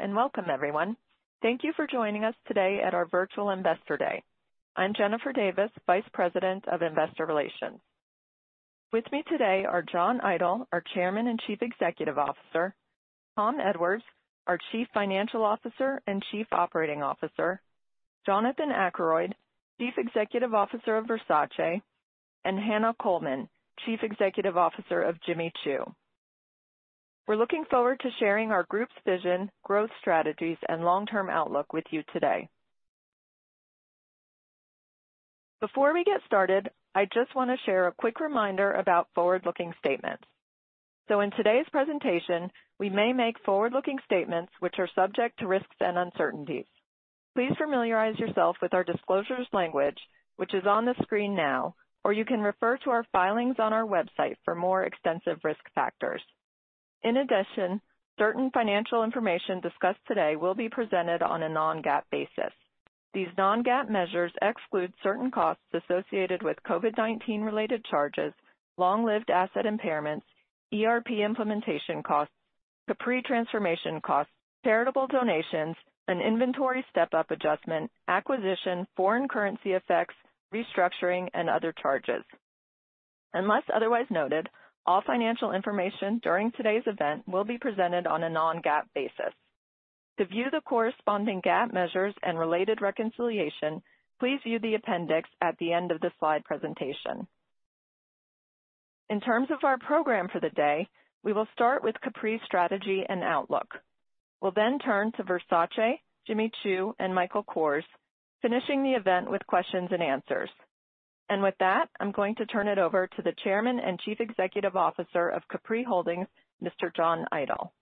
Hello and welcome, everyone. Thank you for joining us today at our Virtual Investor Day. I'm Jennifer Davis, Vice President of Investor Relations. With me today are John Idol, our Chairman and Chief Executive Officer, Tom Edwards, our Chief Financial Officer and Chief Operating Officer, Jonathan Akeroyd, Chief Executive Officer of Versace, and Hannah Colman, Chief Executive Officer of Jimmy Choo. We're looking forward to sharing our group's vision, growth strategies, and long-term outlook with you today. Before we get started, I just want to share a quick reminder about forward-looking statements. In today's presentation, we may make forward-looking statements which are subject to risks and uncertainties. Please familiarize yourself with our disclosures language, which is on the screen now, or you can refer to our filings on our website for more extensive risk factors. In addition, certain financial information discussed today will be presented on a non-GAAP basis. These non-GAAP measures exclude certain costs associated with COVID-19 related charges, long-lived asset impairments, ERP implementation costs, the pre-transformation costs, charitable donations, an inventory step-up adjustment, acquisition, foreign currency effects, restructuring, and other charges. Unless otherwise noted, all financial information during today's event will be presented on a non-GAAP basis. To view the corresponding GAAP measures and related reconciliation, please view the appendix at the end of the slide presentation. In terms of our program for the day, we will start with Capri's strategy and outlook. We'll then turn to Versace, Jimmy Choo, and Michael Kors, finishing the event with questions and answers. With that, I'm going to turn it over to the Chairman and Chief Executive Officer of Capri Holdings, Mr. John Idol.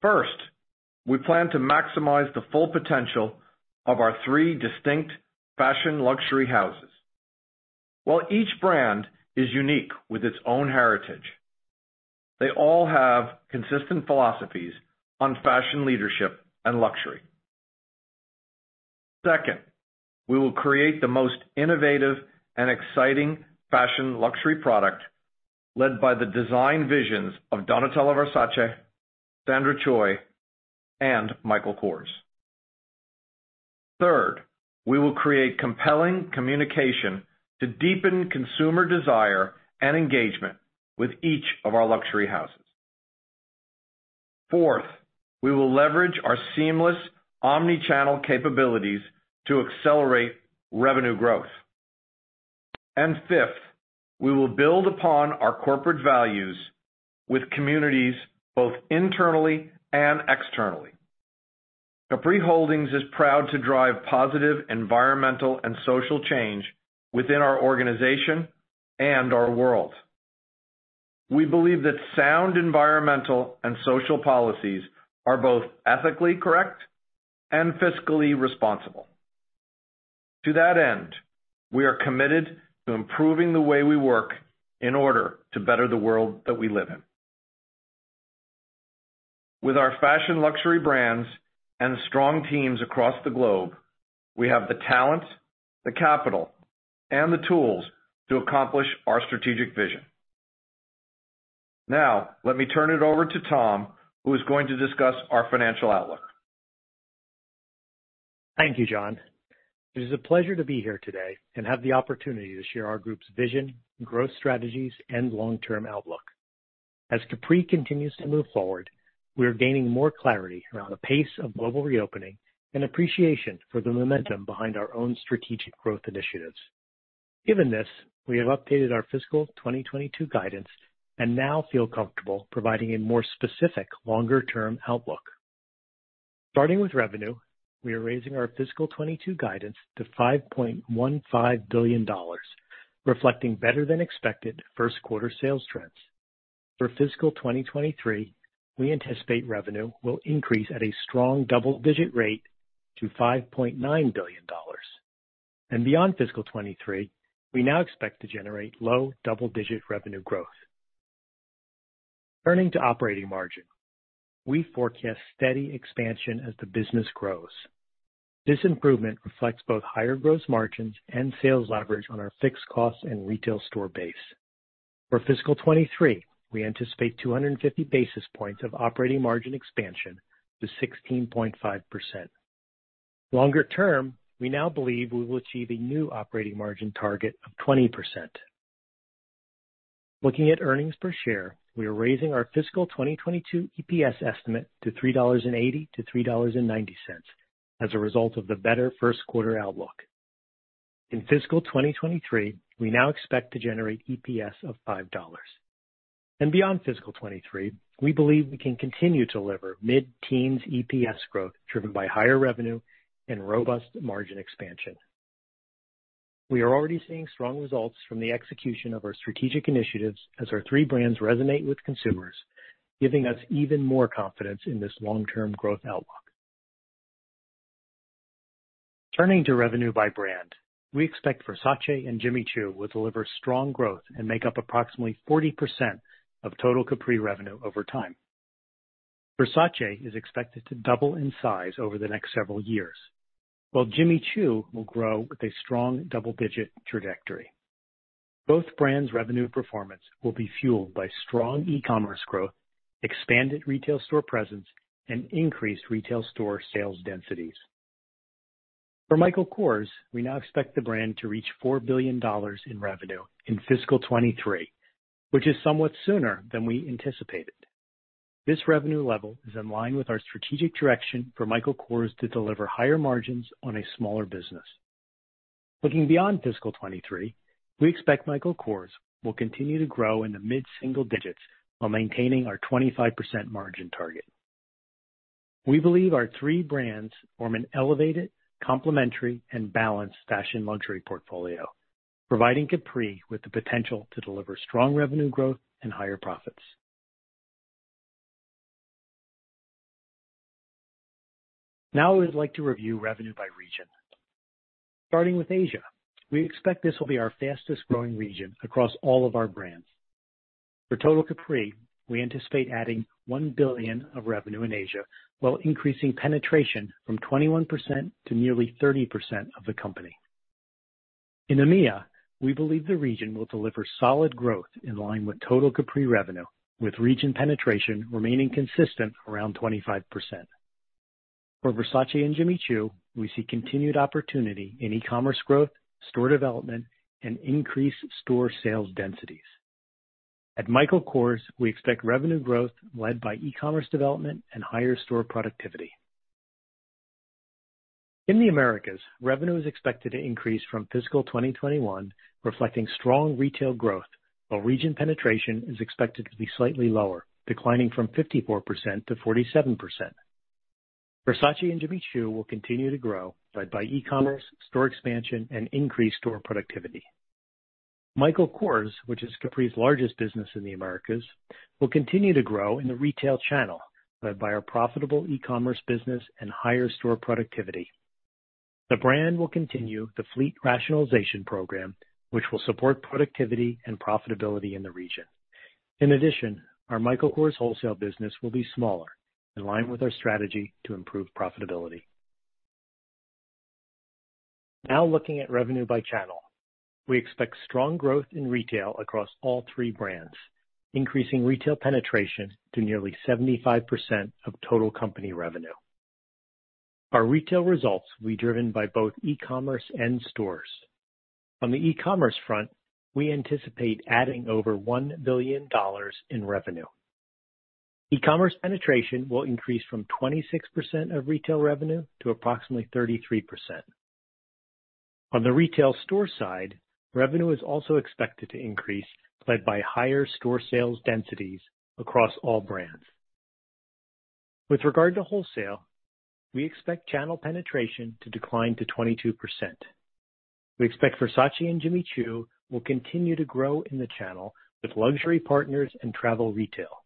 First, we plan to maximize the full potential of our three distinct fashion luxury houses. While each brand is unique with its own heritage, they all have consistent philosophies on fashion leadership and luxury. Second, we will create the most innovative and exciting fashion luxury product led by the design visions of Donatella Versace, Sandra Choi, and Michael Kors. Third, we will create compelling communication to deepen consumer desire and engagement with each of our luxury houses. Fourth, we will leverage our seamless omni-channel capabilities to accelerate revenue growth. Fifth, we will build upon our corporate values with communities both internally and externally. Capri Holdings is proud to drive positive environmental and social change within our organization and our world. We believe that sound environmental and social policies are both ethically correct and fiscally responsible. To that end, we are committed to improving the way we work in order to better the world that we live in. With our fashion luxury brands and strong teams across the globe, we have the talent, the capital, and the tools to accomplish our strategic vision. Let me turn it over to Tom, who is going to discuss our financial outlook. Thank you, John. It is a pleasure to be here today and have the opportunity to share our group's vision, growth strategies, and long-term outlook. As Capri continues to move forward, we are gaining more clarity around the pace of global reopening and appreciation for the momentum behind our own strategic growth initiatives. Given this, we have updated our fiscal 2022 guidance and now feel comfortable providing a more specific longer-term outlook. Starting with revenue, we are raising our fiscal 2022 guidance to $5.15 billion, reflecting better than expected first quarter sales trends. Fiscal 2023, we anticipate revenue will increase at a strong double-digit rate to $5.9 billion. Beyond fiscal 2023, we now expect to generate low double-digit revenue growth. Turning to operating margin, we forecast steady expansion as the business grows. This improvement reflects both higher gross margins and sales leverage on our fixed cost and retail store base. For fiscal 2023, we anticipate 250 basis points of operating margin expansion to 16.5%. Longer term, we now believe we will achieve a new operating margin target of 20%. Looking at earnings per share, we are raising our fiscal 2022 EPS estimate to $3.80-$3.90 as a result of the better first quarter outlook. In fiscal 2023, we now expect to generate EPS of $5.00. Beyond fiscal 2023, we believe we can continue to deliver mid-teens EPS growth driven by higher revenue and robust margin expansion. We are already seeing strong results from the execution of our strategic initiatives as our three brands resonate with consumers, giving us even more confidence in this long-term growth outlook. Turning to revenue by brand, we expect Versace and Jimmy Choo will deliver strong growth and make up approximately 40% of total Capri revenue over time. Versace is expected to double in size over the next several years, while Jimmy Choo will grow with a strong double-digit trajectory. Both brands' revenue performance will be fueled by strong e-commerce growth, expanded retail store presence, and increased retail store sales densities. For Michael Kors, we now expect the brand to reach $4 billion in revenue in fiscal 2023, which is somewhat sooner than we anticipated. This revenue level is in line with our strategic direction for Michael Kors to deliver higher margins on a smaller business. Looking beyond fiscal 2023, we expect Michael Kors will continue to grow in the mid-single digits while maintaining our 25% margin target. We believe our three brands form an elevated, complementary, and balanced fashion luxury portfolio, providing Capri with the potential to deliver strong revenue growth and higher profits. Now, we'd like to review revenue by region. Starting with Asia, we expect this will be our fastest-growing region across all of our brands. For total Capri, we anticipate adding $1 billion of revenue in Asia while increasing penetration from 21% to nearly 30% of the company. In EMEA, we believe the region will deliver solid growth in line with total Capri revenue, with region penetration remaining consistent around 25%. For Versace and Jimmy Choo, we see continued opportunity in e-commerce growth, store development, and increased store sales densities. At Michael Kors, we expect revenue growth led by e-commerce development and higher store productivity. In the Americas, revenue is expected to increase from fiscal 2021, reflecting strong retail growth, while region penetration is expected to be slightly lower, declining from 54% to 47%. Versace and Jimmy Choo will continue to grow, led by e-commerce, store expansion, and increased store productivity. Michael Kors, which is Capri's largest business in the Americas, will continue to grow in the retail channel, led by our profitable e-commerce business and higher store productivity. The brand will continue the fleet rationalization program, which will support productivity and profitability in the region. In addition, our Michael Kors wholesale business will be smaller, in line with our strategy to improve profitability. Looking at revenue by channel, we expect strong growth in retail across all three brands, increasing retail penetration to nearly 75% of total company revenue. Our retail results will be driven by both e-commerce and stores. On the e-commerce front, we anticipate adding over $1 billion in revenue. E-commerce penetration will increase from 26% of retail revenue to approximately 33%. On the retail store side, revenue is also expected to increase, led by higher store sales densities across all brands. With regard to wholesale, we expect channel penetration to decline to 22%. We expect Versace and Jimmy Choo will continue to grow in the channel with luxury partners and travel retail,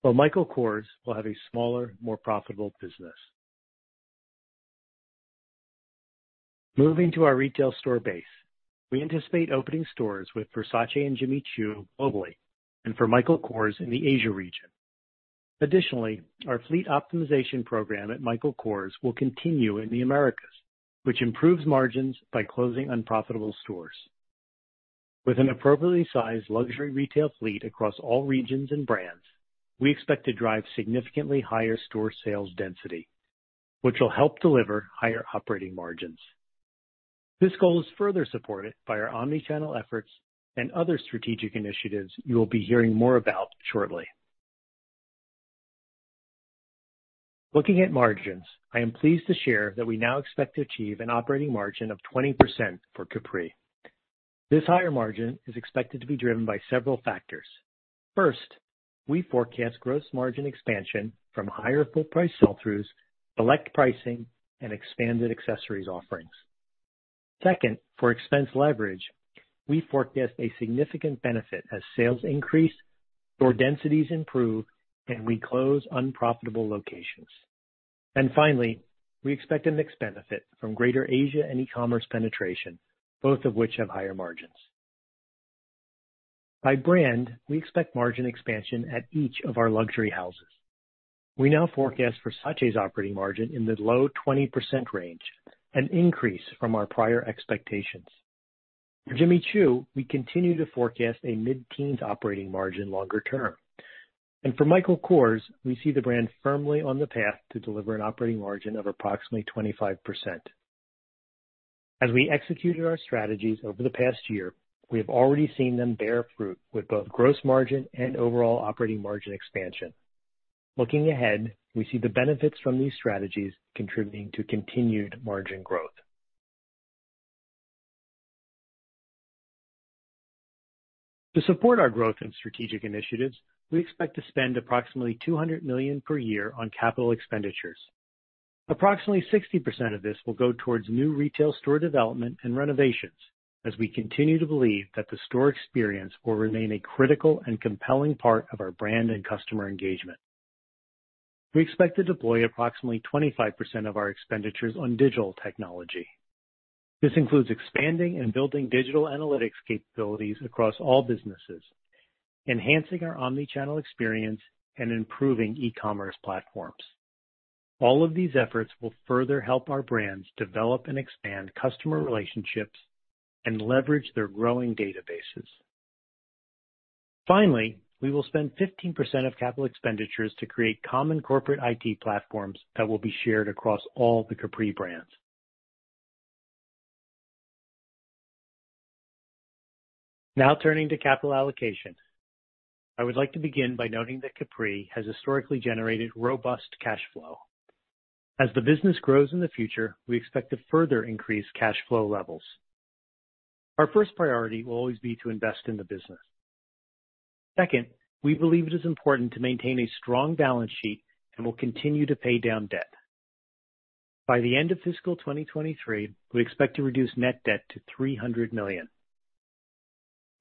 while Michael Kors will have a smaller, more profitable business. Moving to our retail store base, we anticipate opening stores with Versace and Jimmy Choo globally and for Michael Kors in the Asia region. Additionally, our fleet optimization program at Michael Kors will continue in the Americas, which improves margins by closing unprofitable stores. With an appropriately sized luxury retail fleet across all regions and brands, we expect to drive significantly higher store sales density, which will help deliver higher operating margins. This goal is further supported by our omni-channel efforts and other strategic initiatives you will be hearing more about shortly. Looking at margins, I am pleased to share that we now expect to achieve an operating margin of 20% for Capri. This higher margin is expected to be driven by several factors. First, we forecast gross margin expansion from higher full price sell-throughs, select pricing, and expanded accessories offerings. Second, for expense leverage, we forecast a significant benefit as sales increase, store densities improve, and we close unprofitable locations. Finally, we expect a mix benefit from Greater Asia and e-commerce penetration, both of which have higher margins. By brand, we expect margin expansion at each of our luxury houses. We now forecast Versace operating margin in the low 20% range, an increase from our prior expectations. For Jimmy Choo, we continue to forecast a mid-teens operating margin longer term, and for Michael Kors, we see the brand firmly on the path to deliver an operating margin of approximately 25%. As we executed our strategies over the past year, we have already seen them bear fruit with both gross margin and overall operating margin expansion. Looking ahead, we see the benefits from these strategies contributing to continued margin growth. To support our growth and strategic initiatives, we expect to spend approximately $200 million per year on capital expenditures. Approximately 60% of this will go towards new retail store development and renovations, as we continue to believe that the store experience will remain a critical and compelling part of our brand and customer engagement. We expect to deploy approximately 25% of our expenditures on digital technology. This includes expanding and building digital analytics capabilities across all businesses, enhancing our omni-channel experience, and improving e-commerce platforms. All of these efforts will further help our brands develop and expand customer relationships and leverage their growing databases. Finally, we will spend 15% of capital expenditures to create common corporate IT platforms that will be shared across all the Capri brands. Now turning to capital allocation. I would like to begin by noting that Capri has historically generated robust cash flow. As the business grows in the future, we expect to further increase cash flow levels. Our first priority will always be to invest in the business. Second, we believe it is important to maintain a strong balance sheet and will continue to pay down debt. By the end of fiscal 2023, we expect to reduce net debt to $300 million.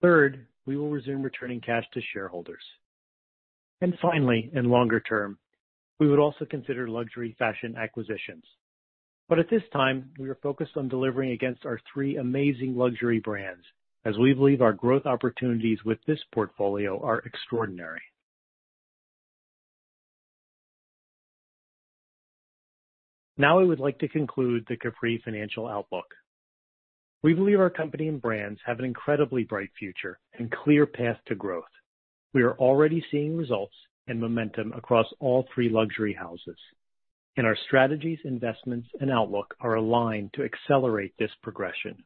Third, we will resume returning cash to shareholders. Finally, in longer term, we would also consider luxury fashion acquisitions. At this time, we are focused on delivering against our three amazing luxury brands as we believe our growth opportunities with this portfolio are extraordinary. Now I would like to conclude the Capri Financial Outlook. We believe our company and brands have an incredibly bright future and clear path to growth. We are already seeing results and momentum across all three luxury houses. Our strategies, investments, and outlook are aligned to accelerate this progression.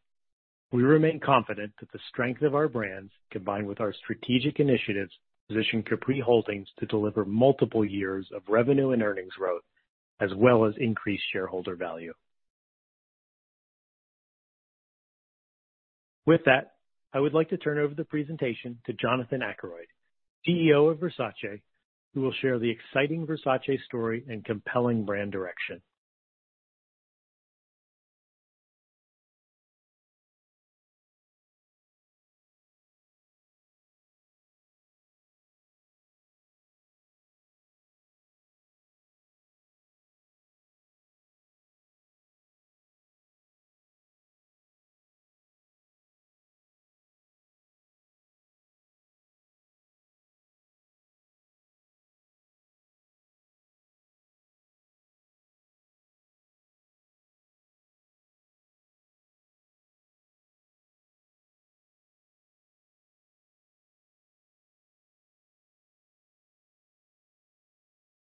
We remain confident that the strength of our brands, combined with our strategic initiatives, position Capri Holdings to deliver multiple years of revenue and earnings growth, as well as increased shareholder value. With that, I would like to turn over the presentation to Jonathan Akeroyd, CEO of Versace, who will share the exciting Versace story and compelling brand direction.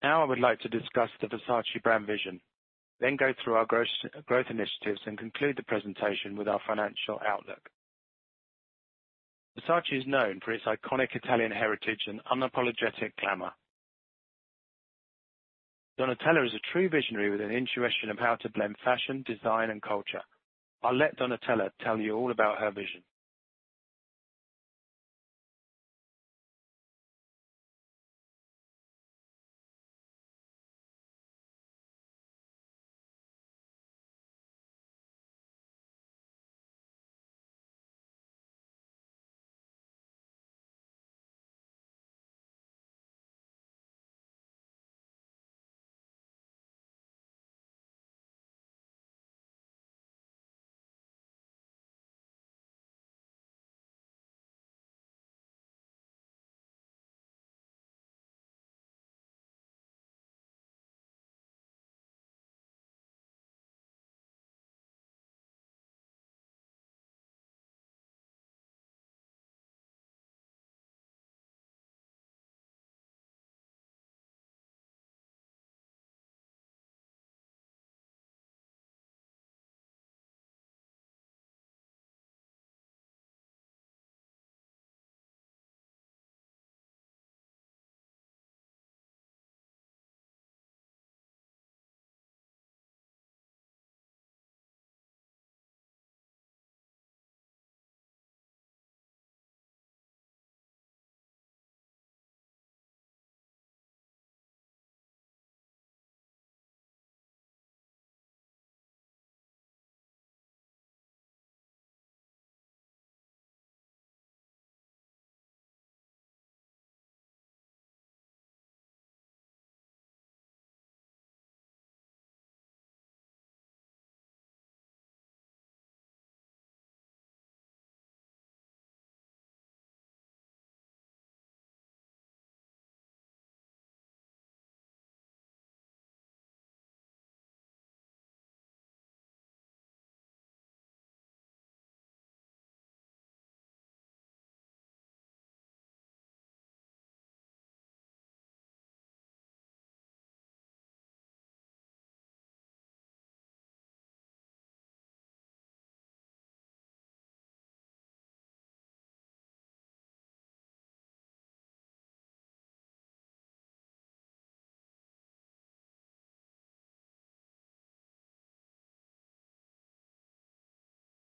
Now I would like to discuss the Versace brand vision, then go through our growth initiatives, and conclude the presentation with our financial outlook. Versace is known for its iconic Italian heritage and unapologetic glamor. Donatella is a true visionary with an intuition of how to blend fashion, design, and culture. I'll let Donatella tell you all about her vision.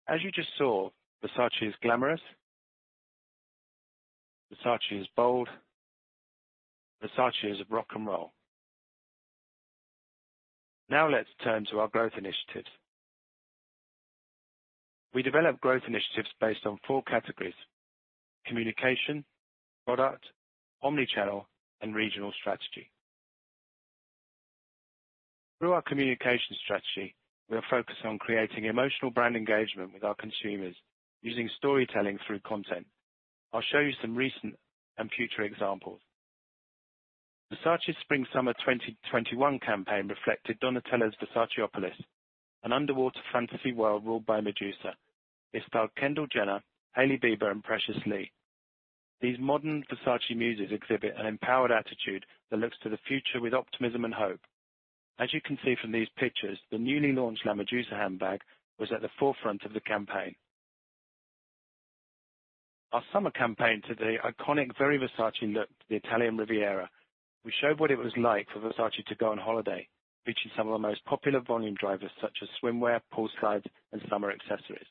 As you just saw, Versace is glamorous, Versace is bold, Versace is rock and roll. Now let's turn to our growth initiatives. We develop growth initiatives based on four categories: communication, product, omni-channel, and regional strategy. Through our communication strategy, we are focused on creating emotional brand engagement with our consumers, using storytelling through content. I'll show you some recent and future examples. Versace spring/summer 2021 campaign reflected Donatella's Versacepolis, an underwater fantasy world ruled by Medusa. It styled Kendall Jenner, Hailey Bieber, and Precious Lee. These modern Versace muses exhibit an empowered attitude that looks to the future with optimism and hope. As you can see from these pictures, the newly launched La Medusa handbag was at the forefront of the campaign. Our summer campaign took the iconic Very Versace look to the Italian Riviera. We showed what it was like for Versace to go on holiday, featuring some of the most popular volume drivers such as swimwear, poolside, and summer accessories.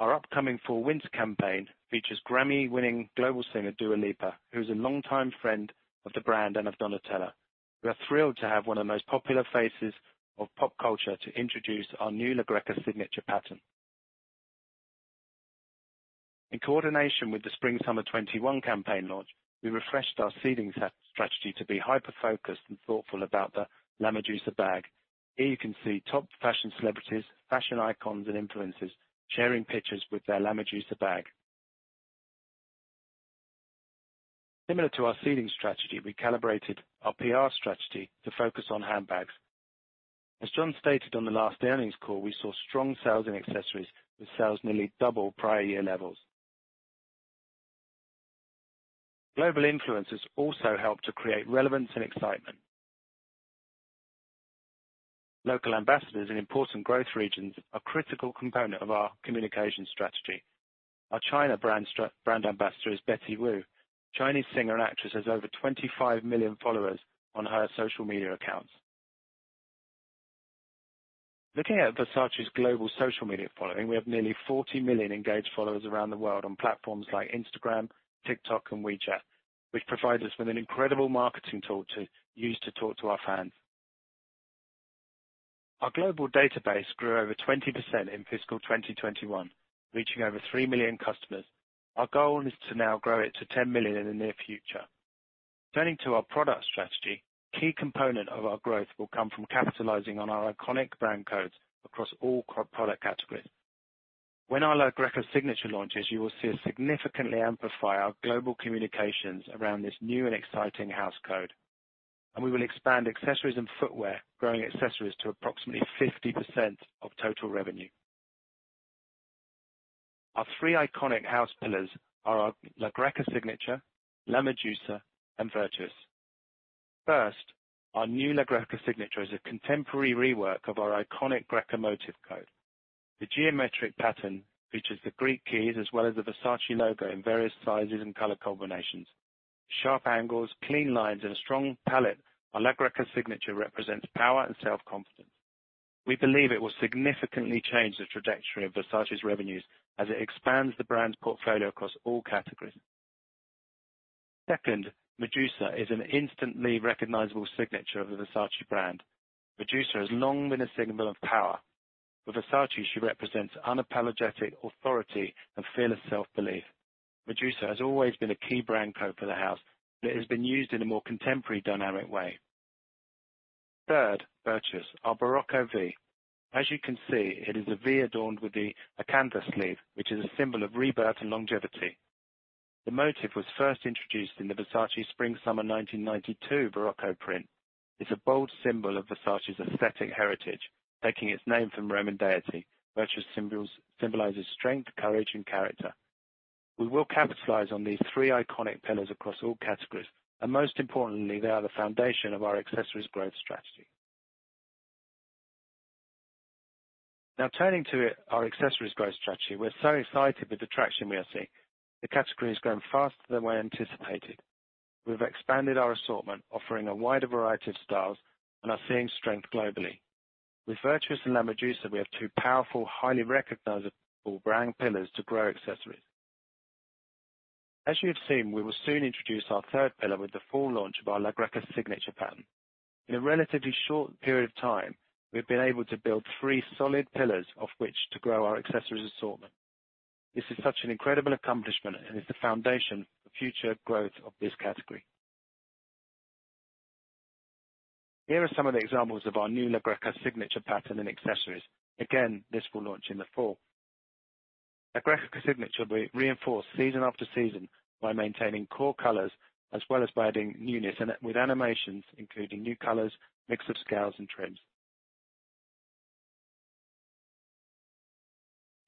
Our upcoming fall/winter campaign features Grammy-winning global singer Dua Lipa, who is a longtime friend of the brand and of Donatella. We are thrilled to have one of the most popular faces of pop culture to introduce our new La Greca signature pattern. In coordination with the spring/summer 2021 campaign launch, we refreshed our seeding strategy to be hyper-focused and thoughtful about the La Medusa bag. Here you can see top fashion celebrities, fashion icons, and influencers sharing pictures with their La Medusa bag. Similar to our seeding strategy, we calibrated our PR strategy to focus on handbags. As John stated on the last earnings call, we saw strong sales in accessories, with sales nearly double prior year levels. Global influencers also help to create relevance and excitement. Local ambassadors in important growth regions are a critical component of our communication strategy. Our China brand ambassador is Betty Wu. Chinese singer and actress has over 25 million followers on her social media accounts. Looking at Versace's global social media following, we have nearly 40 million engaged followers around the world on platforms like Instagram, TikTok, and WeChat, which provides us with an incredible marketing tool to use to talk to our fans. Our global database grew over 20% in fiscal 2021, reaching over three million customers. Our goal is to now grow it to 10 million in the near future. Turning to our product strategy, key component of our growth will come from capitalizing on our iconic brand codes across all product categories. When our La Greca signature launches, you will see us significantly amplify our global communications around this new and exciting house code, and we will expand accessories and footwear, growing accessories to approximately 50% of total revenue. Our three iconic house pillars are our La Greca signature, La Medusa, and Virtus. First, our new La Greca signature is a contemporary rework of our iconic Greca motif code. The geometric pattern features the Greek keys as well as the Versace logo in various sizes and color combinations. Sharp angles, clean lines, and a strong palette, our La Greca signature represents power and self-confidence. We believe it will significantly change the trajectory of Versace's revenues as it expands the brand's portfolio across all categories. Second, Medusa is an instantly recognizable signature of the Versace brand. Medusa has long been a symbol of power. For Versace, she represents unapologetic authority and fearless self-belief. Medusa has always been a key brand code for the house, and it has been used in a more contemporary, dynamic way. Third, Virtus, our Barocco V. As you can see, it is a V adorned with the acanthus leaf, which is a symbol of rebirth and longevity. The motif was first introduced in the Versace Spring/Summer 1992 Barocco print. It's a bold symbol of Versace's aesthetic heritage, taking its name from Roman deity. Virtus symbolizes strength, courage, and character. We will capitalize on these three iconic pillars across all categories, and most importantly, they are the foundation of our accessories growth strategy. Now turning to our accessories growth strategy. We're so excited with the traction we are seeing. The category is growing faster than we anticipated. We've expanded our assortment, offering a wider variety of styles, and are seeing strength globally. With Virtus and La Medusa, we have two powerful, highly recognizable brand pillars to grow accessories. As you have seen, we will soon introduce our third pillar with the fall launch of our La Greca signature pattern. In a relatively short period of time, we've been able to build three solid pillars of which to grow our accessories assortment. This is such an incredible accomplishment and is the foundation for future growth of this category. Here are some of the examples of our new La Greca signature pattern in accessories. Again, this will launch in the fall. La Greca signature will be reinforced season after season by maintaining core colors as well as by adding units with animations, including new colors, mix of scales, and trims.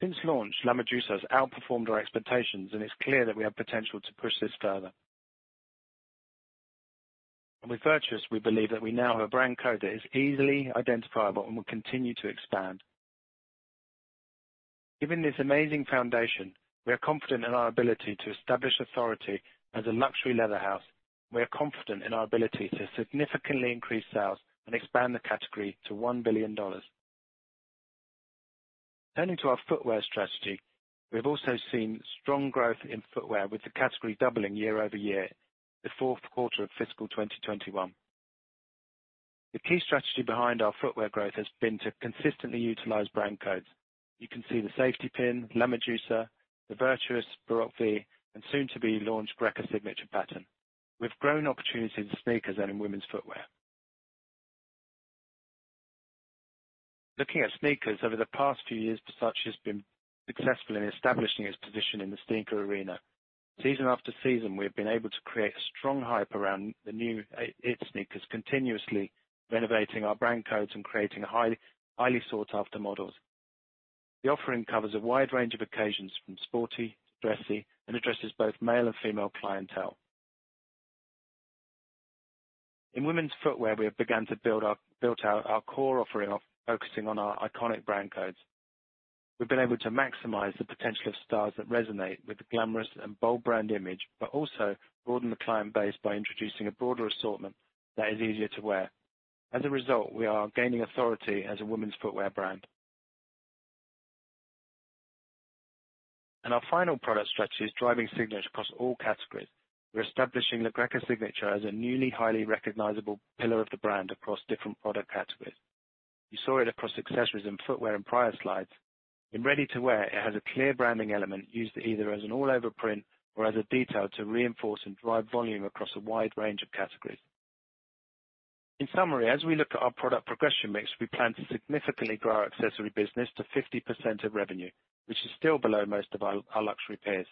Since launch, La Medusa has outperformed our expectations, and it's clear that we have potential to push this further. With Virtus, we believe that we now have a brand code that is easily identifiable and will continue to expand. Given this amazing foundation, we are confident in our ability to establish authority as a luxury leather house. We are confident in our ability to significantly increase sales and expand the category to $1 billion. Turning to our footwear strategy, we have also seen strong growth in footwear with the category doubling year-over-year the fourth quarter of fiscal 2021. The key strategy behind our footwear growth has been to consistently utilize brand codes. You can see the Safety Pin, La Medusa, the Virtus, Barocco V, and soon-to-be-launched Greca signature pattern. We have grown opportunity in sneakers and in women's footwear. Looking at sneakers, over the past few years, Versace has been successful in establishing its position in the sneaker arena. Season after season, we've been able to create strong hype around the new It sneakers, continuously renovating our brand codes and creating highly sought-after models. The offering covers a wide range of occasions from sporty to dressy and addresses both male and female clientele. In women's footwear, we have begun to build out our core offering, focusing on our iconic brand codes. We've been able to maximize the potential of styles that resonate with the glamorous and bold brand image, but also broaden the client base by introducing a broader assortment that is easier to wear. As a result, we are gaining authority as a women's footwear brand. Our final product strategy is driving signature across all categories. We're establishing La Greca signature as a newly highly recognizable pillar of the brand across different product categories. You saw it across accessories and footwear in prior slides. In ready-to-wear, it has a clear branding element used either as an all-over print or as a detail to reinforce and drive volume across a wide range of categories. In summary, as we look at our product progression mix, we plan to significantly grow our accessory business to 50% of revenue, which is still below most of our luxury peers.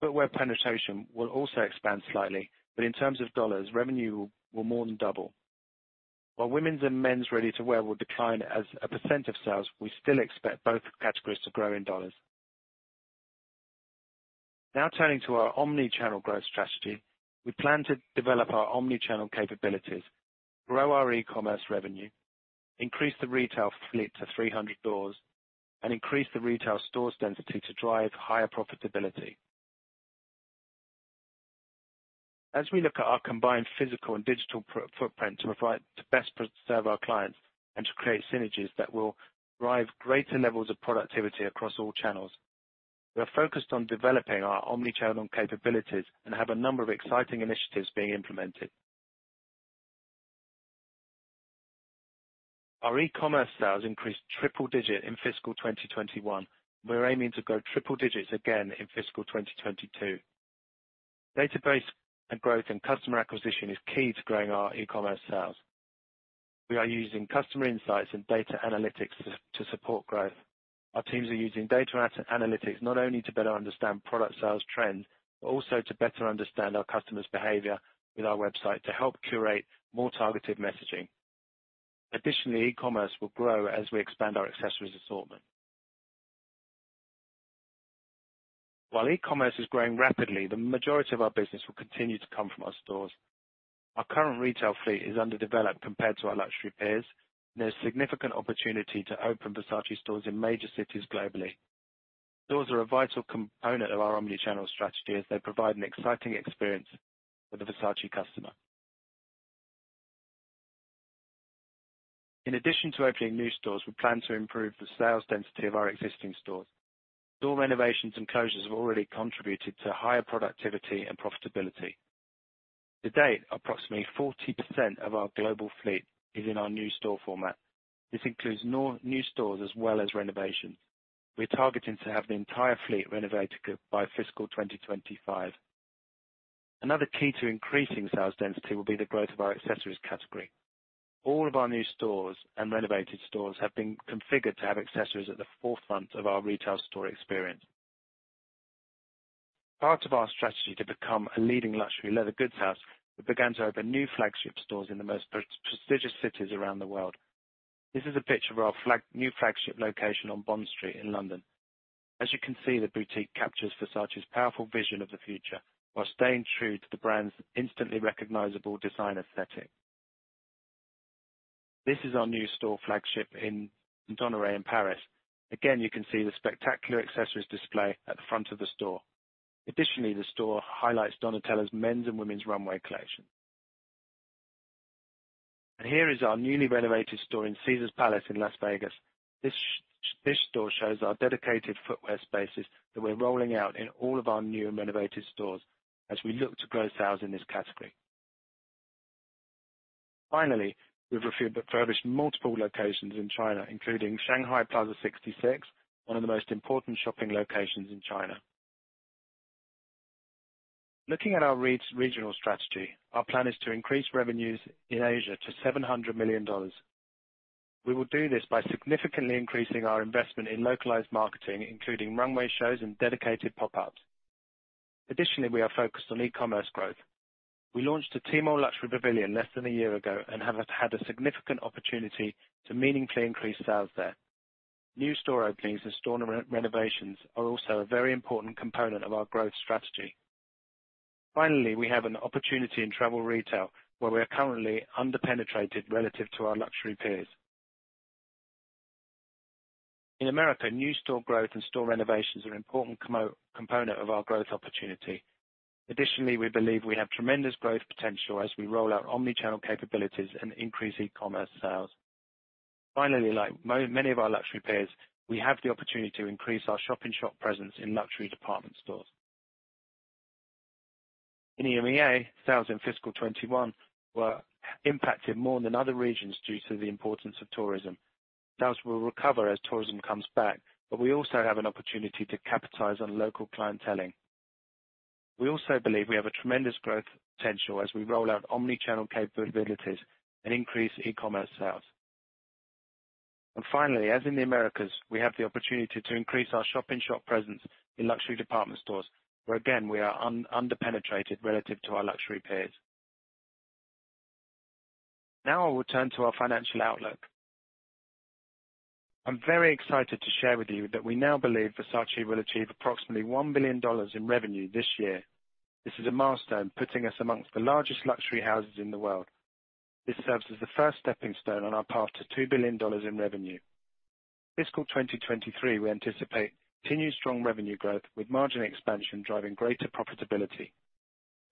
Footwear penetration will also expand slightly, but in terms of dollars, revenue will more than double. While women's and men's ready-to-wear will decline as a percent of sales, we still expect both categories to grow in dollars. Now turning to our omni-channel growth strategy. We plan to develop our omni-channel capabilities, grow our e-commerce revenue, increase the retail fleet to 300 stores, and increase the retail store density to drive higher profitability. As we look at our combined physical and digital footprint to best serve our clients and to create synergies that will drive greater levels of productivity across all channels, we are focused on developing our omni-channel capabilities and have a number of exciting initiatives being implemented. Our e-commerce sales increased triple digit in fiscal 2021. We are aiming to grow triple digits again in fiscal 2022. Database growth and customer acquisition is key to growing our e-commerce sales. We are using customer insights and data analytics to support growth. Our teams are using data analytics not only to better understand product sales trends, but also to better understand our customers' behavior with our website to help curate more targeted messaging. Additionally, e-commerce will grow as we expand our accessories assortment. While e-commerce is growing rapidly, the majority of our business will continue to come from our stores. Our current retail fleet is underdeveloped compared to our luxury peers, and there's significant opportunity to open Versace stores in major cities globally. Stores are a vital component of our omni-channel strategy as they provide an exciting experience for the Versace customer. In addition to opening new stores, we plan to improve the sales density of our existing stores. Store renovations and closures have already contributed to higher productivity and profitability. To date, approximately 40% of our global fleet is in our new store format. This includes new stores as well as renovations. We're targeting to have the entire fleet renovated by fiscal 2025. Another key to increasing sales density will be the growth of our accessories category. All of our new stores and renovated stores have been configured to have accessories at the forefront of our retail store experience. Part of our strategy to become a leading luxury leather goods house, we began to open new flagship stores in the most prestigious cities around the world. This is a picture of our new flagship location on Bond Street in London. As you can see, the boutique captures Versace's powerful vision of the future, while staying true to the brand's instantly recognizable design aesthetic. This is our new store flagship in Galeries Lafayette Haussmann in Paris. Again, you can see the spectacular accessories display at the front of the store. Additionally, the store highlights Donatella's men's and women's runway collection. Here is our newly renovated store in Caesars Palace in Las Vegas. This store shows our dedicated footwear spaces that we're rolling out in all of our new and renovated stores, as we look to grow sales in this category. We've refurbished multiple locations in China, including Shanghai Plaza 66, one of the most important shopping locations in China. Looking at our regional strategy, our plan is to increase revenues in Asia to $700 million. We will do this by significantly increasing our investment in localized marketing, including runway shows and dedicated pop-ups. We are focused on e-commerce growth. We launched a Tmall Luxury Pavilion less than one year ago and have had a significant opportunity to meaningfully increase sales there. New store openings and store renovations are also a very important component of our growth strategy. We have an opportunity in travel retail, where we're currently under-penetrated relative to our luxury peers. In America, new store growth and store renovations are an important component of our growth opportunity. We believe we have tremendous growth potential as we roll out omni-channel capabilities and increase e-commerce sales. Finally, like many of our luxury peers, we have the opportunity to increase our shop-in-shop presence in luxury department stores. In EMEA, sales in fiscal 2021 were impacted more than other regions due to the importance of tourism. Sales will recover as tourism comes back, but we also have an opportunity to capitalize on local clienteling. We also believe we have a tremendous growth potential as we roll out omni-channel capabilities and increase e-commerce sales. Finally, as in the Americas, we have the opportunity to increase our shop-in-shop presence in luxury department stores, where again, we are under-penetrated relative to our luxury peers. Now I will turn to our financial outlook. I'm very excited to share with you that we now believe Versace will achieve approximately $1 billion in revenue this year. This is a milestone, putting us amongst the largest luxury houses in the world. This serves as the first stepping stone on our path to $2 billion in revenue. Fiscal 2023, we anticipate continued strong revenue growth with margin expansion driving greater profitability.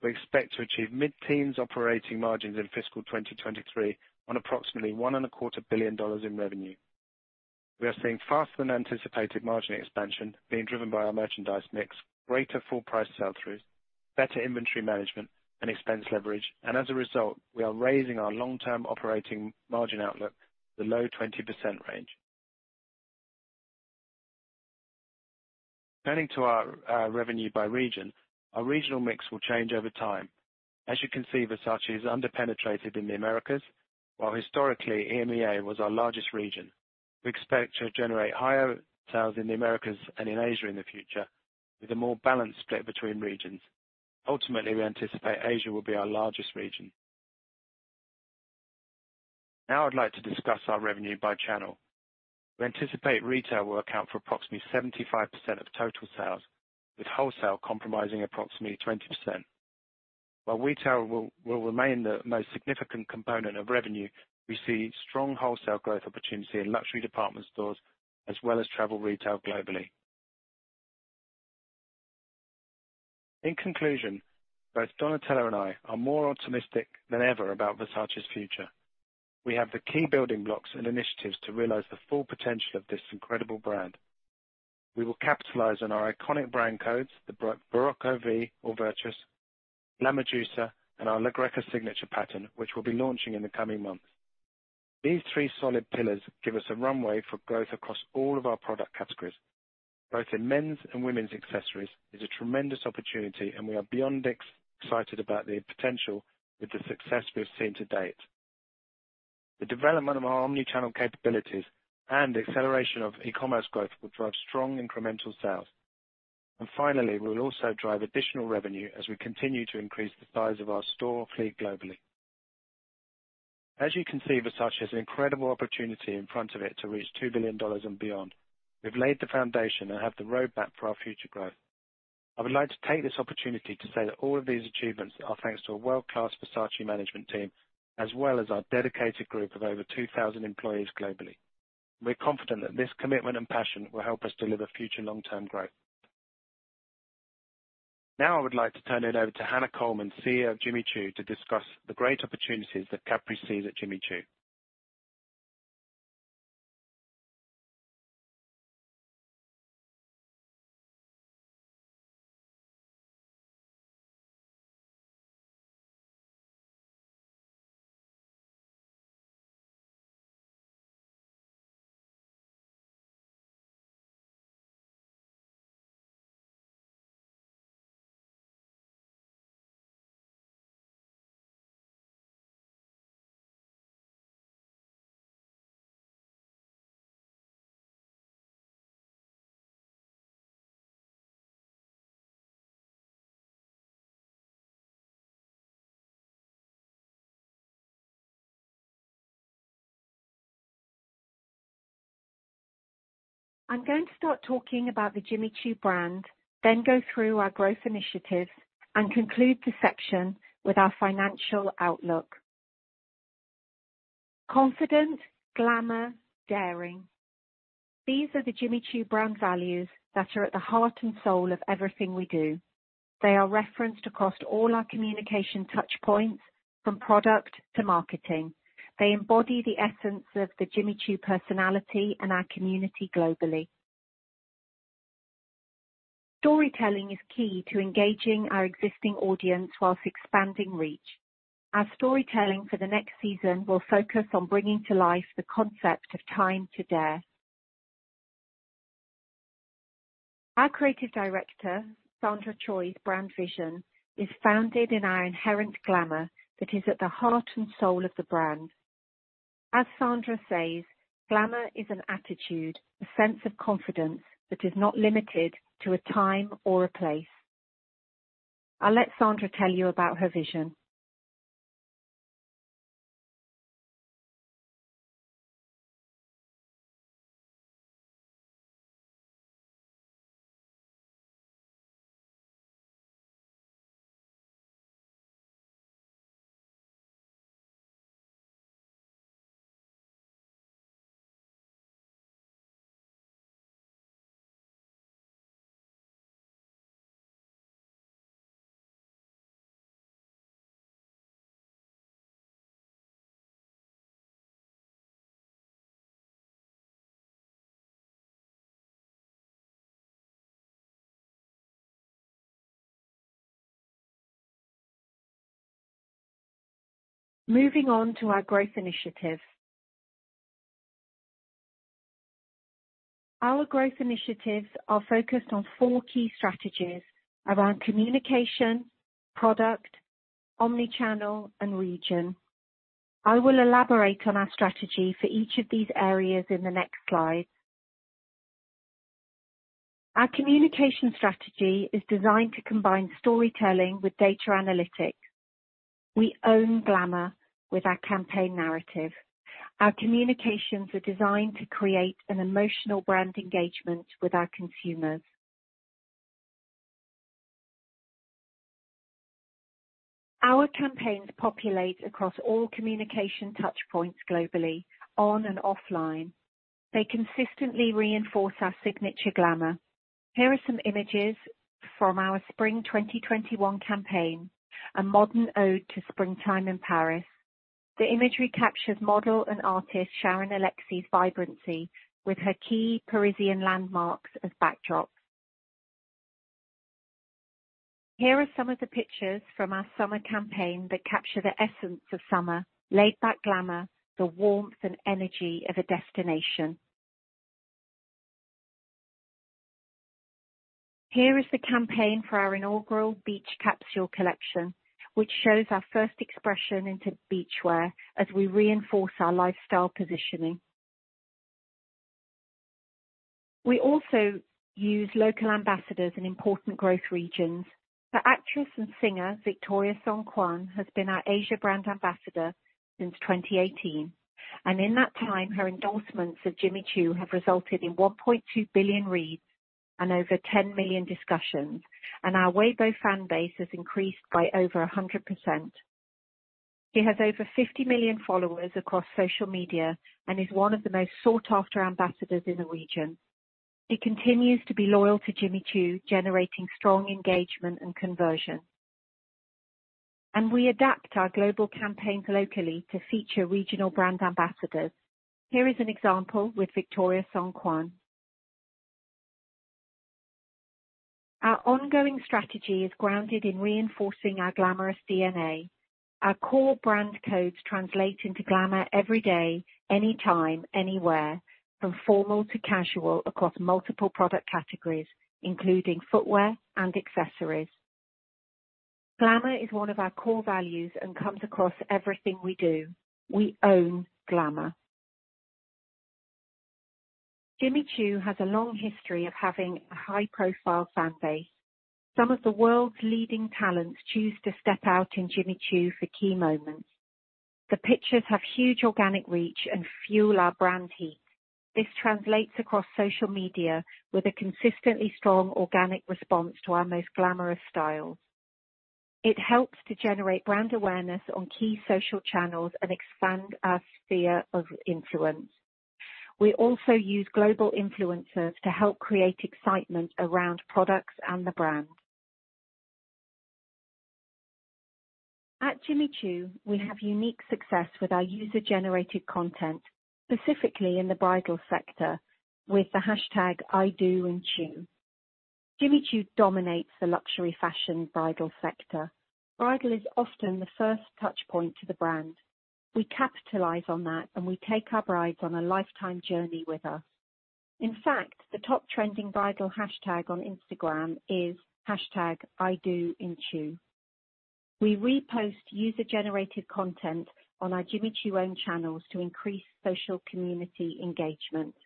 We expect to achieve mid-teens operating margins in fiscal 2023 on approximately $1.25 billion in revenue. We are seeing faster than anticipated margin expansion being driven by our merchandise mix, greater full price sell-throughs, better inventory management and expense leverage, and as a result, we are raising our long-term operating margin outlook to the low 20% range. Turning to our revenue by region, our regional mix will change over time. As you can see, Versace is under-penetrated in the Americas, while historically, EMEA was our largest region. We expect to generate higher sales in the Americas and in Asia in the future with a more balanced split between regions. Ultimately, we anticipate Asia will be our largest region. I'd like to discuss our revenue by channel. We anticipate retail will account for approximately 75% of total sales, with wholesale comprising approximately 20%. Retail will remain the most significant component of revenue, we see strong wholesale growth opportunity in luxury department stores, as well as travel retail globally. In conclusion, both Donatella and I are more optimistic than ever about Versace's future. We have the key building blocks and initiatives to realize the full potential of this incredible brand. We will capitalize on our iconic brand codes, the Barocco V or Virtus, La Medusa, and our La Greca signature pattern, which we'll be launching in the coming months. These three solid pillars give us a runway for growth across all of our product categories. Both in men's and women's accessories is a tremendous opportunity, and we are beyond excited about the potential with the success we've seen to date. The development of our omni-channel capabilities and acceleration of e-commerce growth will drive strong incremental sales. Finally, we'll also drive additional revenue as we continue to increase the size of our store fleet globally. As you can see, Versace has incredible opportunity in front of it to reach $2 billion and beyond. We've laid the foundation and have the roadmap for our future growth. I would like to take this opportunity to say that all of these achievements are thanks to a world-class Versace management team, as well as our dedicated group of over 2,000 employees globally. We're confident that this commitment and passion will help us deliver future long-term growth. I would like to turn it over to Hannah Colman, CEO of Jimmy Choo, to discuss the great opportunities that Capri sees at Jimmy Choo. I'm going to start talking about the Jimmy Choo brand, then go through our growth initiatives, and conclude the section with our financial outlook. Confident, glamour, daring. These are the Jimmy Choo brand values that are at the heart and soul of everything we do. They are referenced across all our communication touchpoints from product to marketing. They embody the essence of the Jimmy Choo personality and our community globally. Storytelling is key to engaging our existing audience while expanding reach. Our storytelling for the next season will focus on bringing to life the concept of time to dare. Our Creative Director, Sandra Choi's brand vision, is founded in our inherent glamour that is at the heart and soul of the brand. As Sandra Choi says, "Glamour is an attitude, a sense of confidence that is not limited to a time or a place." I'll let Sandra tell you about her vision. Moving on to our growth initiatives. Our growth initiatives are focused on four key strategies around communication, product, omnichannel, and region. I will elaborate on our strategy for each of these areas in the next slide. Our communication strategy is designed to combine storytelling with data analytics. We own glamour with our campaign narrative. Our communications are designed to create an emotional brand engagement with our consumers. Our campaigns populate across all communication touchpoints globally, on and offline. They consistently reinforce our signature glamour. Here are some images from our spring 2021 campaign, a modern ode to springtime in Paris. The imagery captured model and artist Sharon Alexie vibrancy with her key Parisian landmarks as backdrops. Here are some of the pictures from our summer campaign that capture the essence of summer, laid-back glamour, the warmth, and energy of a destination. Here is the campaign for our inaugural beach capsule collection, which shows our first expression into beachwear as we reinforce our lifestyle positioning. We also use local ambassadors in important growth regions. The actress and singer Victoria Song Qian has been our Asia brand ambassador since 2018, and in that time, her endorsements for Jimmy Choo have resulted in 1.2 billion reads and over 10 million discussions, and our Weibo fan base has increased by over 100%. She has over 50 million followers across social media and is one of the most sought-after ambassadors in the region. She continues to be loyal to Jimmy Choo, generating strong engagement and conversion. We adapt our global campaigns locally to feature regional brand ambassadors. Here is an example with Victoria Song Qian. Our ongoing strategy is grounded in reinforcing our glamorous DNA. Our core brand codes translate into glamour every day, anytime, anywhere, from formal to casual across multiple product categories, including footwear and accessories. Glamour is one of our core values and comes across everything we do. We own glamour. Jimmy Choo has a long history of having a high-profile fan base. Some of the world's leading talents choose to step out in Jimmy Choo for key moments. The pictures have huge organic reach and fuel our brand heat. This translates across social media with a consistently strong organic response to our most glamorous styles. It helps to generate brand awareness on key social channels and expand our sphere of influence. We also use global influencers to help create excitement around products and the brand. At Jimmy Choo, we have unique success with our user-generated content, specifically in the bridal sector with the hashtag #IDoInChoo. Jimmy Choo dominates the luxury fashion bridal sector. Bridal is often the first touch point to the brand. We capitalize on that and we take our brides on a lifetime journey with us. In fact, the top trending bridal hashtag on Instagram is #IDoInChoo. We repost user-generated content on our Jimmy Choo own channels to increase social community engagement.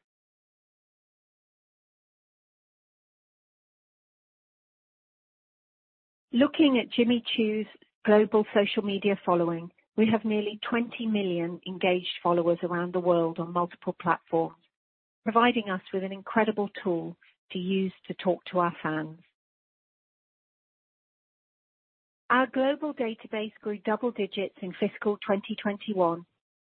Looking at Jimmy Choo's global social media following, we have nearly 20 million engaged followers around the world on multiple platforms, providing us with an incredible tool to use to talk to our fans. Our global database grew double digits in fiscal 2021,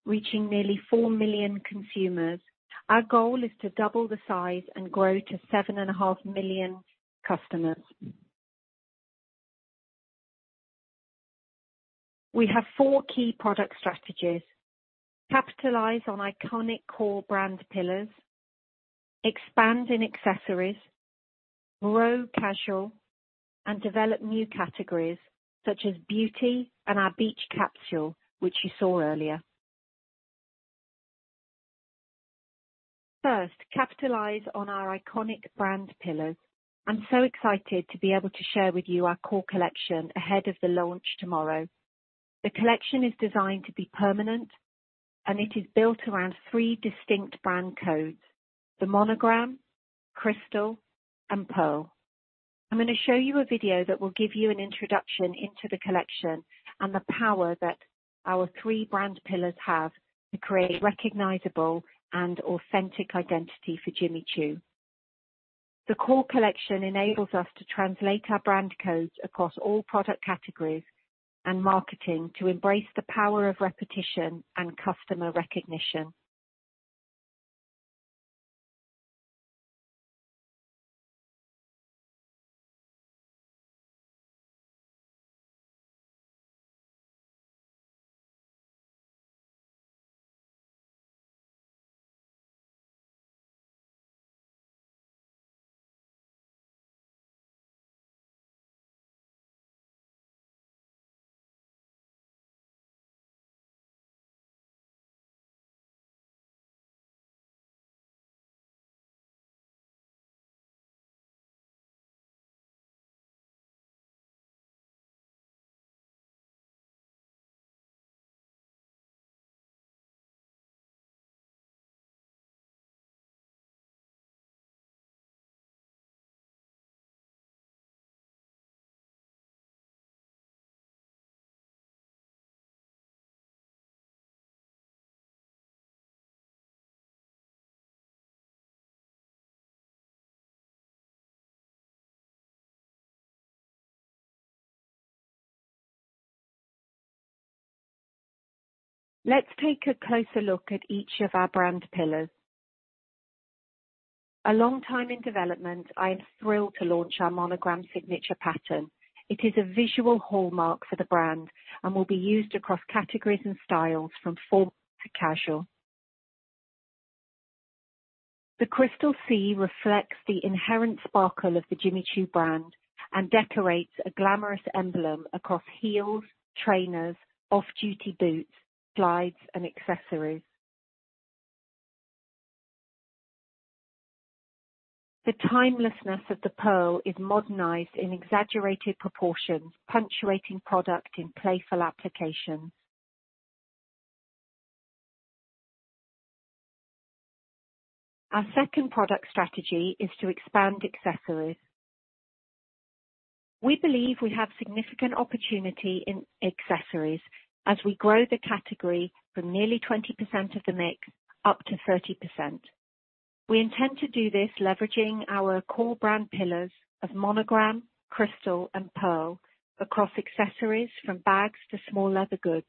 reaching nearly four million consumers. Our goal is to double the size and grow to 7.5 million customers. We have four key product strategies. Capitalize on iconic core brand pillars, expand in accessories, grow casual, and develop new categories such as beauty and our beach capsule, which you saw earlier. First, capitalize on our iconic brand pillars. I'm so excited to be able to share with you our core collection ahead of the launch tomorrow. The collection is designed to be permanent and it is built around three distinct brand codes, the monogram, crystal, and pearl. I'm going to show you a video that will give you an introduction into the collection and the power that our three brand pillars have to create a recognizable and authentic identity for Jimmy Choo. The core collection enables us to translate our brand codes across all product categories and marketing to embrace the power of repetition and customer recognition. Let's take a closer look at each of our brand pillars. A long time in development, I am thrilled to launch our monogram signature pattern. It is a visual hallmark for the brand and will be used across categories and styles from formal to casual. The crystal C reflects the inherent sparkle of the Jimmy Choo brand and decorates a glamorous emblem across heels, trainers, off-duty boots, glides and accessories. The timelessness of the pearl is modernized in exaggerated proportions, punctuating product in playful applications. Our second product strategy is to expand accessories. We believe we have significant opportunity in accessories as we grow the category from nearly 20% of the mix up to 30%. We intend to do this leveraging our core brand pillars of monogram, crystal, and pearl across accessories from bags to small leather goods.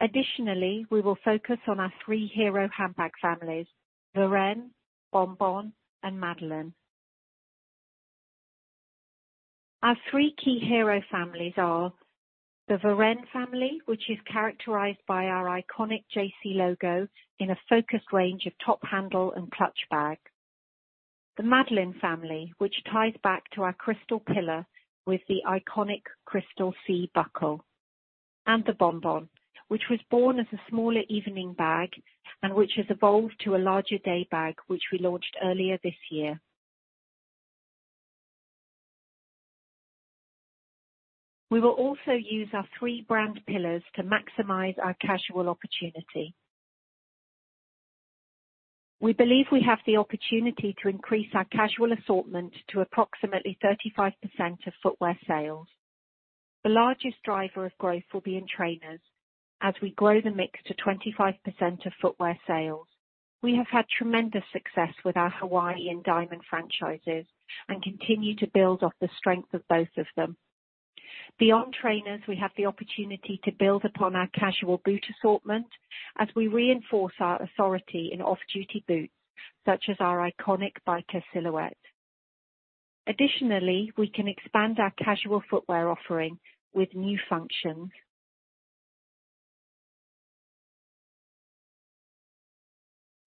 Additionally, we will focus on our three hero handbag families, Varenne, Bon Bon and Madeline. Our three key hero families are the Varenne family, which is characterized by our iconic JC logo in a focused range of top handle and clutch bags. The Madeline family, which ties back to our crystal pillar with the iconic crystal C buckle, and the Bon Bon, which was born as a smaller evening bag and which has evolved to a larger day bag, which we launched earlier this year. We will also use our three brand pillars to maximize our casual opportunity. We believe we have the opportunity to increase our casual assortment to approximately 35% of footwear sales. The largest driver of growth will be in trainers as we grow the mix to 25% of footwear sales. We have had tremendous success with our Hawaii and Diamond franchises and continue to build off the strength of both of them. Beyond trainers, we have the opportunity to build upon our casual boot assortment as we reinforce our authority in off-duty boots, such as our iconic biker silhouette. We can expand our casual footwear offering with new functions.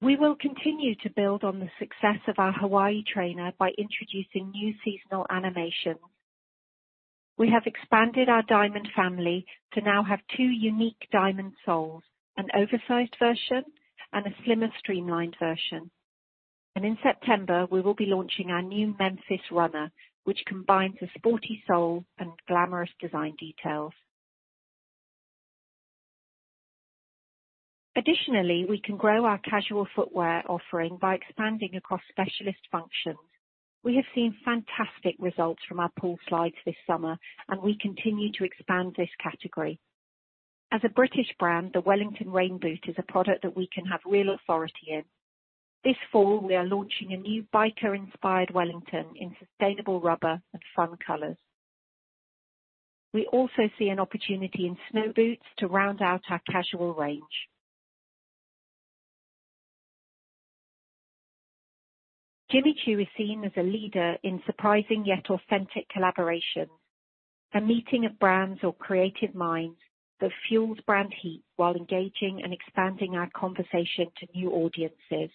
We will continue to build on the success of our Hawaii trainer by introducing new seasonal animations. We have expanded our Diamond family to now have two unique Diamond soles, an oversized version and a slimmer streamlined version. In September, we will be launching our new MEMPHIS runner, which combines a sporty sole and glamorous design details. We can grow our casual footwear offering by expanding across specialist functions. We have seen fantastic results from our pool slides this summer, and we continue to expand this category. As a British brand, the Wellington rain boot is a product that we can have real authority in. This fall, we are launching a new biker-inspired Wellington in sustainable rubber and fun colors. We also see an opportunity in snow boots to round out our casual range. Jimmy Choo is seen as a leader in surprising yet authentic collaborations. A meeting of brands or creative minds that fuels brand heat while engaging and expanding our conversation to new audiences.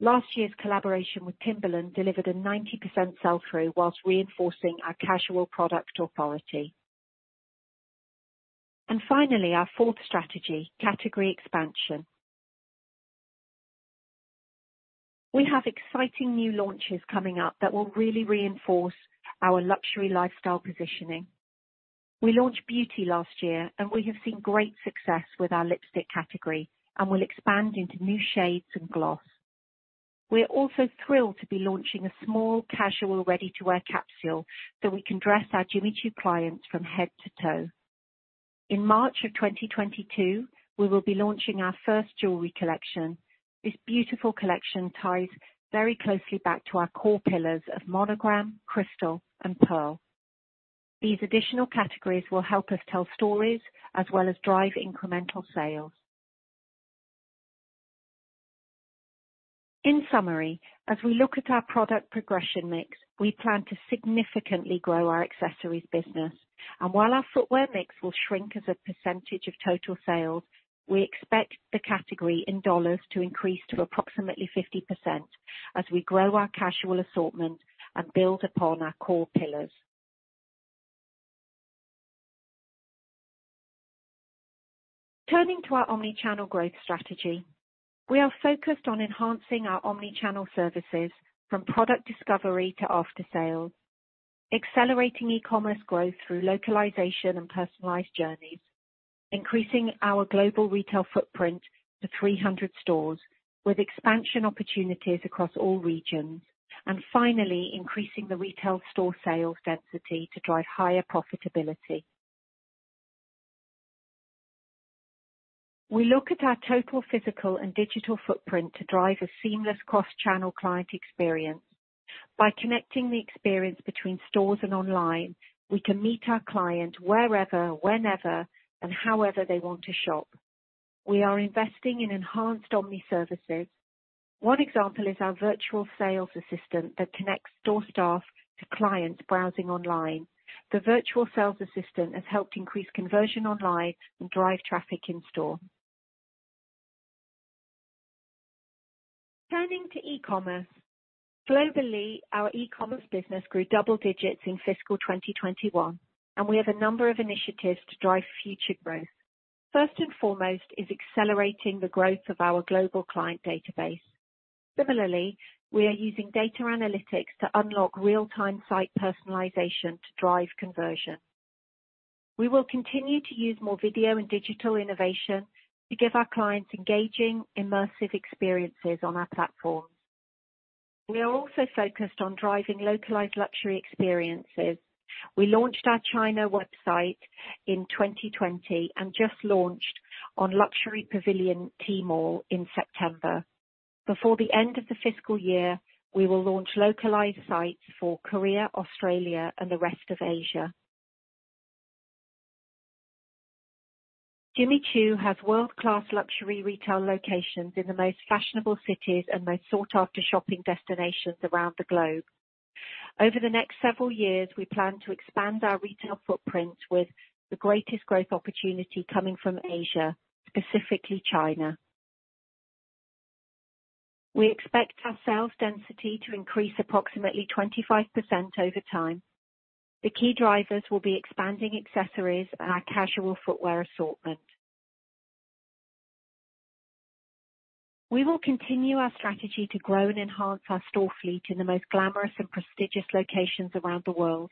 Last year's collaboration with Timberland delivered a 90% sell-through whilst reinforcing our casual product authority. Finally, our fourth strategy, category expansion. We have exciting new launches coming up that will really reinforce our luxury lifestyle positioning. We launched beauty last year, and we have seen great success with our lipstick category and will expand into new shades and gloss. We're also thrilled to be launching a small casual ready-to-wear capsule so we can dress our Jimmy Choo clients from head to toe. In March of 2022, we will be launching our first jewelry collection. This beautiful collection ties very closely back to our core pillars of monogram, crystal, and pearl. These additional categories will help us tell stories as well as drive incremental sales. In summary, as we look at our product progression mix, we plan to significantly grow our accessories business. While our footwear mix will shrink as a percentage of total sales, we expect the category in dollars to increase to approximately 50% as we grow our casual assortment and build upon our core pillars. Turning to our omni-channel growth strategy. We are focused on enhancing our omni-channel services from product discovery to after-sales, accelerating e-commerce growth through localization and personalized journeys, increasing our global retail footprint to 300 stores with expansion opportunities across all regions, and finally, increasing the retail store sales density to drive higher profitability. We look at our total physical and digital footprint to drive a seamless cross-channel client experience. By connecting the experience between stores and online, we can meet our client wherever, whenever, and however they want to shop. We are investing in enhanced omni services. One example is our virtual sales assistant that connects store staff to clients browsing online. The virtual sales assistant has helped increase conversion online and drive traffic in-store. Turning to e-commerce. Globally, our e-commerce business grew double digits in fiscal 2021, and we have a number of initiatives to drive future growth. First and foremost is accelerating the growth of our global client database. Similarly, we are using data analytics to unlock real-time site personalization to drive conversion. We will continue to use more video and digital innovation to give our clients engaging, immersive experiences on our platform. We are also focused on driving localized luxury experiences. We launched our China website in 2020 and just launched on Tmall Luxury Pavilion in September. Before the end of the fiscal year, we will launch localized sites for Korea, Australia, and the rest of Asia. Jimmy Choo has world-class luxury retail locations in the most fashionable cities and most sought-after shopping destinations around the globe. Over the next several years, we plan to expand our retail footprint with the greatest growth opportunity coming from Asia, specifically China. We expect our sales density to increase approximately 25% over time. The key drivers will be expanding accessories and our casual footwear assortment. We will continue our strategy to grow and enhance our store fleet in the most glamorous and prestigious locations around the world.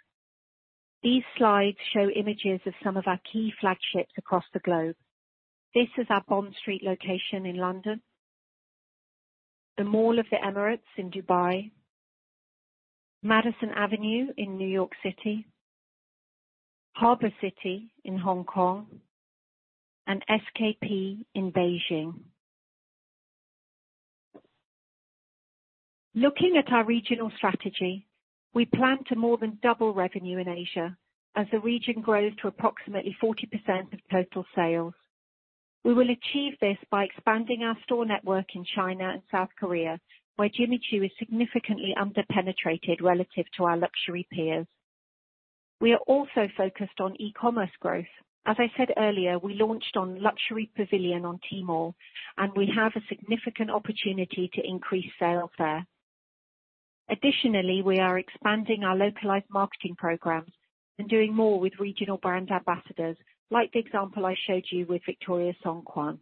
These slides show images of some of our key flagships across the globe. This is our Bond Street location in London, The Mall of the Emirates in Dubai, Madison Avenue in New York City, Harbour City in Hong Kong, and SKP in Beijing. Looking at our regional strategy, we plan to more than double revenue in Asia as the region grows to approximately 40% of total sales. We will achieve this by expanding our store network in China and South Korea, where Jimmy Choo is significantly under-penetrated relative to our luxury peers. We are also focused on e-commerce growth. As I said earlier, we launched on Luxury Pavilion on Tmall, and we have a significant opportunity to increase sales there. Additionally, we are expanding our localized marketing programs and doing more with regional brand ambassadors, like the example I showed you with Victoria Song Qian.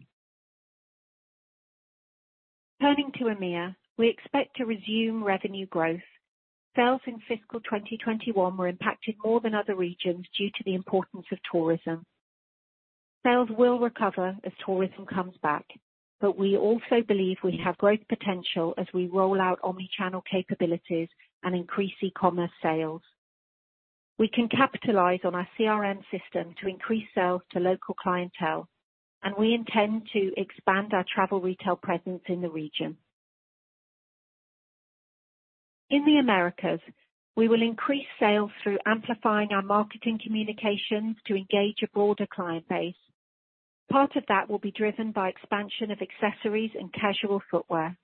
Turning to EMEA, we expect to resume revenue growth. Sales in fiscal 2021 were impacted more than other regions due to the importance of tourism. Sales will recover as tourism comes back, but we also believe we have great potential as we roll out omni-channel capabilities and increase e-commerce sales. We can capitalize on our CRM system to increase sales to local clientele, and we intend to expand our travel retail presence in the region. In the Americas, we will increase sales through amplifying our marketing communications to engage a broader client base. Part of that will be driven by expansion of accessories and casual footwear.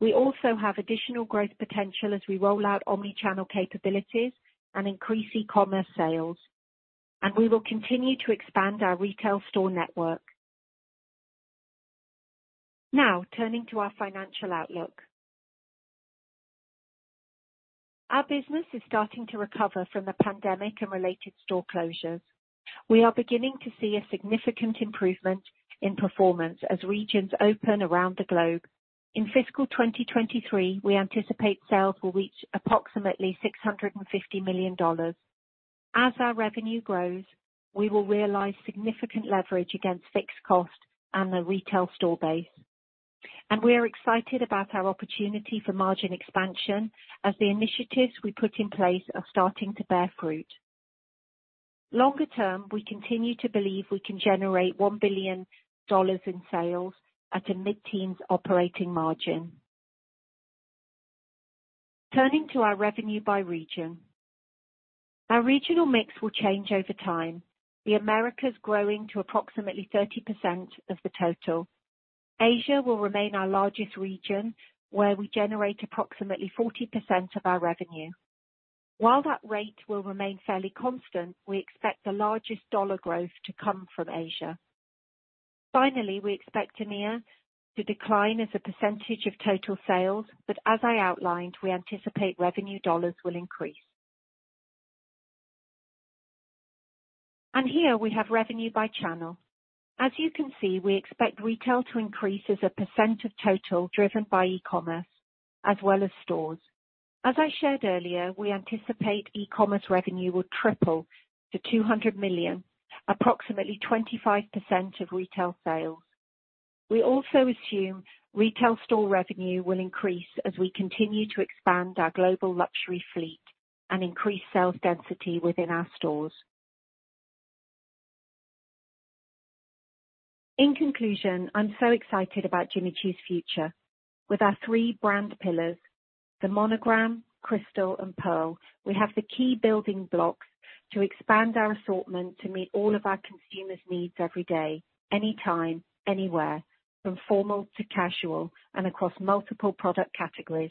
We also have additional growth potential as we roll out omni-channel capabilities and increase e-commerce sales, and we will continue to expand our retail store network. Turning to our financial outlook. Our business is starting to recover from the pandemic and related store closures. We are beginning to see a significant improvement in performance as regions open around the globe. In fiscal 2023, we anticipate sales will reach approximately $650 million. As our revenue grows, we will realize significant leverage against fixed costs and the retail store base, and we are excited about our opportunity for margin expansion as the initiatives we put in place are starting to bear fruit. Longer term, we continue to believe we can generate $1 billion in sales at a mid-teens operating margin. Turning to our revenue by region. Our regional mix will change over time, the Americas growing to approximately 30% of the total. Asia will remain our largest region, where we generate approximately 40% of our revenue. While that rate will remain fairly constant, we expect the largest dollar growth to come from Asia. We expect EMEA to decline as a % of total sales, as I outlined, we anticipate revenue $ will increase. Here we have revenue by channel. As you can see, we expect retail to increase as a % of total driven by e-commerce as well as stores. As I shared earlier, we anticipate e-commerce revenue will triple to $200 million, approximately 25% of retail sales. We also assume retail store revenue will increase as we continue to expand our global luxury fleet and increase sales density within our stores. In conclusion, I'm so excited about Jimmy Choo's future. With our three brand pillars, the Monogram, Crystal, and Pearl, we have the key building blocks to expand our assortment to meet all of our consumers' needs every day, anytime, anywhere, from formal to casual, and across multiple product categories.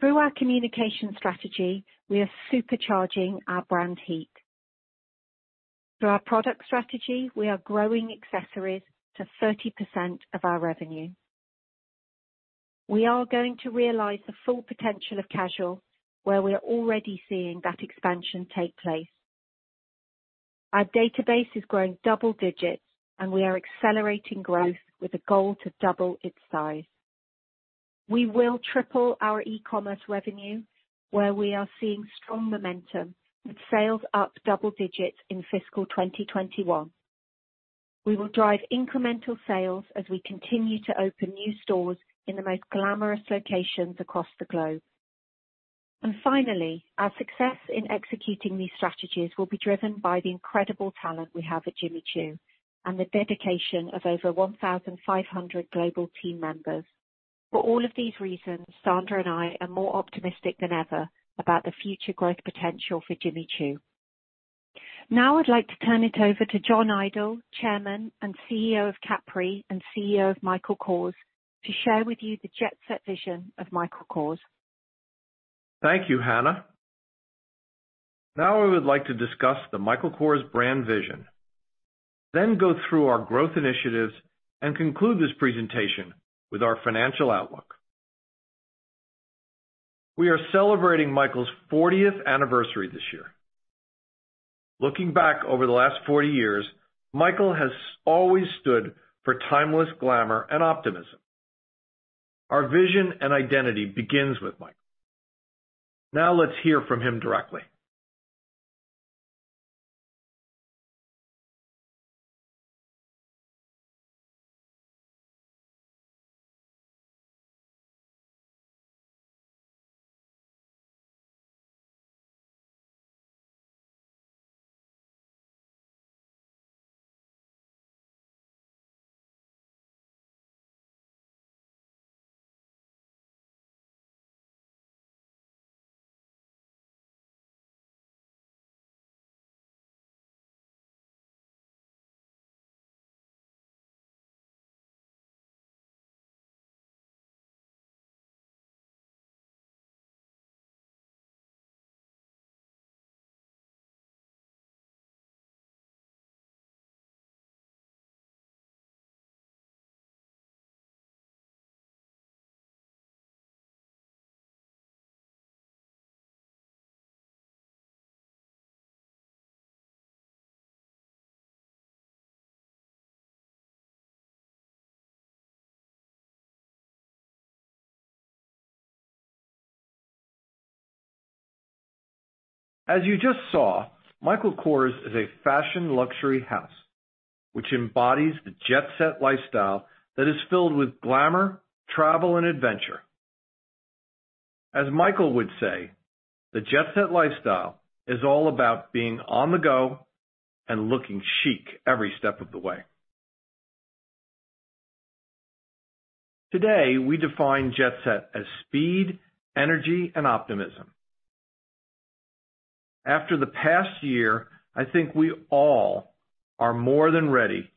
Through our communication strategy, we are supercharging our brand heat. Through our product strategy, we are growing accessories to 30% of our revenue. We are going to realize the full potential of casual, where we are already seeing that expansion take place. Our database is growing double digits, and we are accelerating growth with a goal to double its size. We will triple our e-commerce revenue where we are seeing strong momentum with sales up double digits in fiscal 2021. We will drive incremental sales as we continue to open new stores in the most glamorous locations across the globe. Finally, our success in executing these strategies will be driven by the incredible talent we have at Jimmy Choo and the dedication of over 1,500 global team members. For all of these reasons, Sandra and I are more optimistic than ever about the future growth potential for Jimmy Choo. I'd like to turn it over to John Idol, Chairman and CEO of Capri, and CEO of Michael Kors, to share with you the jet-set vision of Michael Kors. Thank you, Hannah. I would like to discuss the Michael Kors brand vision, then go through our growth initiatives and conclude this presentation with our financial outlook. We are celebrating Michael's 40th anniversary this year. Looking back over the last 40 years, Michael has always stood for timeless glamour and optimism. Our vision and identity begins with Michael. Let's hear from him directly. As you just saw, Michael Kors is a fashion luxury house which embodies the jet-set lifestyle that is filled with glamour, travel, and adventure. As Michael would say, the jet-set lifestyle is all about being on the go and looking chic every step of the way. Today, we define jet-set as speed, energy, and optimism. After the past year, I think we all are more than ready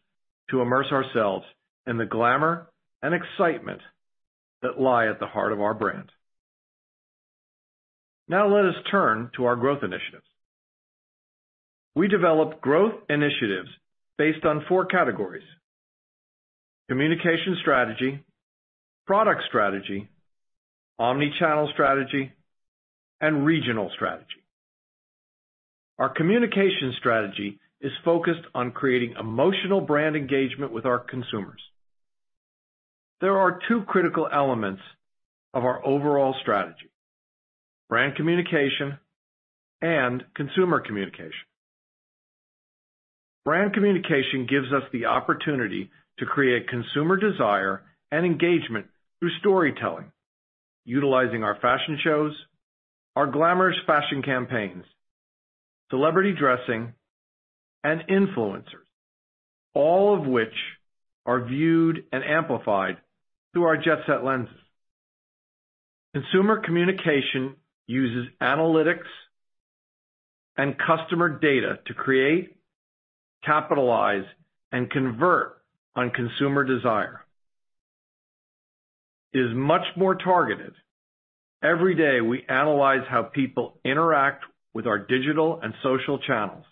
to immerse ourselves in the glamour and excitement that lie at the heart of our brand. Now let us turn to our growth initiatives. We developed growth initiatives based on four categories: communication strategy, product strategy, omni-channel strategy, and regional strategy. Our communication strategy is focused on creating emotional brand engagement with our consumers. There are two critical elements of our overall strategy, brand communication and consumer communication. Brand communication gives us the opportunity to create consumer desire and engagement through storytelling, utilizing our fashion shows, our glamorous fashion campaigns, celebrity dressing, and influencers, all of which are viewed and amplified through our jet-set lenses. Consumer communication uses analytics and customer data to create, capitalize, and convert on consumer desire. It is much more targeted. Every day, we analyze how people interact with our digital and social channels.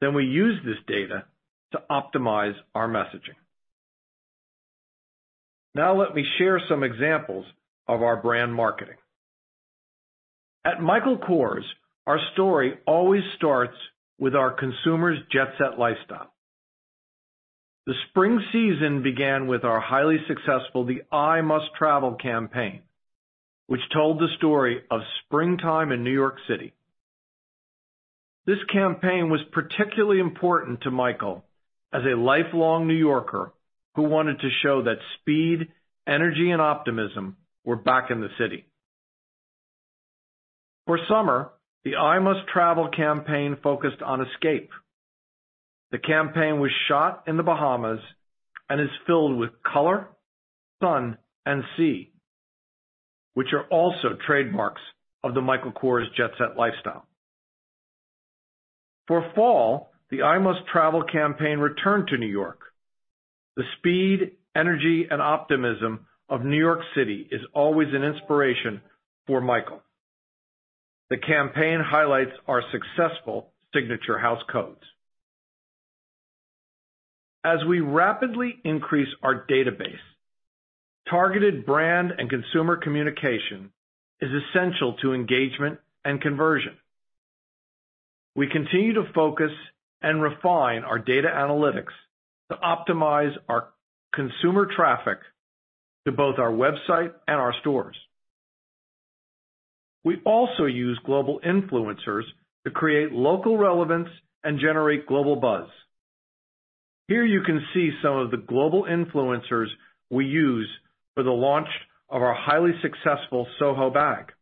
We use this data to optimize our messaging. Now let me share some examples of our brand marketing. At Michael Kors, our story always starts with our consumer's jet-set lifestyle. The spring season began with our highly successful The I Must Travel campaign, which told the story of springtime in New York City. This campaign was particularly important to Michael as a lifelong New Yorker who wanted to show that speed, energy, and optimism were back in the city. For summer, The I Must Travel campaign focused on escape. The campaign was shot in the Bahamas and is filled with color, sun, and sea, which are also trademarks of the Michael Kors jet-set lifestyle. For fall, The I Must Travel campaign returned to New York. The speed, energy, and optimism of New York City is always an inspiration for Michael. The campaign highlights our successful signature house codes. As we rapidly increase our database, targeted brand and consumer communication is essential to engagement and conversion. We continue to focus and refine our data analytics to optimize our consumer traffic to both our website and our stores. We also use global influencers to create local relevance and generate global buzz. Here you can see some of the global influencers we used for the launch of our highly successful SoHo bag.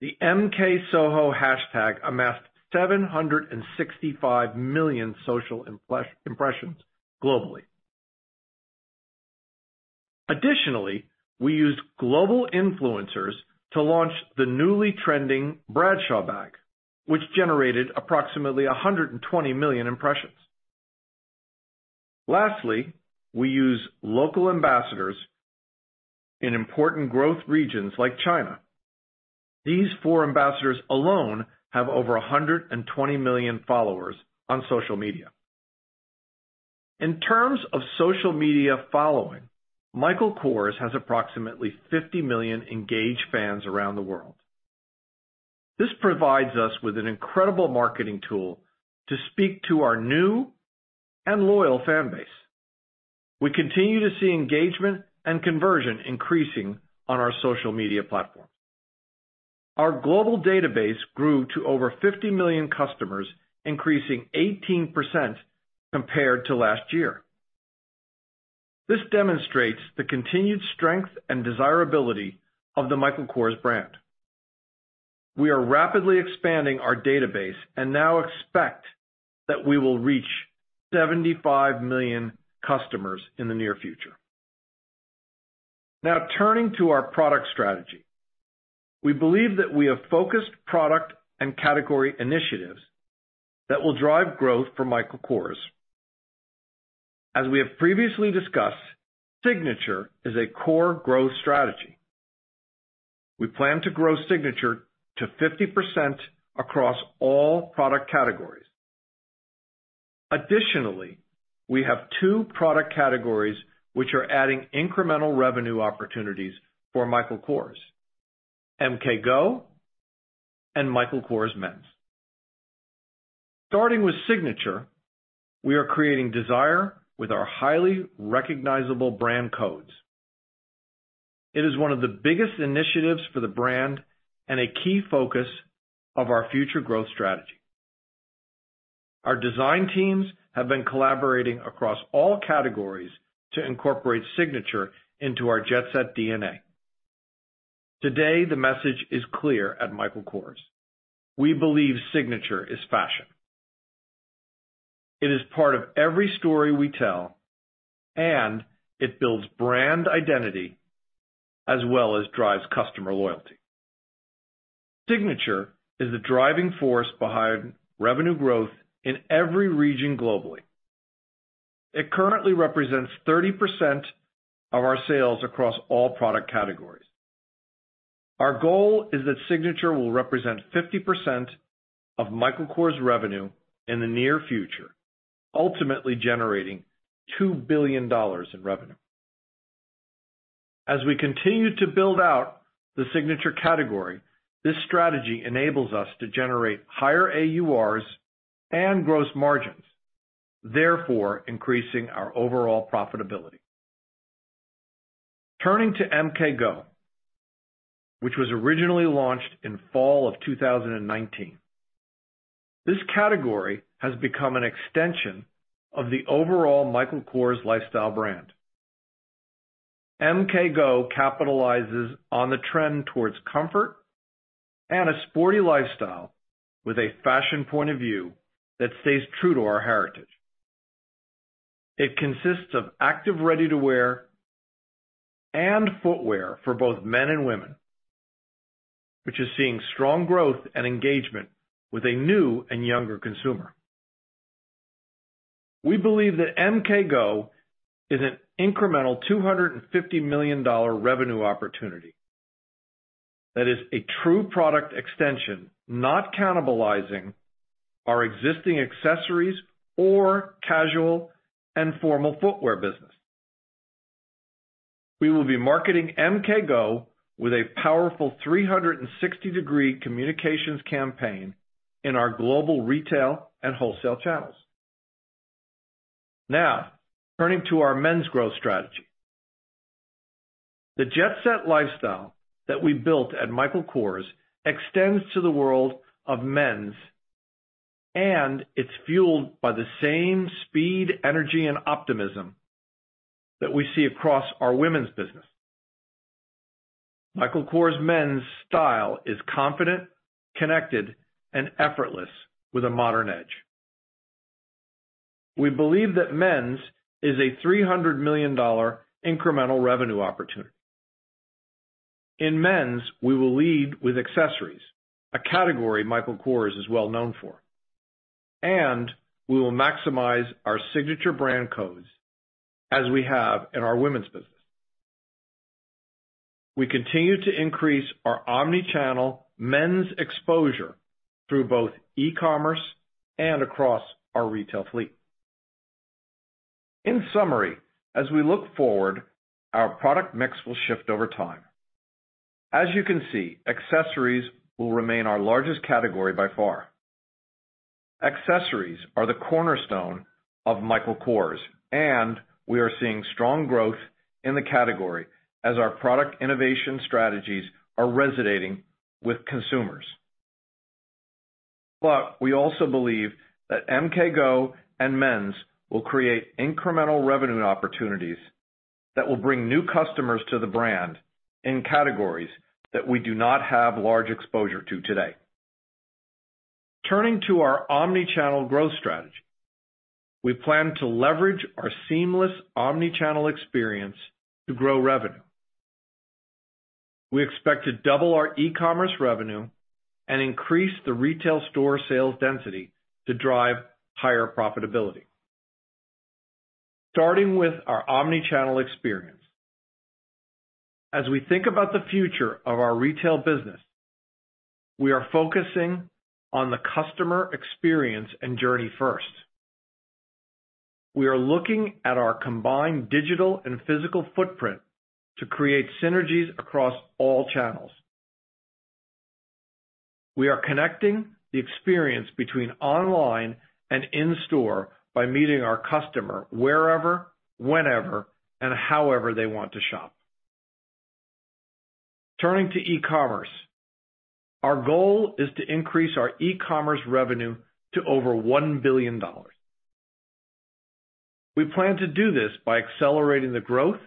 The MKSoHo hashtag amassed 765 million social impressions globally. Additionally, we used global influencers to launch the newly trending Bradshaw bag, which generated approximately 120 million impressions. Lastly, we use local ambassadors in important growth regions like China. These four ambassadors alone have over 120 million followers on social media. In terms of social media following, Michael Kors has approximately 50 million engaged fans around the world. This provides us with an incredible marketing tool to speak to our new and loyal fan base. We continue to see engagement and conversion increasing on our social media platforms. Our global database grew to over 50 million customers, increasing 18% compared to last year. This demonstrates the continued strength and desirability of the Michael Kors brand. We are rapidly expanding our database and now expect that we will reach 75 million customers in the near future. Turning to our product strategy. We believe that we have focused product and category initiatives that will drive growth for Michael Kors. As we have previously discussed, Signature is a core growth strategy. We plan to grow Signature to 50% across all product categories. We have two product categories which are adding incremental revenue opportunities for Michael Kors, MK Go and Michael Kors Men's. Starting with Signature, we are creating desire with our highly recognizable brand codes. It is one of the biggest initiatives for the brand and a key focus of our future growth strategy. Our design teams have been collaborating across all categories to incorporate Signature into our jet-set DNA. Today, the message is clear at Michael Kors. We believe Signature is fashion. It is part of every story we tell, and it builds brand identity as well as drives customer loyalty. Signature is the driving force behind revenue growth in every region globally. It currently represents 30% of our sales across all product categories. Our goal is that Signature will represent 50% of Michael Kors' revenue in the near future, ultimately generating $2 billion in revenue. As we continue to build out the Signature category, this strategy enables us to generate higher AURs and gross margins, therefore increasing our overall profitability. Turning to MK Go, which was originally launched in fall of 2019. This category has become an extension of the overall Michael Kors lifestyle brand. MK Go capitalizes on the trend towards comfort and a sporty lifestyle with a fashion point of view that stays true to our heritage. It consists of active ready-to-wear and footwear for both men and women, which is seeing strong growth and engagement with a new and younger consumer. We believe that MK Go is an incremental $250 million revenue opportunity that is a true product extension, not cannibalizing our existing accessories or casual and formal footwear business. We will be marketing MK Go with a powerful 360-degree communications campaign in our global retail and wholesale channels. Turning to our men's growth strategy. The jet-set lifestyle that we built at Michael Kors extends to the world of men's, and it's fueled by the same speed, energy, and optimism that we see across our women's business. Michael Kors men's style is confident, connected, and effortless with a modern edge. We believe that men's is a $300 million incremental revenue opportunity. In men's, we will lead with accessories, a category Michael Kors is well known for, and we will maximize our Signature brand codes as we have in our women's business. We continue to increase our omnichannel men's exposure through both e-commerce and across our retail fleet. In summary, as we look forward, our product mix will shift over time. As you can see, accessories will remain our largest category by far. Accessories are the cornerstone of Michael Kors, and we are seeing strong growth in the category as our product innovation strategies are resonating with consumers. We also believe that MK Go and Men's will create incremental revenue opportunities that will bring new customers to the brand in categories that we do not have large exposure to today. Turning to our omnichannel growth strategy, we plan to leverage our seamless omnichannel experience to grow revenue. We expect to double our e-commerce revenue and increase the retail store sales density to drive higher profitability. Starting with our omnichannel experience. As we think about the future of our retail business, we are focusing on the customer experience and journey first. We are looking at our combined digital and physical footprint to create synergies across all channels. We are connecting the experience between online and in-store by meeting our customer wherever, whenever, and however they want to shop. Turning to e-commerce, our goal is to increase our e-commerce revenue to over $1 billion. We plan to do this by accelerating the growth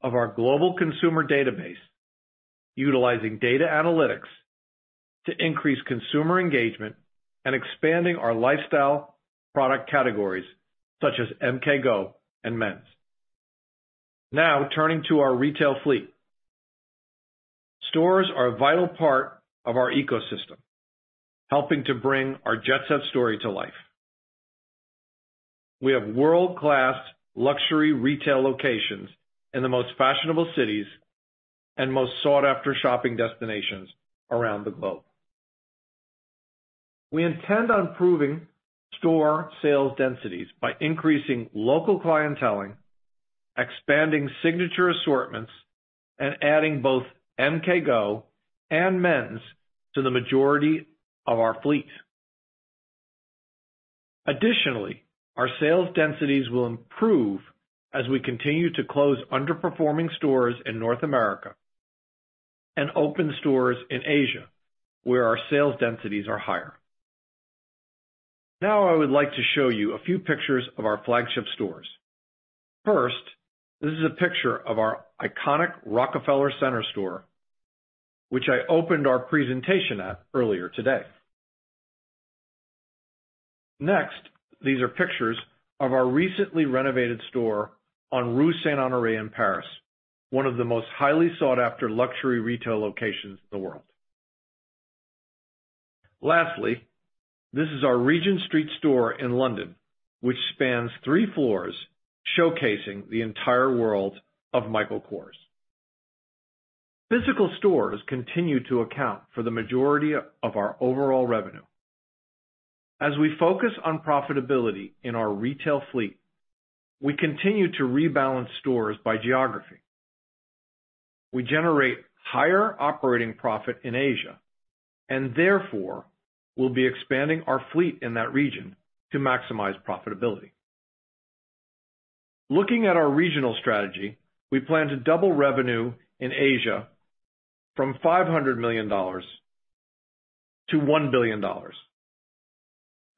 of our global consumer database, utilizing data analytics to increase consumer engagement and expanding our lifestyle product categories such as MK Go and Men's. Turning to our retail fleet. Stores are a vital part of our ecosystem, helping to bring our jet-set story to life. We have world-class luxury retail locations in the most fashionable cities and most sought-after shopping destinations around the globe. We intend on improving store sales densities by increasing local clientele, expanding signature assortments, and adding both MK Go and Men's to the majority of our fleet. Additionally, our sales densities will improve as we continue to close underperforming stores in North America and open stores in Asia, where our sales densities are higher. I would like to show you a few pictures of our flagship stores. First, this is a picture of our iconic Rockefeller Center store, which I opened our presentation at earlier today. Next, these are pictures of our recently renovated store on Rue Saint-Honoré in Paris, one of the most highly sought-after luxury retail locations in the world. Lastly, this is our Regent Street store in London, which spans three floors, showcasing the entire world of Michael Kors. Physical stores continue to account for the majority of our overall revenue. As we focus on profitability in our retail fleet, we continue to rebalance stores by geography. We generate higher operating profit in Asia, and therefore, we'll be expanding our fleet in that region to maximize profitability. Looking at our regional strategy, we plan to double revenue in Asia from $500 million to $1 billion.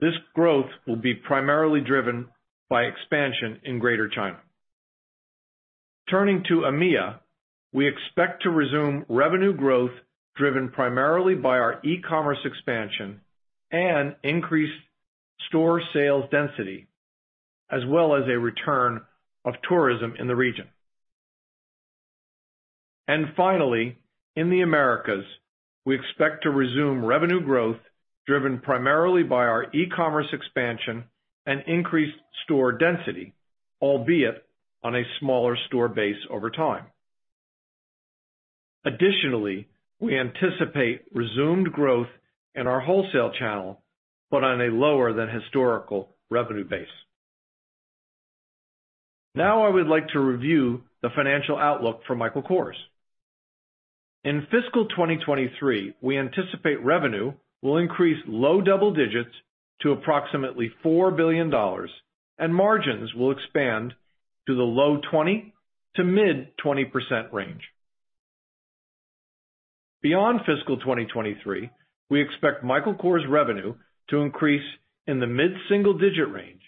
This growth will be primarily driven by expansion in Greater China. Turning to EMEA, we expect to resume revenue growth driven primarily by our e-commerce expansion and increased store sales density, as well as a return of tourism in the region. Finally, in the Americas, we expect to resume revenue growth driven primarily by our e-commerce expansion and increased store density, albeit on a smaller store base over time. Additionally, we anticipate resumed growth in our wholesale channel, but on a lower than historical revenue base. Now I would like to review the financial outlook for Michael Kors. In fiscal 2023, we anticipate revenue will increase low double digits to approximately $4 billion, and margins will expand to the low 20% to mid 20% range. Beyond fiscal 2023, we expect Michael Kors revenue to increase in the mid-single-digit range,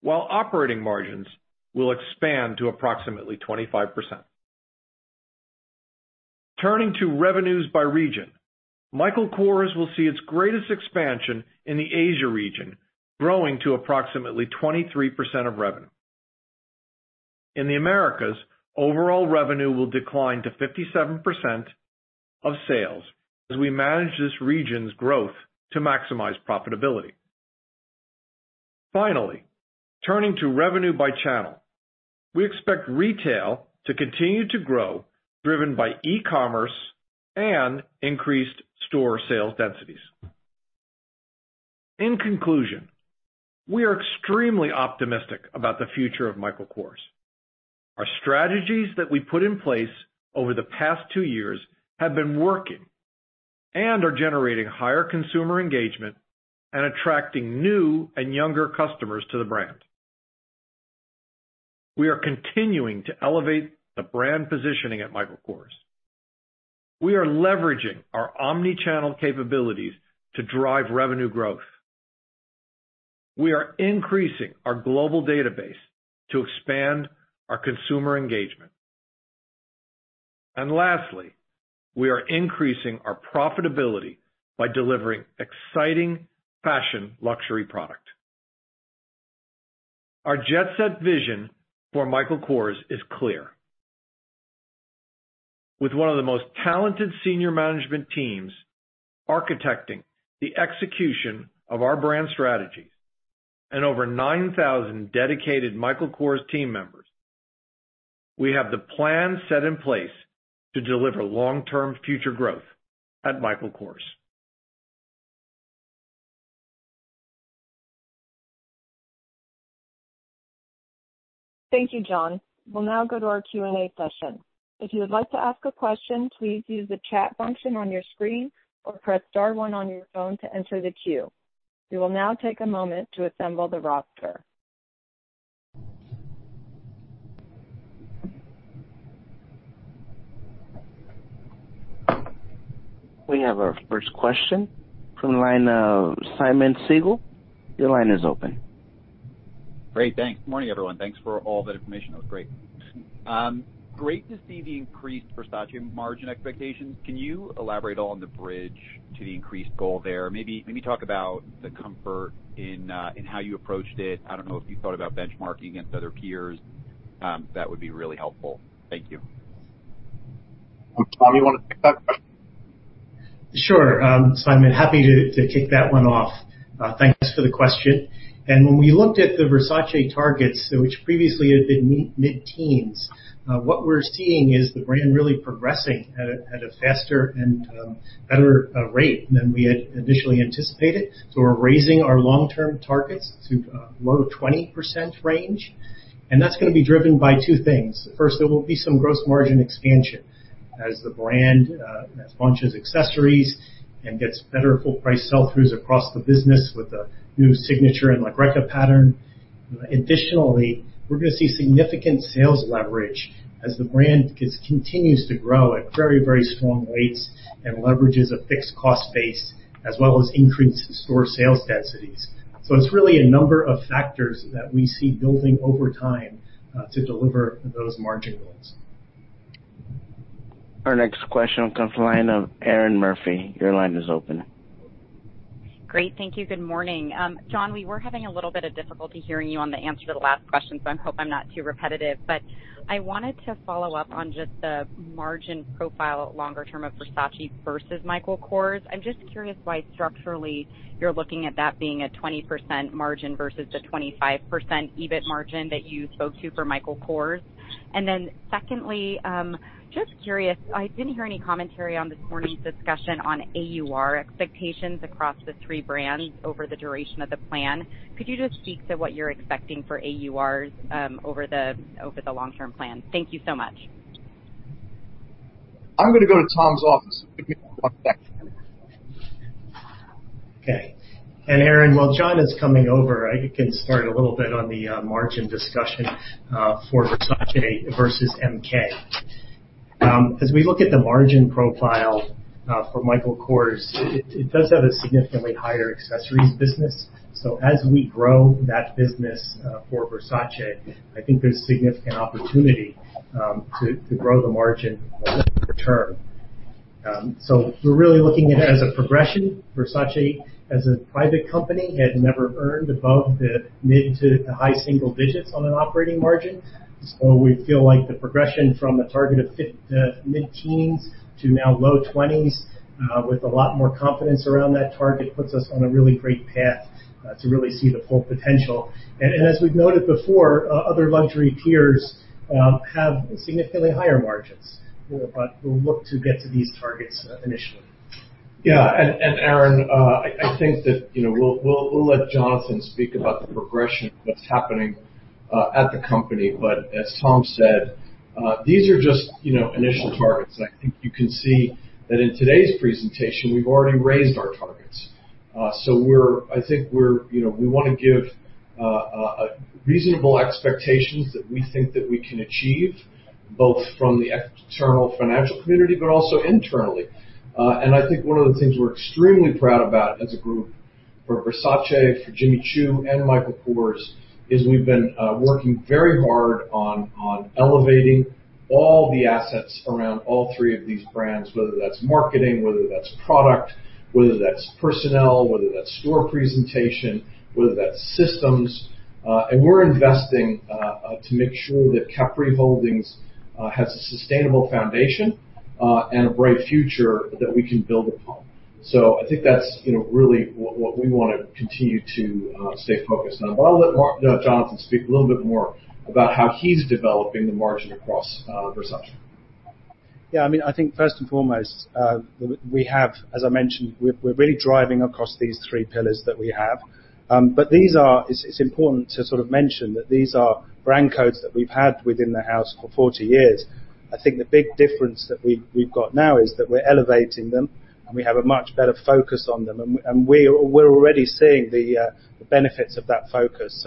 while operating margins will expand to approximately 25%. Turning to revenues by region, Michael Kors will see its greatest expansion in the Asia region, growing to approximately 23% of revenue. In the Americas, overall revenue will decline to 57% of sales as we manage this region's growth to maximize profitability. Finally, turning to revenue by channel, we expect retail to continue to grow, driven by e-commerce and increased store sales densities. In conclusion, we are extremely optimistic about the future of Michael Kors. Our strategies that we put in place over the past two years have been working and are generating higher consumer engagement and attracting new and younger customers to the brand. We are continuing to elevate the brand positioning at Michael Kors. We are leveraging our omnichannel capabilities to drive revenue growth. We are increasing our global database to expand our consumer engagement. Lastly, we are increasing our profitability by delivering exciting fashion luxury product. Our jet-set vision for Michael Kors is clear, with one of the most talented senior management teams architecting the execution of our brand strategies and over 9,000 dedicated Michael Kors team members, we have the plan set in place to deliver long-term future growth at Michael Kors. Thank you, John. We'll now go to our Q&A session. If you would like to ask a question, please use the chat function on your screen or press star one on your phone to enter the queue. We will now take a moment to assemble the roster. We have our first question from the line of Simeon Siegel. Your line is open. Great. Thanks. Morning, everyone. Thanks for all that information. That was great. Great to see the increased Versace margin expectations. Can you elaborate on the bridge to the increased goal there? Maybe talk about the comfort in how you approached it. I don't know if you thought about benchmarking against other peers. That would be really helpful. Thank you. Tom, do you want to take that question? Sure. Simeon, happy to take that one off. Thanks for the question. When we looked at the Versace targets, which previously had been mid-teens, what we're seeing is the brand really progressing at a faster and better rate than we had initially anticipated. We're raising our long-term targets to a low 20% range, and that's going to be driven by two things. First, there will be some gross margin expansion as the brand launches accessories and gets better full price sell-throughs across the business with a new signature and La Greca pattern. Additionally, we're going to see significant sales leverage as the brand continues to grow at very strong rates and leverages a fixed cost base as well as increased store sales densities. It's really a number of factors that we see building over time to deliver those margin goals. Our next question comes from the line of Erinn Murphy. Your line is open. Great, thank you. Good morning. John, we were having a little bit of difficulty hearing you on the answer to the last question, so I hope I'm not too repetitive, but I wanted to follow up on just the margin profile longer term of Versace versus Michael Kors. I'm just curious why structurally you're looking at that being a 20% margin versus the 25% EBIT margin that you spoke to for Michael Kors. Secondly, just curious, I didn't hear any commentary on this morning's discussion on AUR expectations across the three brands over the duration of the plan. Could you just speak to what you're expecting for AURs over the long-term plan? Thank you so much. I'm going to go to Tom's office. Okay. Erinn, while John is coming over, I can start a little bit on the margin discussion for Versace versus MK. As we look at the margin profile for Michael Kors, it does have a significantly higher accessories business. As we grow that business for Versace, I think there's significant opportunity to grow the margin over time. We're really looking at it as a progression. Versace as a private company had never earned above the mid to high single digits on an operating margin. We feel like the progression from a target of mid-teens to now low twenties with a lot more confidence around that target puts us on a really great path to really see the full potential. As we've noted before, other luxury peers have significantly higher margins. We'll look to get to these targets initially. Yeah, Erinn, I think that we'll let Jonathan speak about the progression of what's happening at the company. As Tom said, these are just initial targets, but I think you can see that in today's presentation, we've already raised our targets. I think we want to give reasonable expectations that we think that we can achieve, both from the external financial community, but also internally. I think one of the things we're extremely proud about as a group for Versace, for Jimmy Choo, and Michael Kors, is we've been working very hard on elevating all the assets around all three of these brands, whether that's marketing, whether that's product, whether that's personnel, whether that's store presentation, whether that's systems. We're investing to make sure that Capri Holdings has a sustainable foundation and a bright future that we can build upon. I think that's really what we want to continue to stay focused on. I want to let Jonathan speak a little bit more about how he's developing the margin across Versace. Yeah, I think first and foremost, we have, as I mentioned, we're really driving across these three pillars that we have. It's important to sort of mention that these are brand codes that we've had within the house for 40 years. I think the big difference that we've got now is that we're elevating them, and we have a much better focus on them, and we're already seeing the benefits of that focus.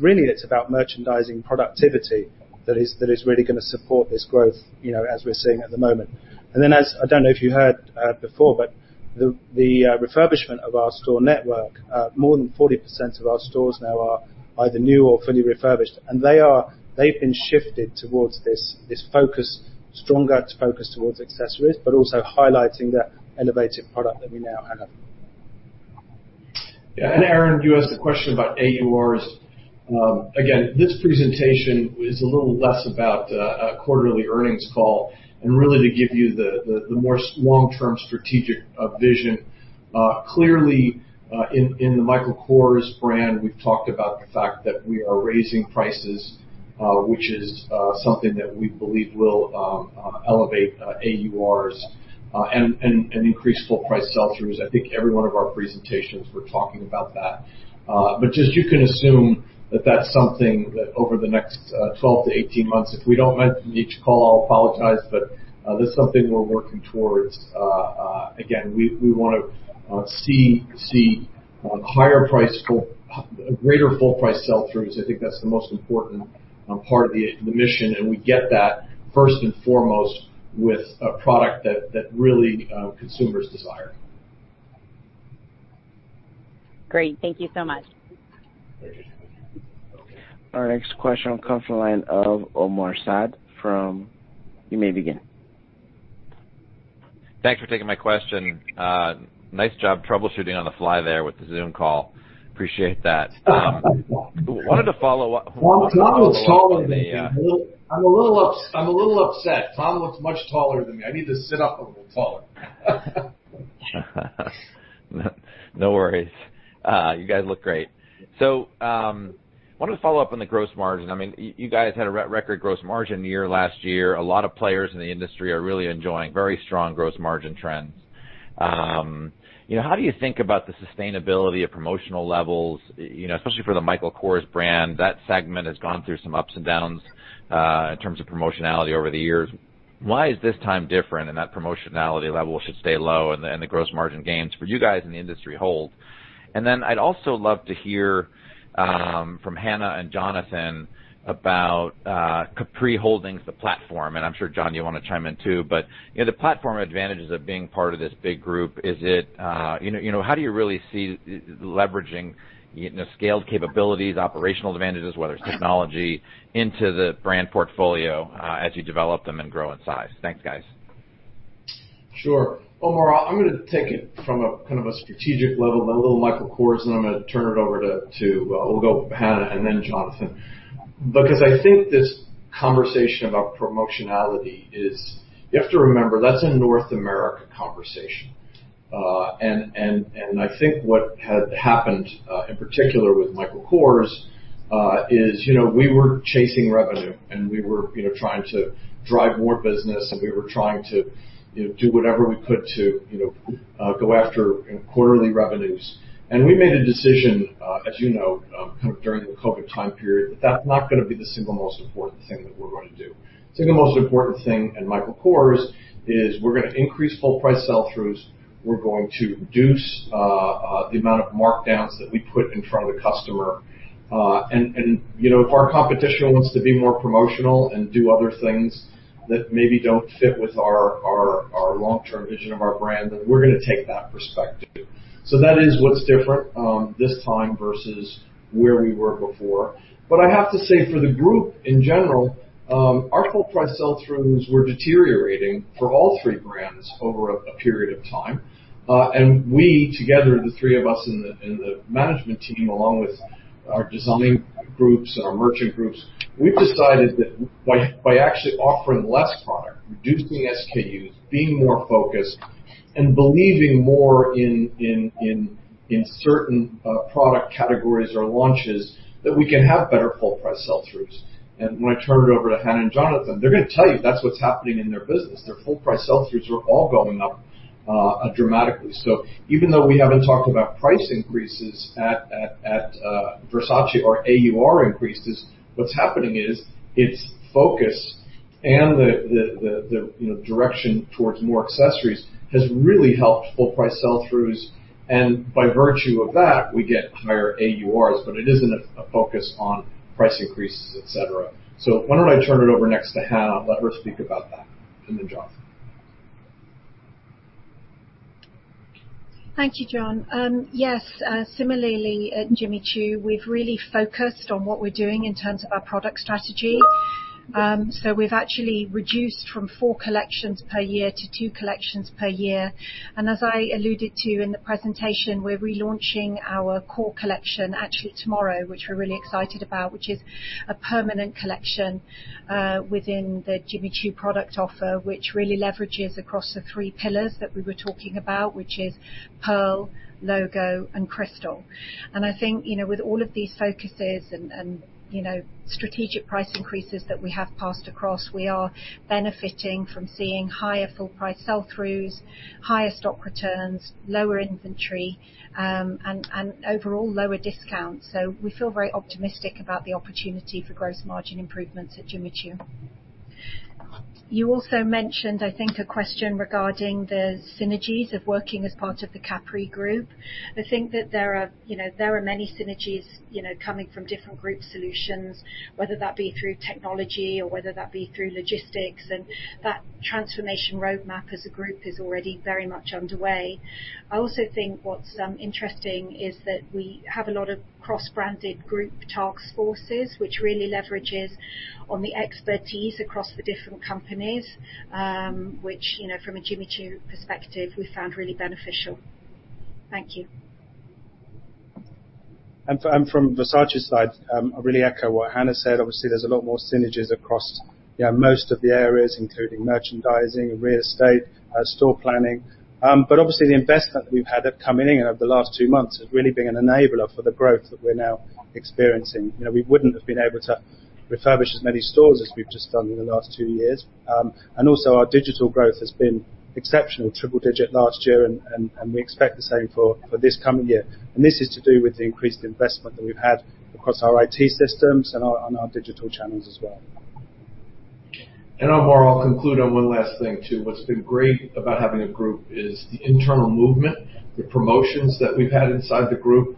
Really it's about merchandising productivity that is really going to support this growth as we're seeing at the moment. I don't know if you heard before, but the refurbishment of our store network, more than 40% of our stores now are either new or fully refurbished, and they've been shifted towards this stronger focus towards accessories, but also highlighting that elevated product that we now have. Erinn, you asked a question about AURs. Again, this presentation is a little less about a quarterly earnings call and really to give you the more long-term strategic vision. Clearly, in the Michael Kors brand, we've talked about the fact that we are raising prices, which is something that we believe will elevate AURs and increase full-price sell-throughs. I think every one of our presentations we're talking about that. Just you can assume that that's something that over the next 12 to 18 months, if we don't mention each call, I apologize, but that's something we're working towards. Again, we want to see higher price, a greater full-price sell-through, because I think that's the most important part of the mission, and we get that first and foremost with a product that really consumers desire. Great. Thank you so much. Great. Our next question will come from the line of Omar Saad from, You may begin. Thanks for taking my question. Nice job troubleshooting on the fly there with the Zoom call. Appreciate that. Tom is taller than me. I'm a little upset. Tom looks much taller than me. I need to sit up, I'm taller. No worries, you guys look great. Wanted to follow up on the gross margin. You guys had a record gross margin year last year, a lot of players in the industry are really enjoying very strong gross margin trends. How do you think about the sustainability of promotional levels, especially for the Michael Kors brand? That segment has gone through some ups and downs, in terms of promotionality over the years. Why is this time different and that promotionality level should stay low and the gross margin gains for you guys in the industry hold? I'd also love to hear, from Hannah and Jonathan about, Capri Holdings, the platform, and I'm sure, John, you want to chime in, too, the platform advantages of being part of this big group. How do you really see leveraging scale capabilities, operational advantages, whether it's technology into the brand portfolio, as you develop them and grow in size? Thanks, guys. Sure. Omar, I'm going to take it from a strategic level, my little Michael Kors, and I'm going to turn it over to We'll go Hannah and then Jonathan, because I think this conversation about promotionality. You have to remember, that's a North America conversation. I think what had happened, in particular with Michael Kors, is we were chasing revenue, and we were trying to drive more business, and we were trying to do whatever we could to go after quarterly revenues. We made a decision, as you know, during the COVID time period, that that's not going to be the single most important thing that we're going to do. The single most important thing in Michael Kors is we're going to increase full price sell-throughs. We're going to reduce the amount of markdowns that we put in front of the customer. If our competition wants to be more promotional and do other things that maybe don't fit with our long-term vision of our brand, then we're going to take that perspective. That is what's different, this time versus where we were before. I have to say, for the group in general, our full price sell-throughs were deteriorating for all three brands over a period of time. We, together, the three of us in the management team, along with our designing groups and our merchant groups, we decided that by actually offering less product, reducing SKUs, being more focused, and believing more in certain product categories or launches, that we can have better full price sell-throughs. I'm going to turn it over to Hannah and Jonathan. They're going to tell you that's what's happening in their business. Their full price sell-throughs are all going up dramatically. Even though we haven't talked about price increases at Versace or AUR increases, what's happening is its focus and the direction towards more accessories has really helped full price sell-throughs, and by virtue of that, we get higher AURs, but it isn't a focus on price increases, et cetera. Why don't I turn it over next to Hannah, let her speak about that, and then Jonathan. Thank you, John. Yes, similarly at Jimmy Choo, we've really focused on what we're doing in terms of our product strategy. We've actually reduced from four collections per year to two collections per year. As I alluded to in the presentation, we're relaunching our core collection actually tomorrow, which we're really excited about, which is a permanent collection within the Jimmy Choo product offer, which really leverages across the three pillars that we were talking about, which is pearl, logo, and crystal. I think, with all of these focuses and strategic price increases that we have passed across, we are benefiting from seeing higher full price sell-throughs, higher stock returns, lower inventory, and overall lower discounts. We feel very optimistic about the opportunity for gross margin improvements at Jimmy Choo. You also mentioned, I think, a question regarding the synergies of working as part of the Capri Holdings group. I think that there are many synergies coming from different group solutions, whether that be through technology or whether that be through logistics, and that transformation roadmap as a group is already very much underway. I also think what's interesting is that we have a lot of cross-branded group task forces, which really leverages on the expertise across the different companies, which, from a Jimmy Choo perspective, we found really beneficial. Thank you. From Versace side, I really echo what Hannah said. Obviously, there's a lot more synergies across most of the areas, including merchandising and real estate, store planning. Obviously the investment we've had coming in over the last two months has really been an enabler for the growth that we're now experiencing. We wouldn't have been able to refurbish as many stores as we've just done in the last two years. Also our digital growth has been exceptional, triple-digit last year, and we expect the same for this coming year. This is to do with the increased investment that we've had across our IT systems and our digital channels as well. I'll conclude on one last thing too. What's been great about having a group is the internal movement, the promotions that we've had inside the group,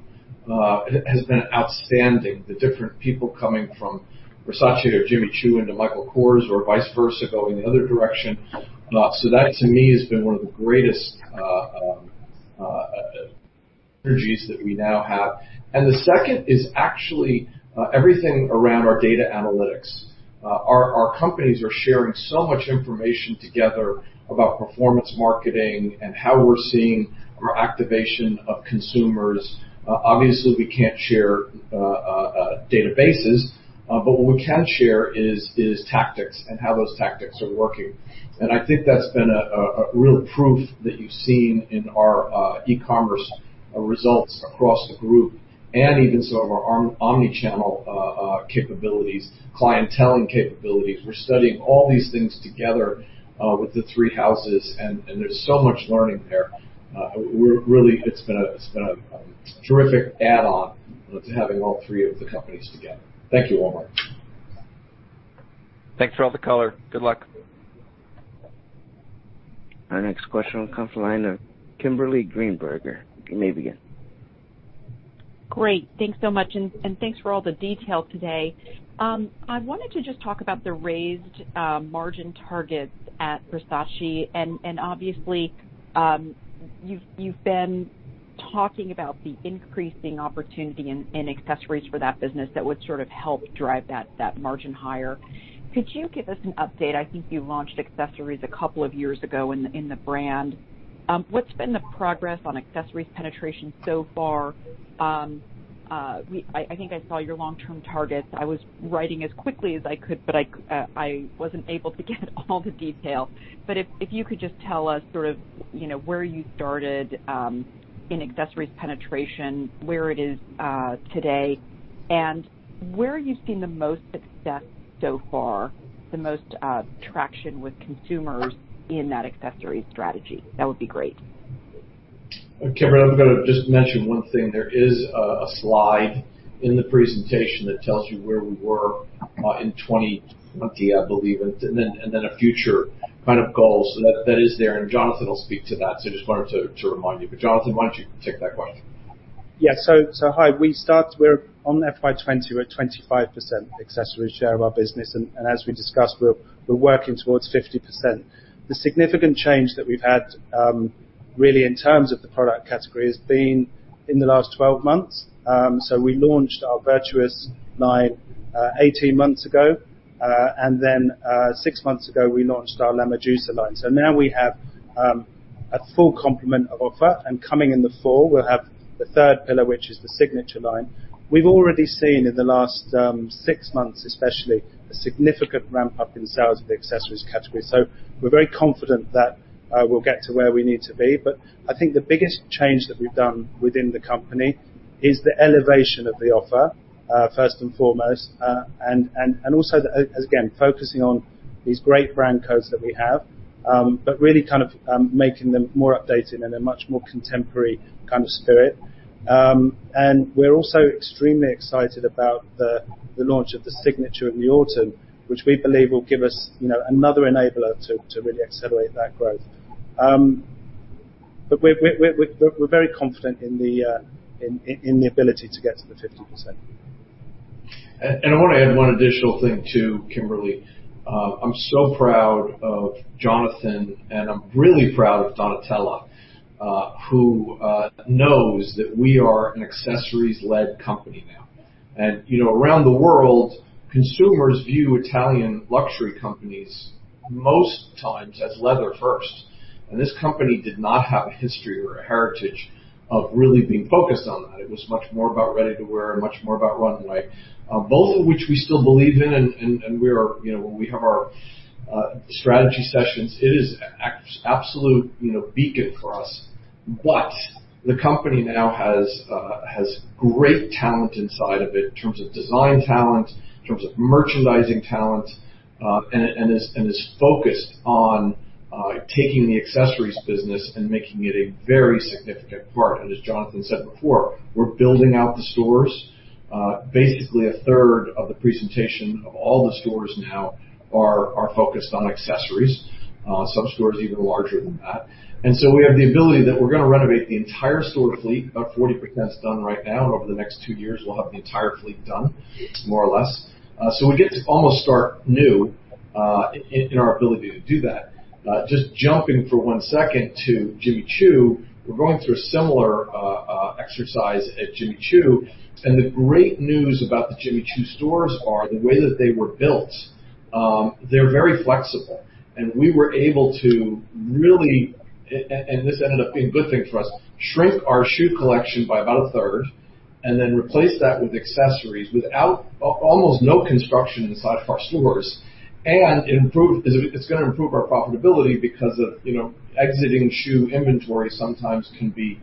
has been outstanding. The different people coming from Versace or Jimmy Choo into Michael Kors, or vice versa, going the other direction. That to me, has been one of the greatest energies that we now have. The second is actually everything around our data analytics. Our companies are sharing so much information together about performance marketing and how we're seeing our activation of consumers. Obviously, we can't share databases, but what we can share is tactics and how those tactics are working. I think that's been a real proof that you've seen in our e-commerce results across the group and even some of our omni-channel capabilities, clienteling capabilities. We're studying all these things together with the three houses, and there's so much learning there. Really, it's been a terrific add-on to having all three of the companies together. Thank you, Omar. Thanks for all the color. Good luck. Our next question will come from the line of Kimberly Greenberger, Canadian. Great. Thanks so much, thanks for all the detail today. I wanted to just talk about the raised margin targets at Versace. Obviously, you've been talking about the increasing opportunity in accessories for that business that would sort of help drive that margin higher. Could you give us an update? I think you launched accessories a couple of years ago in the brand. What's been the progress on accessories penetration so far? I think I saw your long-term targets. I was writing as quickly as I could, I wasn't able to get all the detail. If you could just tell us sort of where you started in accessories penetration, where it is today, where are you seeing the most success so far, the most traction with consumers in that accessory strategy? That would be great. Kimberly, I'm going to just mention one thing. There is a slide in the presentation that tells you where we were in 2020, I believe, and then a future kind of goal. That is there, and Jonathan will speak to that. Just wanted to remind you. Jonathan, why don't you take that question? Yeah, hi. We're on FY 2020, we're at 25% accessories share of our business, and as we discussed, we're working towards 50%. The significant change that we've had really in terms of the product category has been in the last 12 months. We launched our Virtus line 18 months ago, and then 6 months ago, we launched our Medusa line. Now we have a full complement offer, and coming in the fall, we'll have the third pillar, which is the Signature line. We've already seen in the last 6 months especially, a significant ramp-up in sales of the accessories category. We're very confident that we'll get to where we need to be. I think the biggest change that we've done within the company is the elevation of the offer, first and foremost, and also, again, focusing on these great brand codes that we have, but really kind of making them more updated and a much more contemporary kind of spirit. We're also extremely excited about the launch of the Signature in the autumn, which we believe will give us another enabler to really accelerate that growth. We're very confident in the ability to get to the 50%. I want to add one additional thing, too, Kimberly. I'm so proud of Jonathan, and I'm really proud of Donatella, who knows that we are an accessories-led company now. Around the world, consumers view Italian luxury companies most times as leather first, and this company did not have a history or a heritage of really being focused on that. It was much more about ready-to-wear and much more about runway. Both of which we still believe in, and when we have our strategy sessions, it is an absolute beacon for us. The company now has great talent inside of it in terms of design talent, in terms of merchandising talent, and is focused on taking the accessories business and making it a very significant part. As Jonathan said before, we're building out the stores. Basically, a third of the presentation of all the stores now are focused on accessories. Some stores are even larger than that. We have the ability that we're going to renovate the entire store fleet. About 40% is done right now, and over the next two years, we'll have the entire fleet done, more or less. We get to almost start new in our ability to do that. Just jumping for one second to Jimmy Choo, we're going through a similar exercise at Jimmy Choo. The great news about the Jimmy Choo stores are the way that they were built. They're very flexible, and we were able to really, and this ended up being a good thing for us, shrink our shoe collection by about a third and then replace that with accessories without almost no construction inside of our stores. It's going to improve our profitability because exiting shoe inventory sometimes can be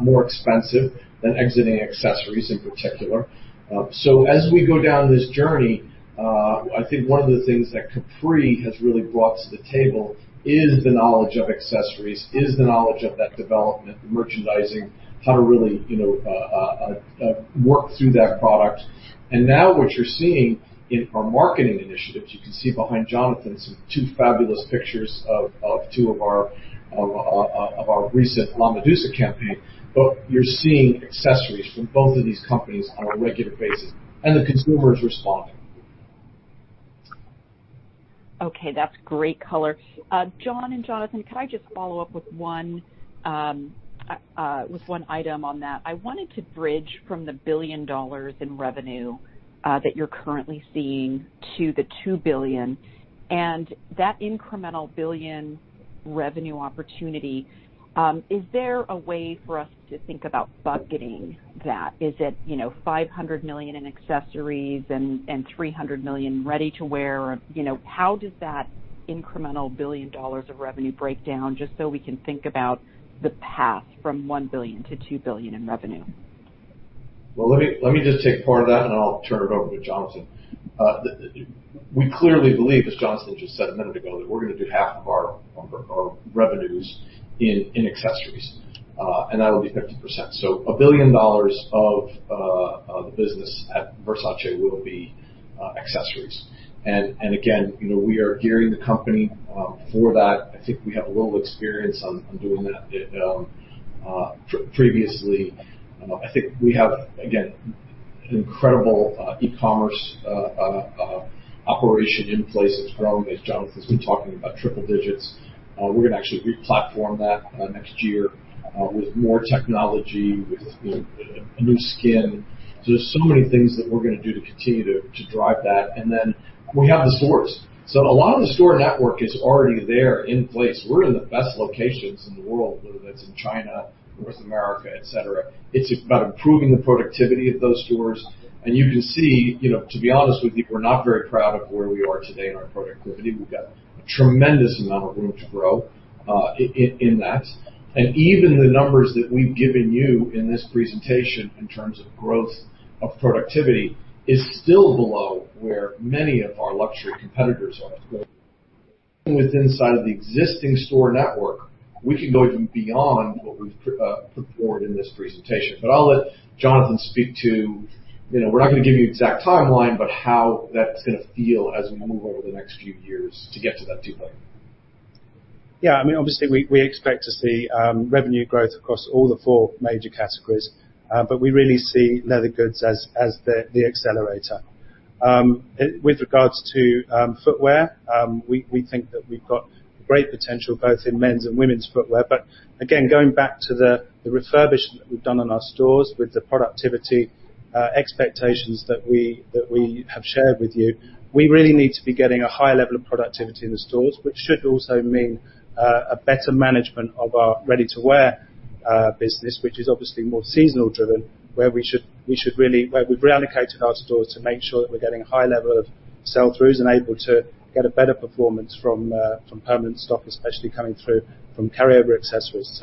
more expensive than exiting accessories in particular. As we go down this journey, I think one of the things that Capri has really brought to the table is the knowledge of accessories, is the knowledge of that development, the merchandising, how to really work through that product. Now what you're seeing in our marketing initiatives, you can see behind Jonathan some two fabulous pictures of two of our recent La Medusa campaign. You're seeing accessories from both of these companies on a regular basis, and the consumer is responding. That's great color. John and Jonathan, can I just follow up with one item on that? I wanted to bridge from the $1 billion in revenue that you're currently seeing to the $2 billion and that incremental $1 billion revenue opportunity. Is there a way for us to think about budgeting that? Is it $500 million in accessories and $300 million ready-to-wear? How does that incremental $1 billion of revenue break down just so we can think about the path from $1 billion to $2 billion in revenue? Well, let me just take part of that, and I'll turn it over to Jonathan. We clearly believe, as Jonathan Akeroyd just said a minute ago, that we're going to do half of our revenues in accessories, and that'll be 50%. A billion dollars of the business at Versace will be accessories. Again, we are gearing the company for that. I think we have a little experience on doing that previously. I think we have, again, an incredible e-commerce operation in place that's growing, as Jonathan Akeroyd's been talking about, triple digits. We're going to actually re-platform that next year with more technology, with a new skin. There's so many things that we're going to do to continue to drive that. We have the stores. A lot of the store network is already there in place. We're in the best locations in the world, whether that's in China, North America, et cetera. It's about improving the productivity of those stores. You can see, to be honest with you, we're not very proud of where we are today on productivity. We've got a tremendous amount of room to grow in that. Even the numbers that we've given you in this presentation in terms of growth of productivity is still below where many of our luxury competitors are. Even with inside of the existing store network, we can go even beyond what we've put forward in this presentation. I'll let Jonathan speak to, we're not going to give you an exact timeline, but how that's going to feel as we move over the next few years to get to that $2 billion. Yeah. Obviously, we expect to see revenue growth across all the four major categories, but we really see leather goods as the accelerator. With regards to footwear, we think that we've got great potential both in men's and women's footwear. Again, going back to the refurbishment that we've done on our stores with the productivity expectations that we have shared with you, we really need to be getting a high level of productivity in the stores, which should also mean a better management of our ready-to-wear business, which is obviously more seasonal driven, where we've reallocated our stores to make sure that we're getting a high level of sell-throughs and able to get a better performance from permanent stock, especially coming through from carryover accessories.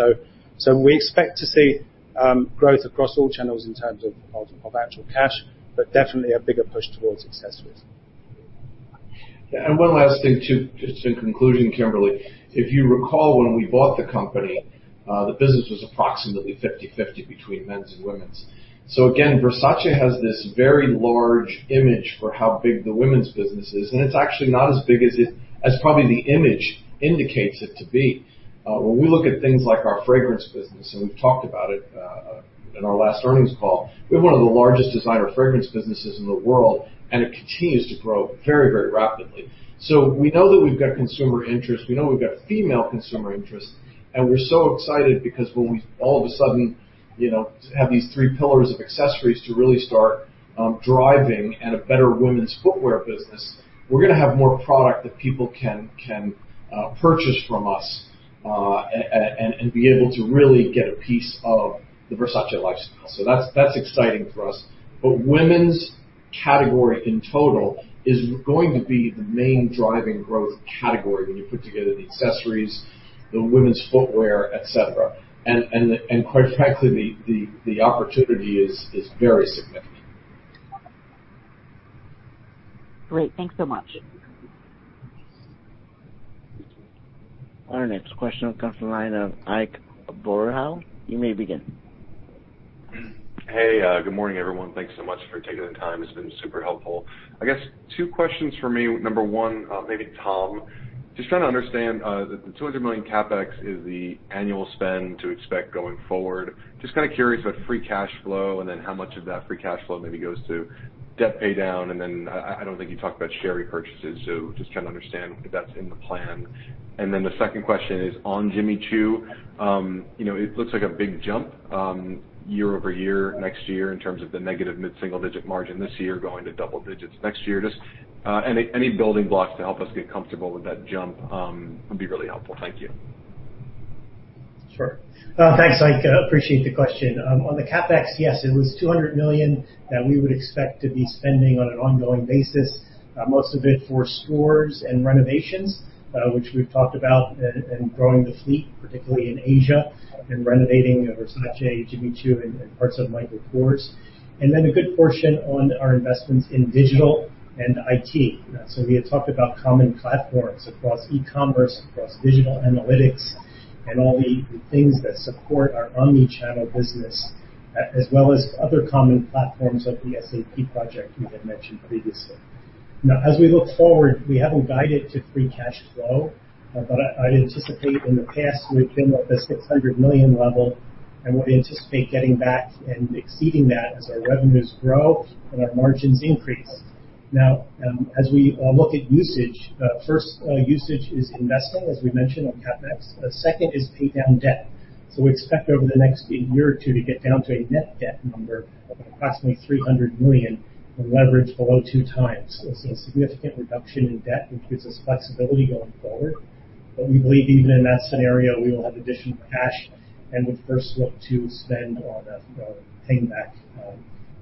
We expect to see growth across all channels in terms of actual cash, but definitely a bigger push towards accessories. One last thing, too, just in conclusion, Kimberly, if you recall, when we bought the company, the business was approximately 50/50 between men's and women's. Again, Versace has this very large image for how big the women's business is, and it's actually not as big as probably the image indicates it to be. When we look at things like our fragrance business, and we've talked about it in our last earnings call, we have one of the largest designer fragrance businesses in the world, and it continues to grow very rapidly. We know that we've got consumer interest, we know we've got female consumer interest, and we're so excited because when we all of a sudden have these three pillars of accessories to really start driving and a better women's footwear business, we're going to have more product that people can purchase from us and be able to really get a piece of the Versace lifestyle. That's exciting for us. Women's category in total is going to be the main driving growth category when you put together the accessories, the women's footwear, et cetera. Quite frankly, the opportunity is very significant. Great. Thanks so much. Our next question will come from the line of Ike Boruchow. You may begin. Hey, good morning, everyone, thanks so much for taking the time. This has been super helpful. I guess two questions for me. Number one, maybe Tom, just trying to understand the $200 million CapEx is the annual spend to expect going forward. Just curious about free cash flow and then how much of that free cash flow maybe goes to debt paydown. I don't think you talked about share repurchases, so just trying to understand if that's in the plan. The second question is on Jimmy Choo. It looks like a big jump year-over-year next year in terms of the negative mid-single digit margin this year going to double digits next year. Just any building blocks to help us get comfortable with that jump would be really helpful. Thank you. Sure. Thanks, Ike. I appreciate the question. On the CapEx, yes, it was $200 million that we would expect to be spending on an ongoing basis, most of it for stores and renovations, which we've talked about, and growing the fleet, particularly in Asia, and renovating the Versace, Jimmy Choo, and parts of Michael Kors. A good portion on our investments in digital and IT. We had talked about common platforms across e-commerce, across digital analytics, and all the things that support our omnichannel business, as well as other common platforms like the SAP project we had mentioned previously. As we look forward, we haven't guided to free cash flow, but I'd anticipate in the past, we've been at this $600 million level, and we anticipate getting back and exceeding that as our revenues grow and our margins increase. As we look at usage, first usage is investing, as we mentioned on CapEx. Second is pay down debt. We expect over the next one or two to get down to a net debt number of approximately $300 million from leverage below two times. A significant reduction in debt, which gives us flexibility going forward. We believe even in that scenario, we will have additional cash and would first look to spend on paying back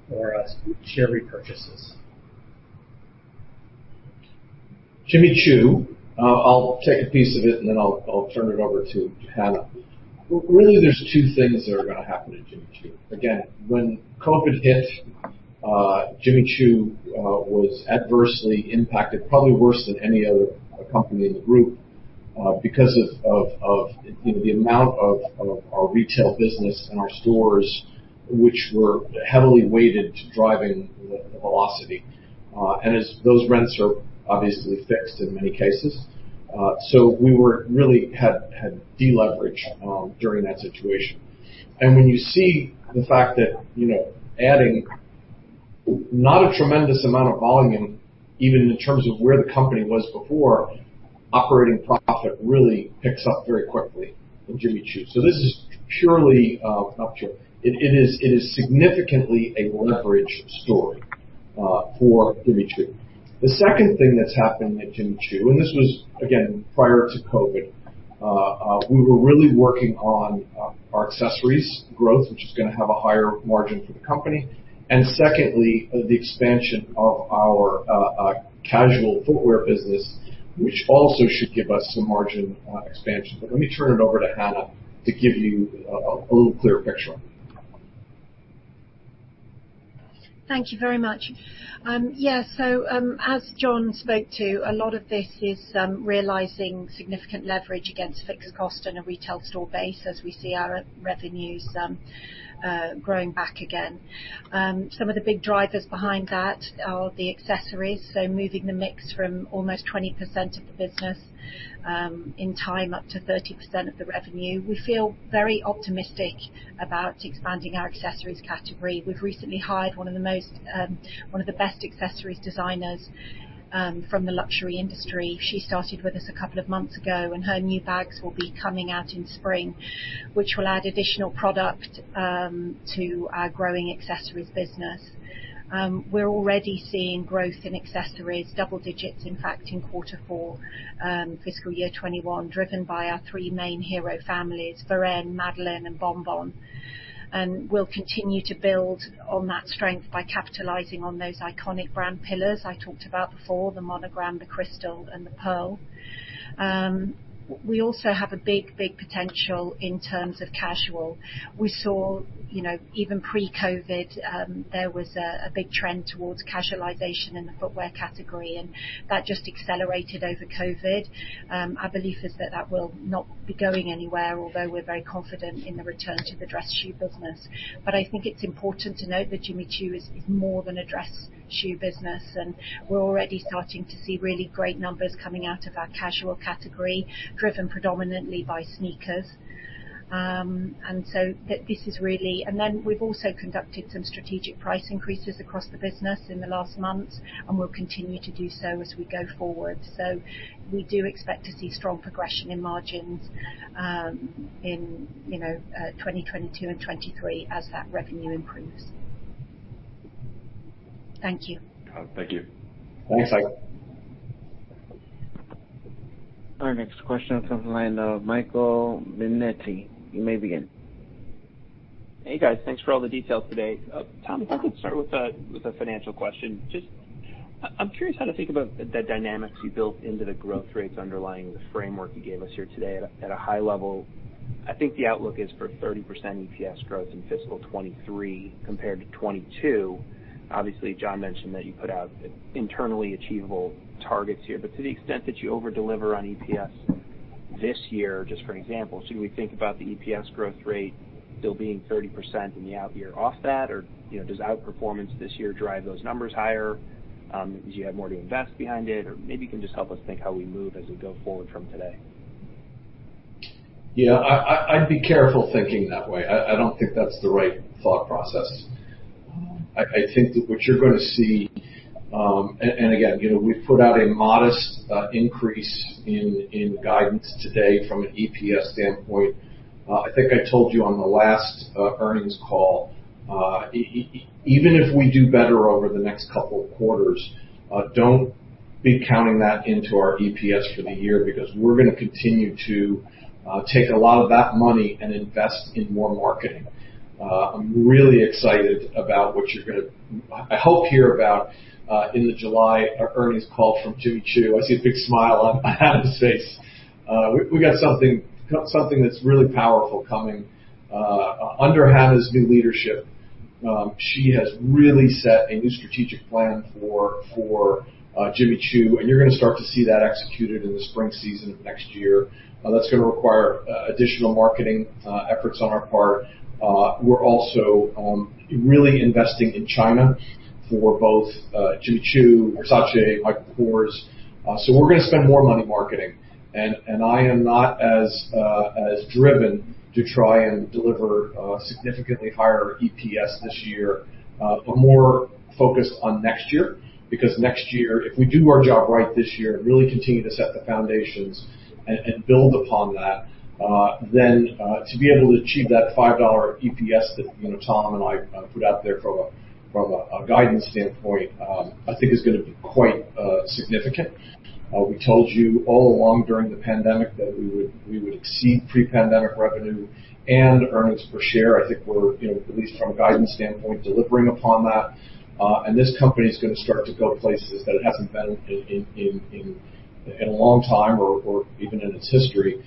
for share repurchases. Jimmy Choo, I'll take a piece of it and then I'll turn it over to Hannah. Really, there's two things that are going to happen to Jimmy Choo. Again, when COVID hit, Jimmy Choo was adversely impacted, probably worse than any other company in the group because of the amount of our retail business and our stores, which were heavily weighted to driving the velocity. As those rents are obviously fixed in many cases. We were really had de-leverage during that situation. When you see the fact that adding not a tremendous amount of volume, even in terms of where the company was before, operating profit really picks up very quickly in Jimmy Choo. This is purely up to It is significantly a leverage story for Jimmy Choo. The second thing that's happened at Jimmy Choo, and this was again prior to COVID, we were really working on our accessories growth, which is going to have a higher margin for the company. Secondly, the expansion of our casual footwear business, which also should give us some margin expansion. Let me turn it over to Hannah to give you a little clearer picture. Thank you very much. Yeah, as John spoke to, a lot of this is realizing significant leverage against fixed costs and a retail store base as we see our revenues growing back again. Some of the big drivers behind that are the accessories. Moving the mix from almost 20% of the business in time up to 30% of the revenue. We feel very optimistic about expanding our accessories category. We've recently hired one of the best accessories designers from the luxury industry. She started with us a couple of months ago, and her new bags will be coming out in spring, which will add additional product to our growing accessories business. We're already seeing growth in accessories, double digits, in fact, in quarter four, fiscal year 2021, driven by our three main hero families, VARENNE, Madeline, and Bon Bon. We'll continue to build on that strength by capitalizing on those iconic brand pillars I talked about before, the monogram, the crystal, and the pearl. We also have a big potential in terms of casual. We saw even pre-COVID, there was a big trend towards casualization in the footwear category, and that just accelerated over COVID. Our belief is that that will not be going anywhere, although we're very confident in the return to the dress shoe business. I think it's important to note that Jimmy Choo is more than a dress shoe business, and we're already starting to see really great numbers coming out of our casual category, driven predominantly by sneakers. We've also conducted some strategic price increases across the business in the last months, and we'll continue to do so as we go forward. We do expect to see strong progression in margins in 2022 and 2023 as that revenue improves. Thank you. Thank you. Thanks, Ike Our next question comes in the line of Michael Binetti. You may begin. Hey, guys. Thanks for all the details today. Tom, if I could start with a financial question. I'm curious how to think about the dynamics you built into the growth rates underlying the framework you gave us here today at a high level. I think the outlook is for 30% EPS growth in fiscal 2023 compared to 2022. Obviously, John mentioned that you put out internally achievable targets here. To the extent that you over-deliver on EPS this year, just for an example, should we think about the EPS growth rate still being 30% in the out year off that? Does outperformance this year drive those numbers higher because you have more to invest behind it? Maybe you can just help us think how we move as we go forward from today. Yeah. I'd be careful thinking that way. I don't think that's the right thought process. I think that what you're going to see, and again, we've put out a modest increase in guidance today from an EPS standpoint. I think I told you on the last earnings call, even if we do better over the next couple of quarters, don't be counting that into our EPS for the year because we're going to continue to take a lot of that money and invest in more marketing. I'm really excited about what you're going to, I hope, hear about in the July earnings call from Jimmy Choo. I see a big smile on Hannah's face. We got something that's really powerful coming under Hannah's new leadership. She has really set a new strategic plan for Jimmy Choo, and you're going to start to see that executed in the spring season of next year. That's going to require additional marketing efforts on our part. We're also really investing in China for both Jimmy Choo, Versace, Michael Kors. We're going to spend more money marketing, and I am not as driven to try and deliver significantly higher EPS this year. I'm more focused on next year, because next year, if we do our job right this year and really continue to set the foundations and build upon that, then to be able to achieve that $5 EPS that Tom and I put out there from a guidance standpoint, I think is going to be quite significant. We told you all along during the pandemic that we would exceed pre-pandemic revenue and earnings per share. I think we're, at least from a guidance standpoint, delivering upon that. This company is going to start to go places that it hasn't been in a long time or even in its history.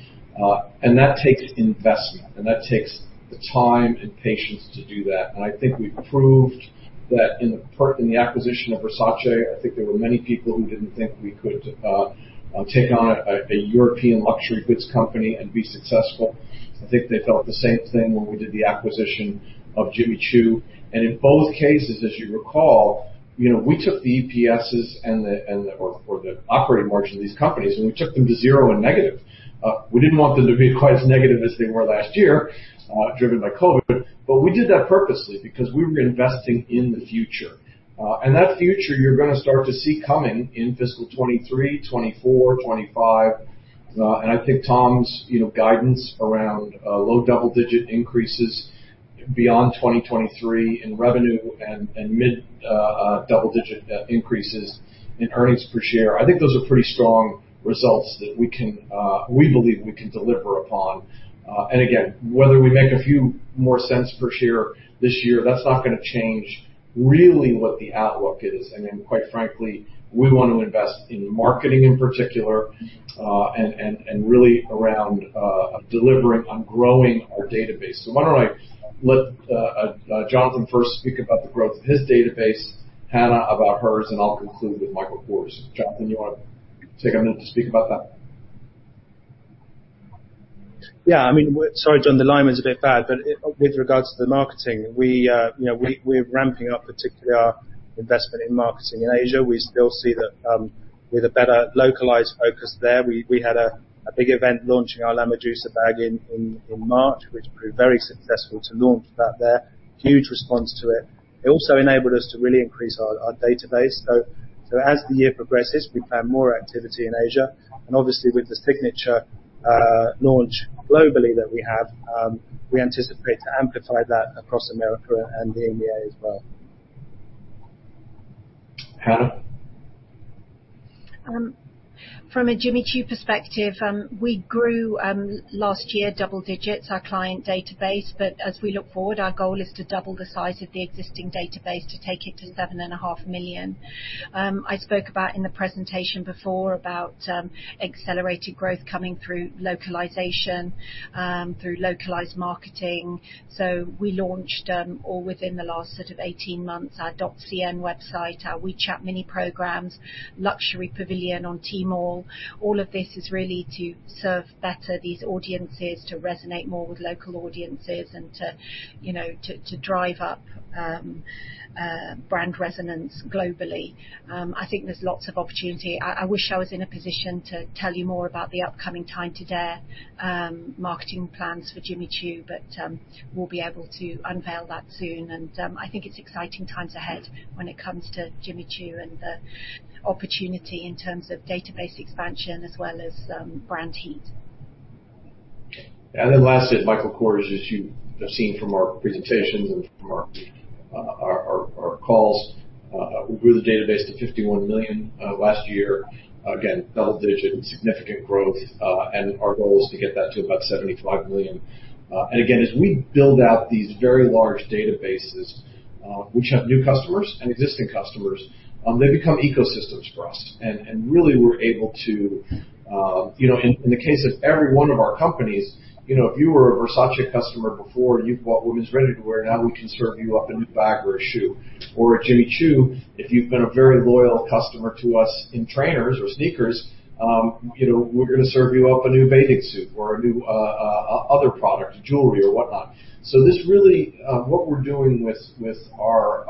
That takes investment, and that takes the time and patience to do that. I think we've proved that in the acquisition of Versace, I think there were many people who didn't think we could take on a European luxury goods company and be successful. I think they felt the same thing when we did the acquisition of Jimmy Choo. In both cases, as you recall, we took the EPSs or the operating margin of these companies, and we took them to zero and negative. We didn't want them to be quite as negative as they were last year, driven by COVID, but we did that purposely because we were investing in the future. That future, you're going to start to see coming in fiscal 2023, 2024, 2025. I think Tom's guidance around low double-digit increases beyond 2023 in revenue and mid double-digit increases in earnings per share. I think those are pretty strong results that we believe we can deliver upon. Again, whether we make a few more cents per share this year, that's not going to change really what the outlook is. Quite frankly, we want to invest in marketing in particular, and really around delivering on growing our database. Why don't I let Jonathan Akeroyd first speak about the growth of his database, Hannah Colman about hers, and I'll conclude with Michael Kors. Jonathan, you want to take a minute to speak about that? Yeah. Sorry, John, the line was a bit bad. With regards to the marketing, we're ramping up particularly our investment in marketing in Asia. We still see that with a better localized focus there. We had a big event launching our La Medusa bag in March, which proved very successful to launch that there. Huge response to it. It also enabled us to really increase our database. As the year progresses, we plan more activity in Asia. Obviously, with the Signature launch globally that we have, we anticipate to amplify that across America and the EMEA as well. Hannah? From a Jimmy Choo perspective, we grew last year, double digits, our client database, but as we look forward, our goal is to double the size of the existing database to take it to 7.5 million. I spoke about in the presentation before about accelerated growth coming through localization, through localized marketing. We launched, all within the last sort of 18 months, our .cn website, our WeChat mini programs, Tmall Luxury Pavilion. All of this is really to serve better these audiences, to resonate more with local audiences, and to drive up brand resonance globally. I think there's lots of opportunity. I wish I was in a position to tell you more about the upcoming Time to Dare marketing plans for Jimmy Choo, but we'll be able to unveil that soon. I think it's exciting times ahead when it comes to Jimmy Choo and the opportunity in terms of database expansion as well as brand heat. Lastly is Michael Kors, as you have seen from our presentations and from our calls. We grew the database to 51 million last year. Again, double digits, significant growth, and our goal is to get that to about 75 million. As we build out these very large databases, which have new customers and existing customers, they become ecosystems for us. We're able to In the case of every one of our companies, if you were a Versace customer before and you bought women's ready-to-wear, now we can serve you up a new bag or a shoe. At Jimmy Choo, if you've been a very loyal customer to us in trainers or sneakers, we're going to serve you up a new bathing suit or a new other product, jewelry or whatnot. This really, what we're doing with our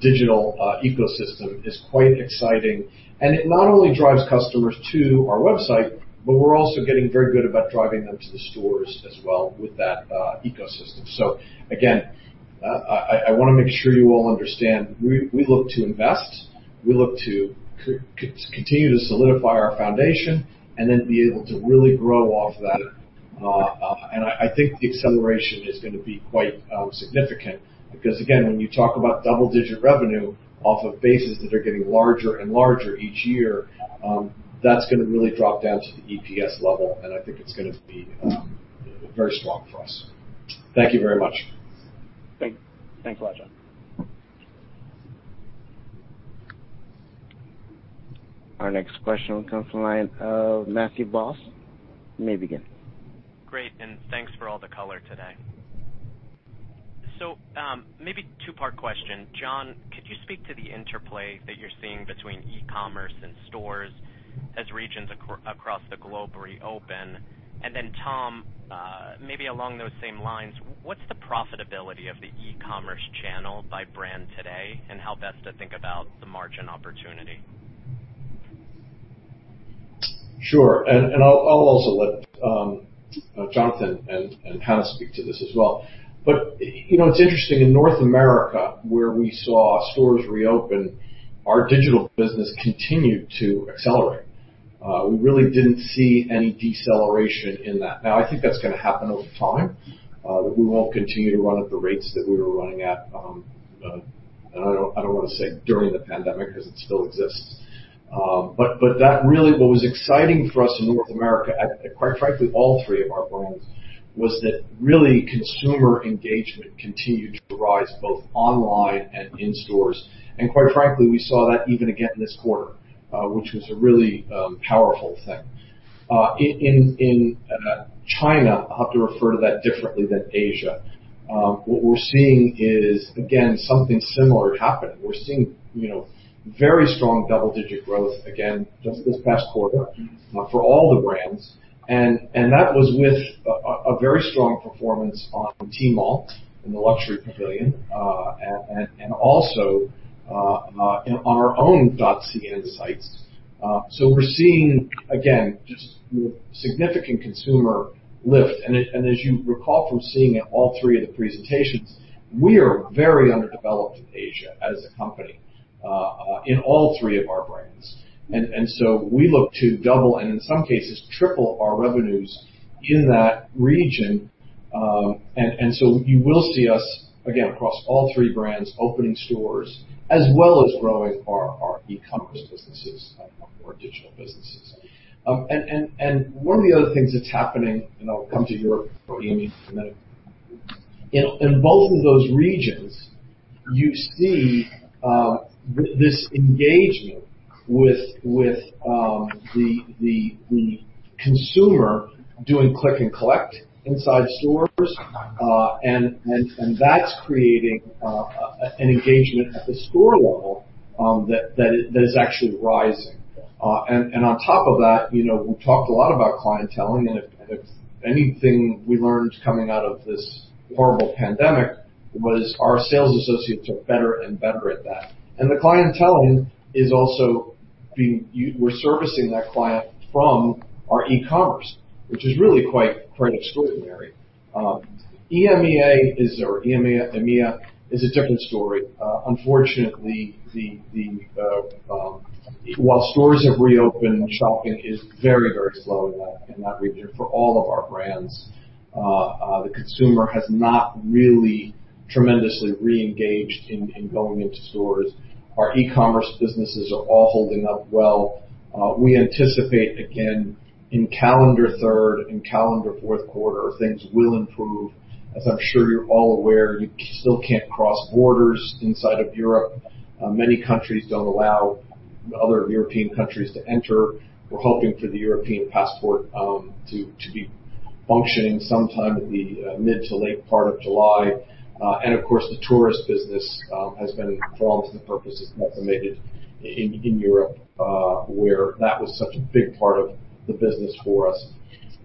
digital ecosystem is quite exciting, and it not only drives customers to our website, but we're also getting very good about driving them to the stores as well with that ecosystem. Again, I want to make sure you all understand, we look to invest, we look to continue to solidify our foundation, and then be able to really grow off that. I think the acceleration is going to be quite significant because, again, when you talk about double-digit revenue off of bases that are getting larger and larger each year, that's going to really drop down to the EPS level, and I think it's going to be very strong for us. Thank you very much. Thank you. Thanks a lot, John. Our next question will come from the line of Matthew Boss, you may begin. Great, thanks for all the color today. Maybe a two-part question. John, could you speak to the interplay that you're seeing between e-commerce and stores as regions across the globe reopen? Tom, maybe along those same lines, what's the profitability of the e-commerce channel by brand today, and how best to think about the margin opportunity? Sure. I'll also let Jonathan and Hannah speak to this as well. It's interesting, in North America, where we saw stores reopen, our digital business continued to accelerate. We really didn't see any deceleration in that. Now, I think that's going to happen over time. We won't continue to run at the rates that we were running at, I don't want to say during the pandemic because it still exists. What was exciting for us in North America, and quite frankly, all three of our brands, was that really consumer engagement continued to rise both online and in stores, and quite frankly, we saw that even again this quarter, which was a really powerful thing. In China, I'll have to refer to that differently than Asia. What we're seeing is, again, something similar happen. We're seeing very strong double-digit growth, again, just this past quarter for all the brands. That was with a very strong performance on Tmall in the Luxury Pavilion, also on our own dot CN sites. We're seeing, again, just significant consumer lift. As you recall from seeing it in all three of the presentations, we are very underdeveloped in Asia as a company in all three of our brands. We look to double and in some cases triple our revenues in that region. You will see us, again, across all three brands, opening stores as well as growing our e-commerce businesses or digital businesses. One of the other things that's happening, I'll come to Europe before you, in both of those regions, you see this engagement with the consumer doing click and collect inside stores, and that's creating an engagement at the store level that is actually rising. On top of that, we've talked a lot about clienteling, and if anything we learned coming out of this horrible pandemic was our sales associates got better and better at that. The clienteling is also, we're servicing that client from our e-commerce, which is really quite extraordinary. EMEA is a different story. Unfortunately, while stores have reopened, shopping is very, very slow in that region for all of our brands. The consumer has not really tremendously reengaged in going into stores. Our e-commerce businesses are all holding up well. We anticipate, again, in calendar third and calendar fourth quarter, things will improve. As I'm sure you're all aware, you still can't cross borders inside of Europe. Many countries don't allow other European countries to enter. We're hoping for the European passport to be functioning sometime in the mid to late part of July, and of course, the tourist business has been forlorn for purposes of what's permitted in Europe, where that was such a big part of the business for us.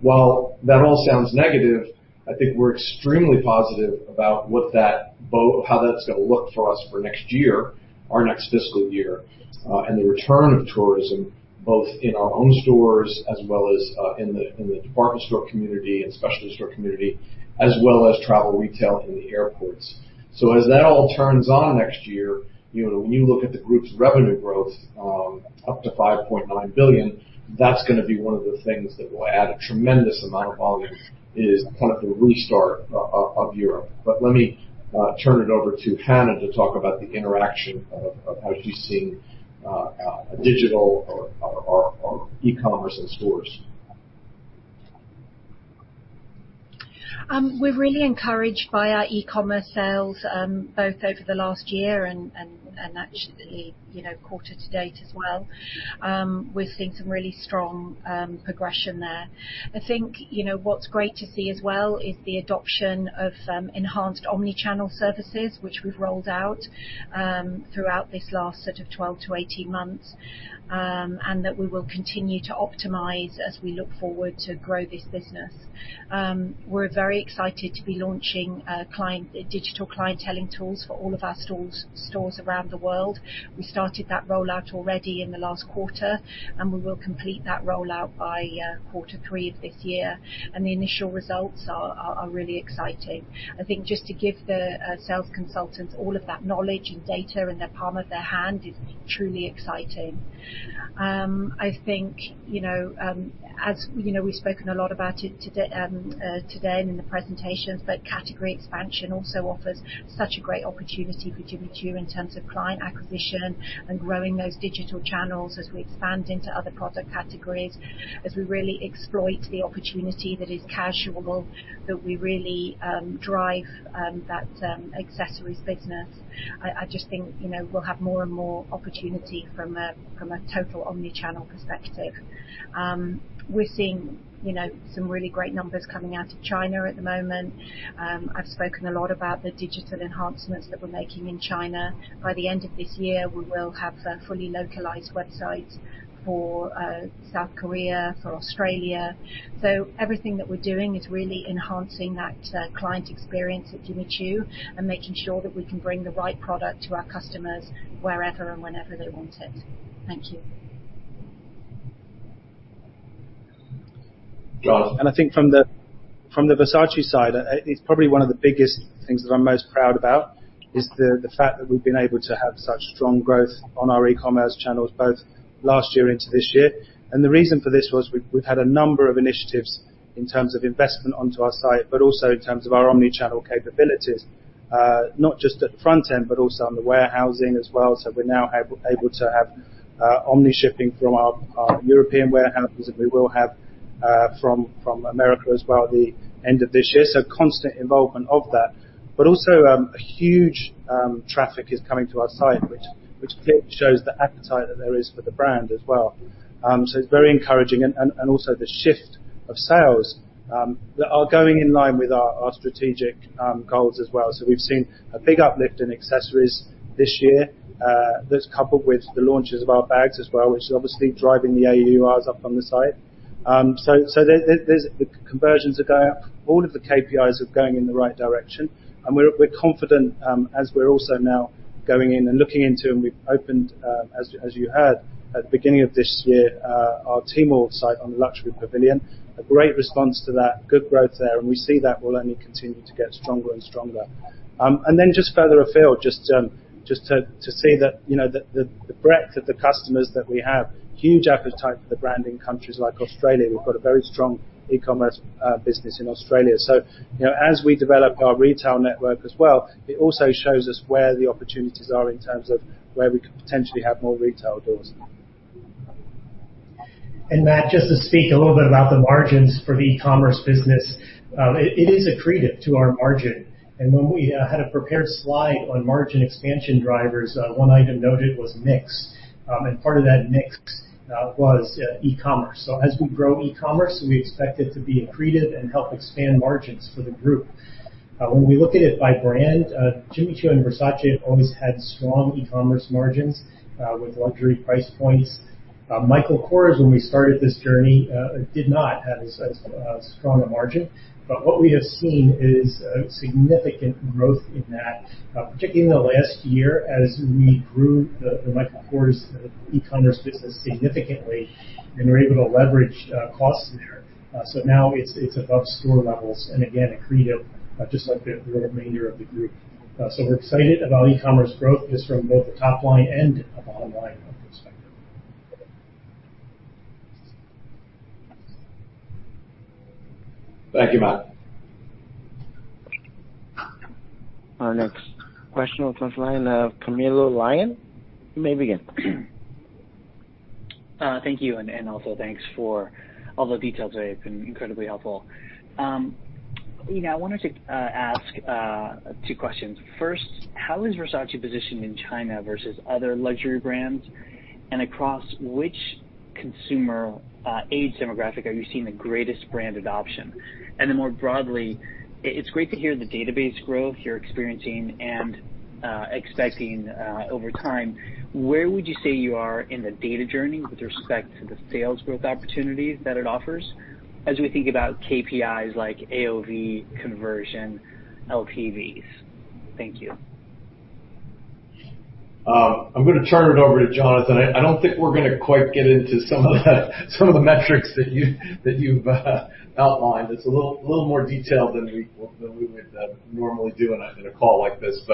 While that all sounds negative, I think we're extremely positive about how that's going to look for us for next year, our next fiscal year, and the return of tourism, both in our own stores as well as in the department store community and specialist store community, as well as travel retail in the airports. As that all turns on next year, when you look at the group's revenue growth up to $5.9 billion, that's going to be one of the things that will add a tremendous amount of volume is the restart of Europe. Let me turn it over to Hannah to talk about the interaction of how she's seeing digital or e-commerce in stores. We're really encouraged by our e-commerce sales both over the last year and actually quarter to date as well. We're seeing some really strong progression there. I think what's great to see as well is the adoption of enhanced omni-channel services, which we've rolled out throughout this last set of 12-18 months, and that we will continue to optimize as we look forward to grow this business. We're very excited to be launching digital clienteling tools for all of our stores around the world. We started that rollout already in the last quarter, and we will complete that rollout by quarter three of this year, and the initial results are really exciting. I think just to give the sales consultants all of that knowledge and data in the palm of their hand is truly exciting. I think, as we've spoken a lot about it today in the presentations, but category expansion also offers such a great opportunity for Jimmy Choo in terms of client acquisition and growing those digital channels as we expand into other product categories, as we really exploit the opportunity that is casual, that we really drive that accessories business. I just think we'll have more and more opportunity from a total omni-channel perspective. We're seeing some really great numbers coming out of China at the moment. I've spoken a lot about the digital enhancements that we're making in China. By the end of this year, we will have a fully localized website for South Korea, for Australia. Everything that we're doing is really enhancing that client experience at Jimmy Choo and making sure that we can bring the right product to our customers wherever and whenever they want it. Thank you. I think from the Versace side, it's probably one of the biggest things that I'm most proud about is the fact that we've been able to have such strong growth on our e-commerce channels both last year into this year. The reason for this was we've had a number of initiatives in terms of investment onto our site, but also in terms of our omni-channel capabilities, not just at front end, but also on the warehousing as well. We're now able to have omni-shipping from our European warehouses, and we will have from America as well at the end of this year. Constant involvement of that. Also a huge traffic is coming to our site, which shows the appetite that there is for the brand as well. It's very encouraging. Also the shift of sales that are going in line with our strategic goals as well, se've seen a big uplift in accessories this year. That's coupled with the launches of our bags as well, which is obviously driving the AURs up on the site. The conversions are going up. All of the KPIs are going in the right direction, we're confident, as we're also now going in and looking into, and we've opened, as you heard, at the beginning of this year, our Tmall site on Luxury Pavilion. A great response to that. Good growth there, we see that will only continue to get stronger and stronger. Then just further afield, just to see the breadth of the customers that we have, huge appetite for the brand in countries like Australia. We've got a very strong e-commerce business in Australia. As we develop our retail network as well, it also shows us where the opportunities are in terms of where we could potentially have more retail doors. Matt, just to speak a little bit about the margins for the e-commerce business, it is accretive to our margin. When we had a prepared slide on margin expansion drivers, one item noted was mix, and part of that mix was e-commerce. As we grow e-commerce, we expect it to be accretive and help expand margins for the group. When we look at it by brand, Jimmy Choo and Versace have always had strong e-commerce margins with luxury price points. Michael Kors, when we started this journey, did not have as strong a margin. What we have seen is significant growth in that, particularly in the last year as we grew the Michael Kors e-commerce business significantly and were able to leverage costs in there. Now it's above store levels and again, accretive just like the remainder of the group. We're excited about e-commerce growth just from both the top line and the bottom line perspective. Thank you, Matt. Our next question comes from the line of Camilo Lyon. You may begin. Thank you, also thanks for all the details today. It's been incredibly helpful. I wanted to ask two questions. First, how is Versace positioned in China versus other luxury brands? Across which consumer age demographic are you seeing the greatest brand adoption? Then more broadly, it's great to hear the database growth you're experiencing and expecting over time. Where would you say you are in the data journey with respect to the sales growth opportunities that it offers as we think about KPIs like AOV conversion LTVs? Thank you. I'm going to turn it over to Jonathan. I don't think we're going to quite get into some of the metrics that you've outlined. It's a little more detailed than we would normally do in a call like this.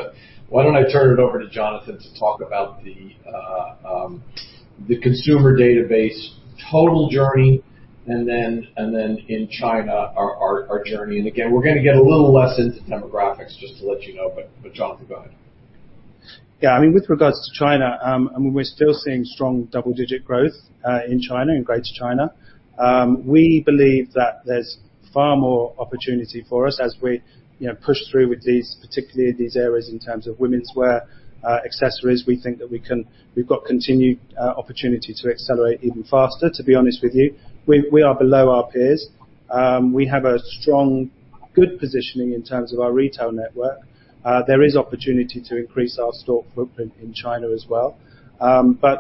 Why don't I turn it over to Jonathan to talk about the consumer database total journey, and then in China, our journey. Again, we're going to get a little less into demographics, just to let you know. Jonathan, go ahead. Yeah. With regards to China, we're still seeing strong double-digit growth in China, in Greater China. We believe that there's far more opportunity for us as we push through with these, particularly these areas in terms of womenswear, accessories. We think that we've got continued opportunity to accelerate even faster, to be honest with you. We are below our peers. We have a strong, good positioning in terms of our retail network. There is opportunity to increase our store footprint in China as well.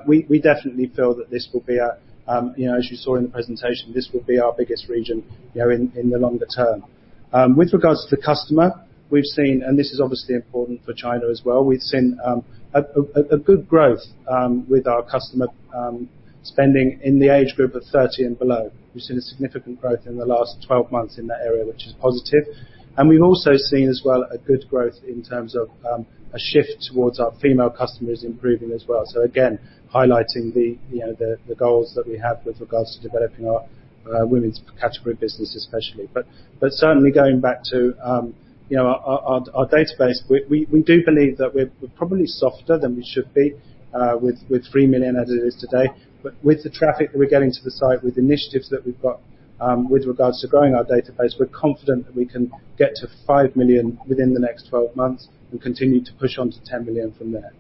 We definitely feel that this will be, as you saw in the presentation, this will be our biggest region in the longer term. With regards to the customer, this is obviously important for China as well, we've seen a good growth with our customer spending in the age group of 30 and below. We've seen a significant growth in the last 12 months in that area, which is positive, and we've also seen as well a good growth in terms of a shift towards our female customers improving as well. Again, highlighting the goals that we have with regards to developing our women's category business especially. Certainly going back to our database, we do believe that we're probably softer than we should be with three million as it is today. With the traffic that we're getting to the site, with initiatives that we've got with regards to growing our database, we're confident that we can get to five million within the next 12 months and continue to push on to 10 million from there.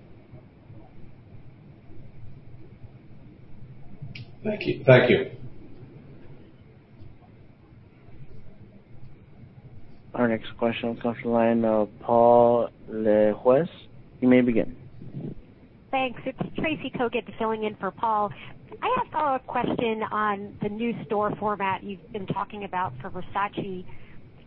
Thank you. Thank you. Our next question comes from the line of Paul Lejuez. You may begin. Thanks. It's Tracy Kogan filling in for Paul Lejuez. Can I ask a question on the new store format you've been talking about for Versace?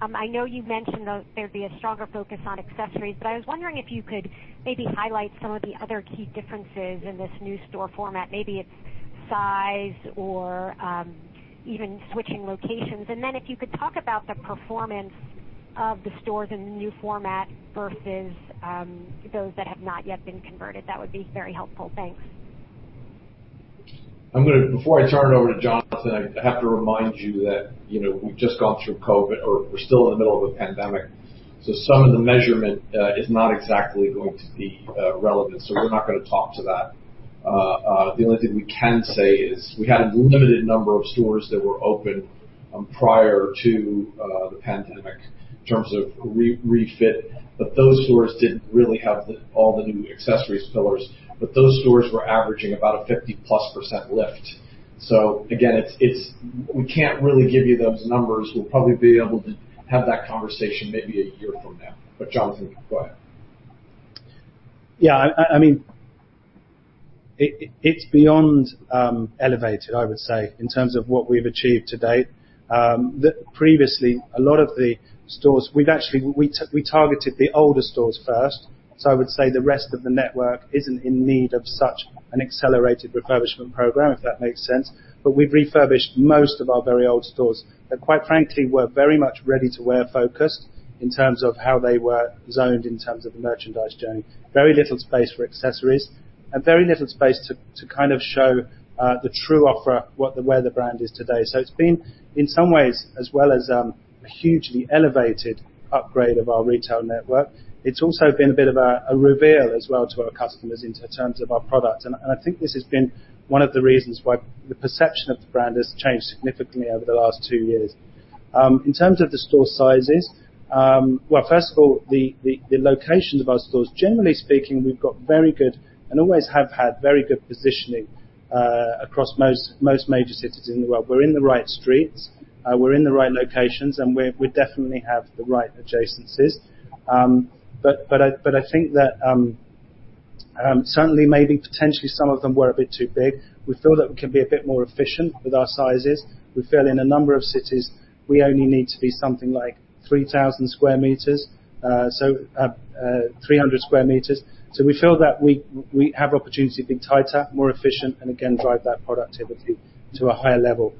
I know you mentioned that there'd be a stronger focus on accessories. I was wondering if you could maybe highlight some of the other key differences in this new store format, maybe its size or even switching locations. If you could talk about the performance of the stores in the new format versus those that have not yet been converted, that would be very helpful. Thanks. Before I turn it over to Jonathan, I have to remind you that we've just gone through COVID, or we're still in the middle of a pandemic, so some of the measurement is not exactly going to be relevant. We're not going to talk to that. The only thing we can say is we had a limited number of stores that were open prior to the pandemic in terms of refit. Those stores didn't really have all the new accessories pillars, but those stores were averaging about a 50+% lift. Again, we can't really give you those numbers. We'll probably be able to have that conversation maybe a year from now. Jonathan, go ahead. Yeah. It's beyond elevated, I would say, in terms of what we've achieved to date. Previously, a lot of the stores, we targeted the older stores first. I would say the rest of the network isn't in need of such an accelerated refurbishment program, if that makes sense. We've refurbished most of our very old stores that, quite frankly, were very much ready-to-wear focused in terms of how they were zoned in terms of merchandise journey. Very little space for accessories and very little space to show the true offer where the brand is today. It's been, in some ways, as well as a hugely elevated upgrade of our retail network, it's also been a bit of a reveal as well to our customers in terms of our product. I think this has been one of the reasons why the perception of the brand has changed significantly over the last two years. In terms of the store sizes, first of all, the location of our stores, generally speaking, we've got very good, and always have had very good positioning across most major cities in the world. We're in the right streets, we're in the right locations, we definitely have the right adjacencies. I think that certainly, maybe potentially some of them were a bit too big. We feel that we can be a bit more efficient with our sizes. We feel in a number of cities, we only need to be something like 3,000 sq m, so 300 sq m. We feel that we have opportunity to be tighter, more efficient, and again, drive that productivity to a higher level.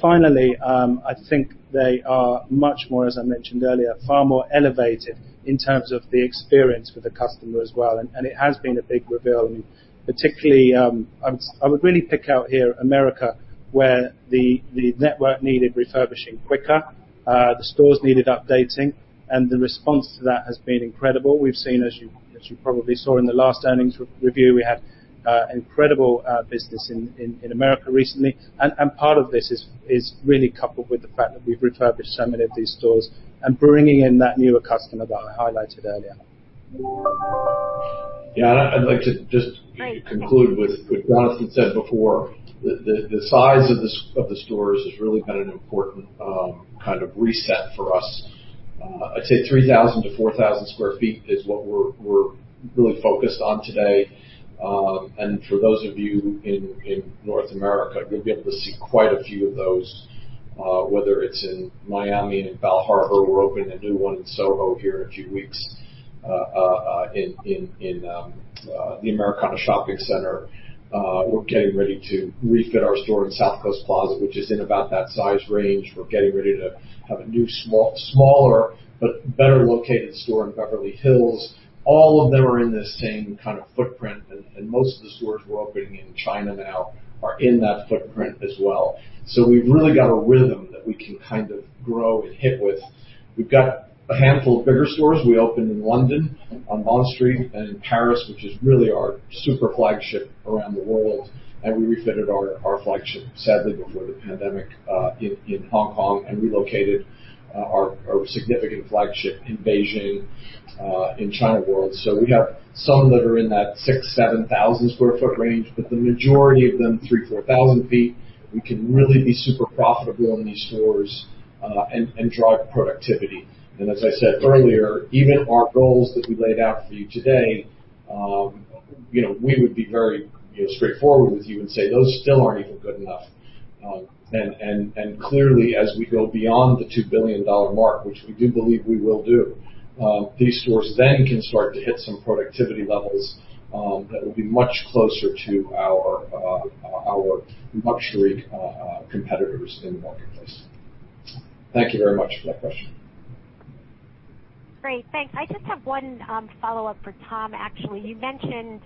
Finally, I think they are much more, as I mentioned earlier, far more elevated in terms of the experience for the customer as well, and it has been a big reveal. Particularly, I would really pick out here Americana Manhasset, where the network needed refurbishing quicker, the stores needed updating, and the response to that has been incredible. We've seen, as you probably saw in the last earnings review, we had incredible business in America recently, and part of this is really coupled with the fact that we've refurbished so many of these stores and bringing in that newer customer that I highlighted earlier. Yeah. I'd like to just conclude with what Jonathan said before. The size of the stores has really been an important kind of reset for us. I'd say 3,000 to 4,000 sq ft is what we're really focused on today. For those of you in North America, you'll be able to see quite a few of those, whether it's in Miami, in Bal Harbour. We're opening a new one in SoHo here in a few weeks in the Americana Shopping Center. We're getting ready to refit our store in South Coast Plaza, which is in about that size range. We're getting ready to have a new, smaller, but better-located store in Beverly Hills. All of them are in the same kind of footprint. Most of the stores we're opening in China now are in that footprint as well. We've really got a rhythm that we can grow and hit with. We've got a handful of bigger stores we opened in London on Bond Street and in Paris, which is really our super flagship around the world. We refitted our flagship, sadly before the pandemic, in Hong Kong, and relocated our significant flagship in Beijing, in China World. We have some that are in that 6,000, 7,000 sq ft range, but the majority of them, 3,000 ft, 4,000 ft. We can really be super profitable in these stores and drive productivity. As I said earlier, even our goals that we laid out for you today, we would be very straightforward with you and say, "Those still aren't even good enough." Clearly, as we go beyond the $2 billion mark, which we do believe we will do, these stores then can start to hit some productivity levels that will be much closer to our luxury competitors in the marketplace. Thank you very much for that question. Great, thanks. I just have one follow-up for Tom, actually. You mentioned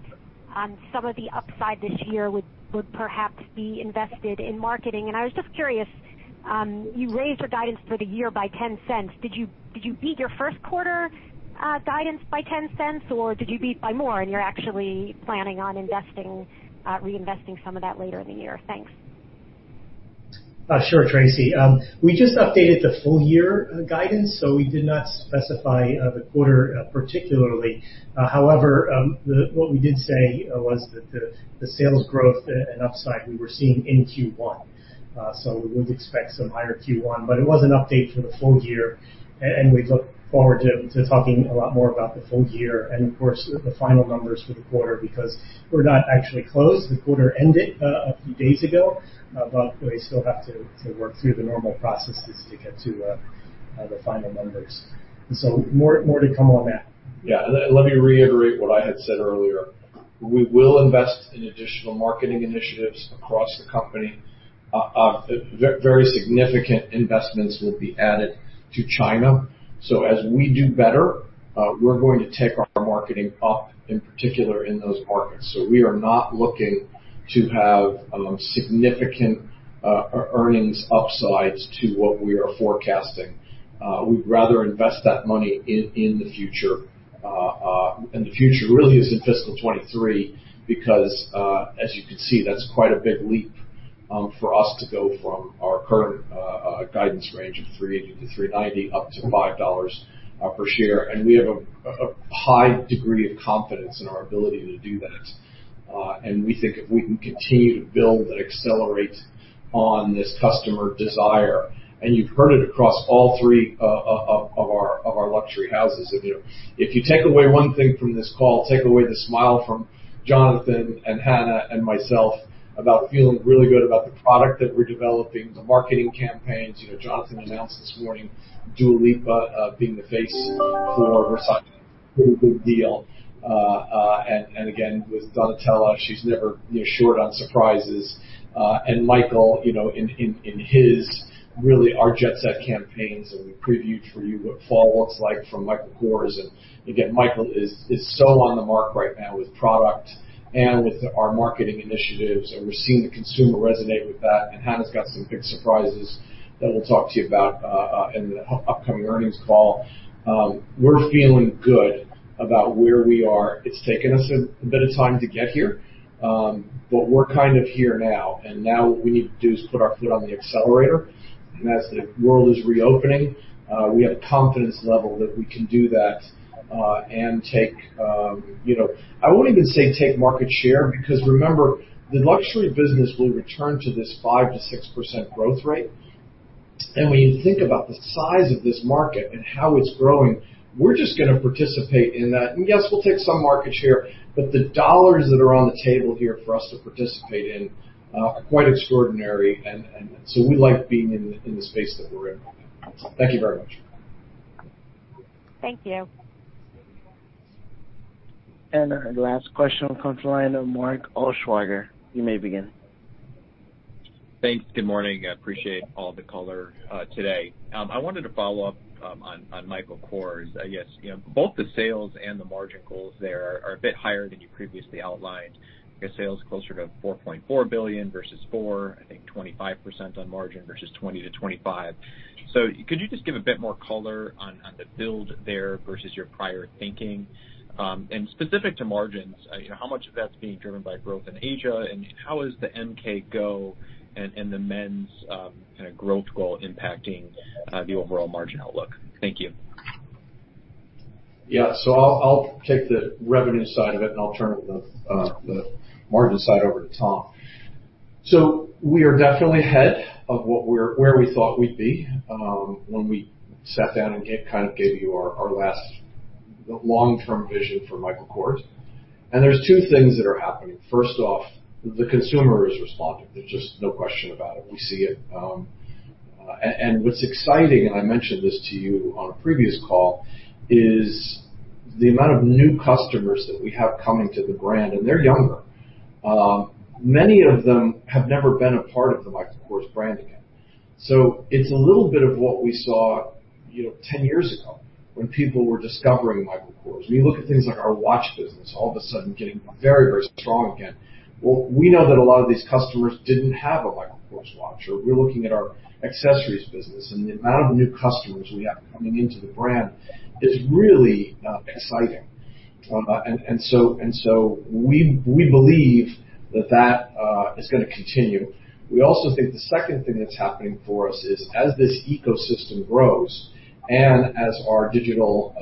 some of the upside this year would perhaps be invested in marketing. I was just curious, you raised your guidance for the year by $0.10. Did you beat your 1st quarter guidance by $0.10, or did you beat by more and you're actually planning on reinvesting some of that later in the year? Thanks. Sure, Tracy. We just updated the full-year guidance. We did not specify the quarter particularly. What we did say was that the sales growth and upside we were seeing in Q1. We would expect some higher Q1. It was an update for the full-year, and we look forward to talking a lot more about the full-year and of course, the final numbers for the quarter, because we're not actually closed. The quarter ended a few days ago. We still have to work through the normal processes to get to the final numbers. More to come on that. Yeah. Let me reiterate what I had said earlier. We will invest in additional marketing initiatives across the company. Very significant investments will be added to China. As we do better, we're going to take our marketing up, in particular in those markets. We are not looking to have significant earnings upsides to what we are forecasting. We'd rather invest that money in the future, and the future really is in fiscal 2023 because, as you can see, that's quite a big leap for us to go from our current guidance range of $3.80-$3.90 up to $5 per share. We have a high degree of confidence in our ability to do that. We think if we can continue to build and accelerate on this customer desire, and you've heard it across all three of our luxury houses. If you take away one thing from this call, take away the smile from Jonathan and Hannah and myself about feeling really good about the product that we're developing, the marketing campaigns. Jonathan announced this morning Dua Lipa being the face for Versace. Pretty big deal. With Donatella, she's never really short on surprises. Michael in his, really, our Jet Set campaigns, and we previewed for you what fall looks like for Michael Kors. Michael is so on the mark right now with product and with our marketing initiatives, and we're seeing the consumer resonate with that. Hannah's got some big surprises that we'll talk to you about in the upcoming earnings call. We're feeling good about where we are. It's taken us a bit of time to get here, but we're kind of here now, and now what we need to do is put our foot on the accelerator. As the world is reopening, we have confidence level that we can do that, and take, I won't even say take market share, because remember, the luxury business will return to this 5%-6% growth rate. When you think about the size of this market and how it's growing, we're just going to participate in that. Yes, we'll take some market share, but the dollars that are on the table here for us to participate in are quite extraordinary, and so we like being in the space that we're in. Thank you very much. Thank you. Our last question will come from the line of Mark Altschwager. You may begin. Thanks. Good morning. I appreciate all the color today. I wanted to follow up on Michael Kors. I guess both the sales and the margin goals there are a bit higher than you previously outlined. I guess sales closer to $4.4 billion versus $4 billion, I think 25% on margin versus 20%-25%. Could you just give a bit more color on the build there versus your prior thinking? Specific to margins, how much of that's being driven by growth in Asia, and how is the MK Go and the men's growth goal impacting the overall margin outlook? Thank you. I'll take the revenue side of it, and I'll turn the margin side over to Tom. We are definitely ahead of where we thought we'd be when we sat down and gave you our last long-term vision for Michael Kors. There's two things that are happening. First off, the consumer is responding. There's just no question about it. We see it. What's exciting, and I mentioned this to you on a previous call, is the amount of new customers that we have coming to the brand, and they're younger. Many of them have never been a part of the Michael Kors brand again. It's a little bit of what we saw 10 years ago when people were discovering Michael Kors. We look at things like our watch business all of a sudden getting very strong again. We know that a lot of these customers didn't have a Michael Kors watch, or we're looking at our accessories business, and the amount of new customers we have coming into the brand is really exciting. We believe that is going to continue. We also think the second thing that's happening for us is as this ecosystem grows and as our digital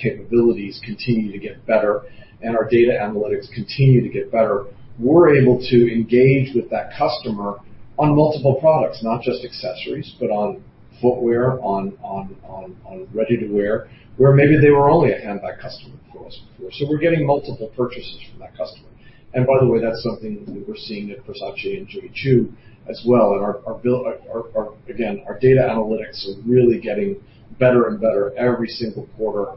capabilities continue to get better and our data analytics continue to get better, we're able to engage with that customer on multiple products. Not just accessories, but on footwear, on ready-to-wear, where maybe they were only a handbag customer for us before. We're getting multiple purchases from that customer. By the way, that's something that we're seeing at Versace and Jimmy Choo as well. Again, our data analytics are really getting better and better every single quarter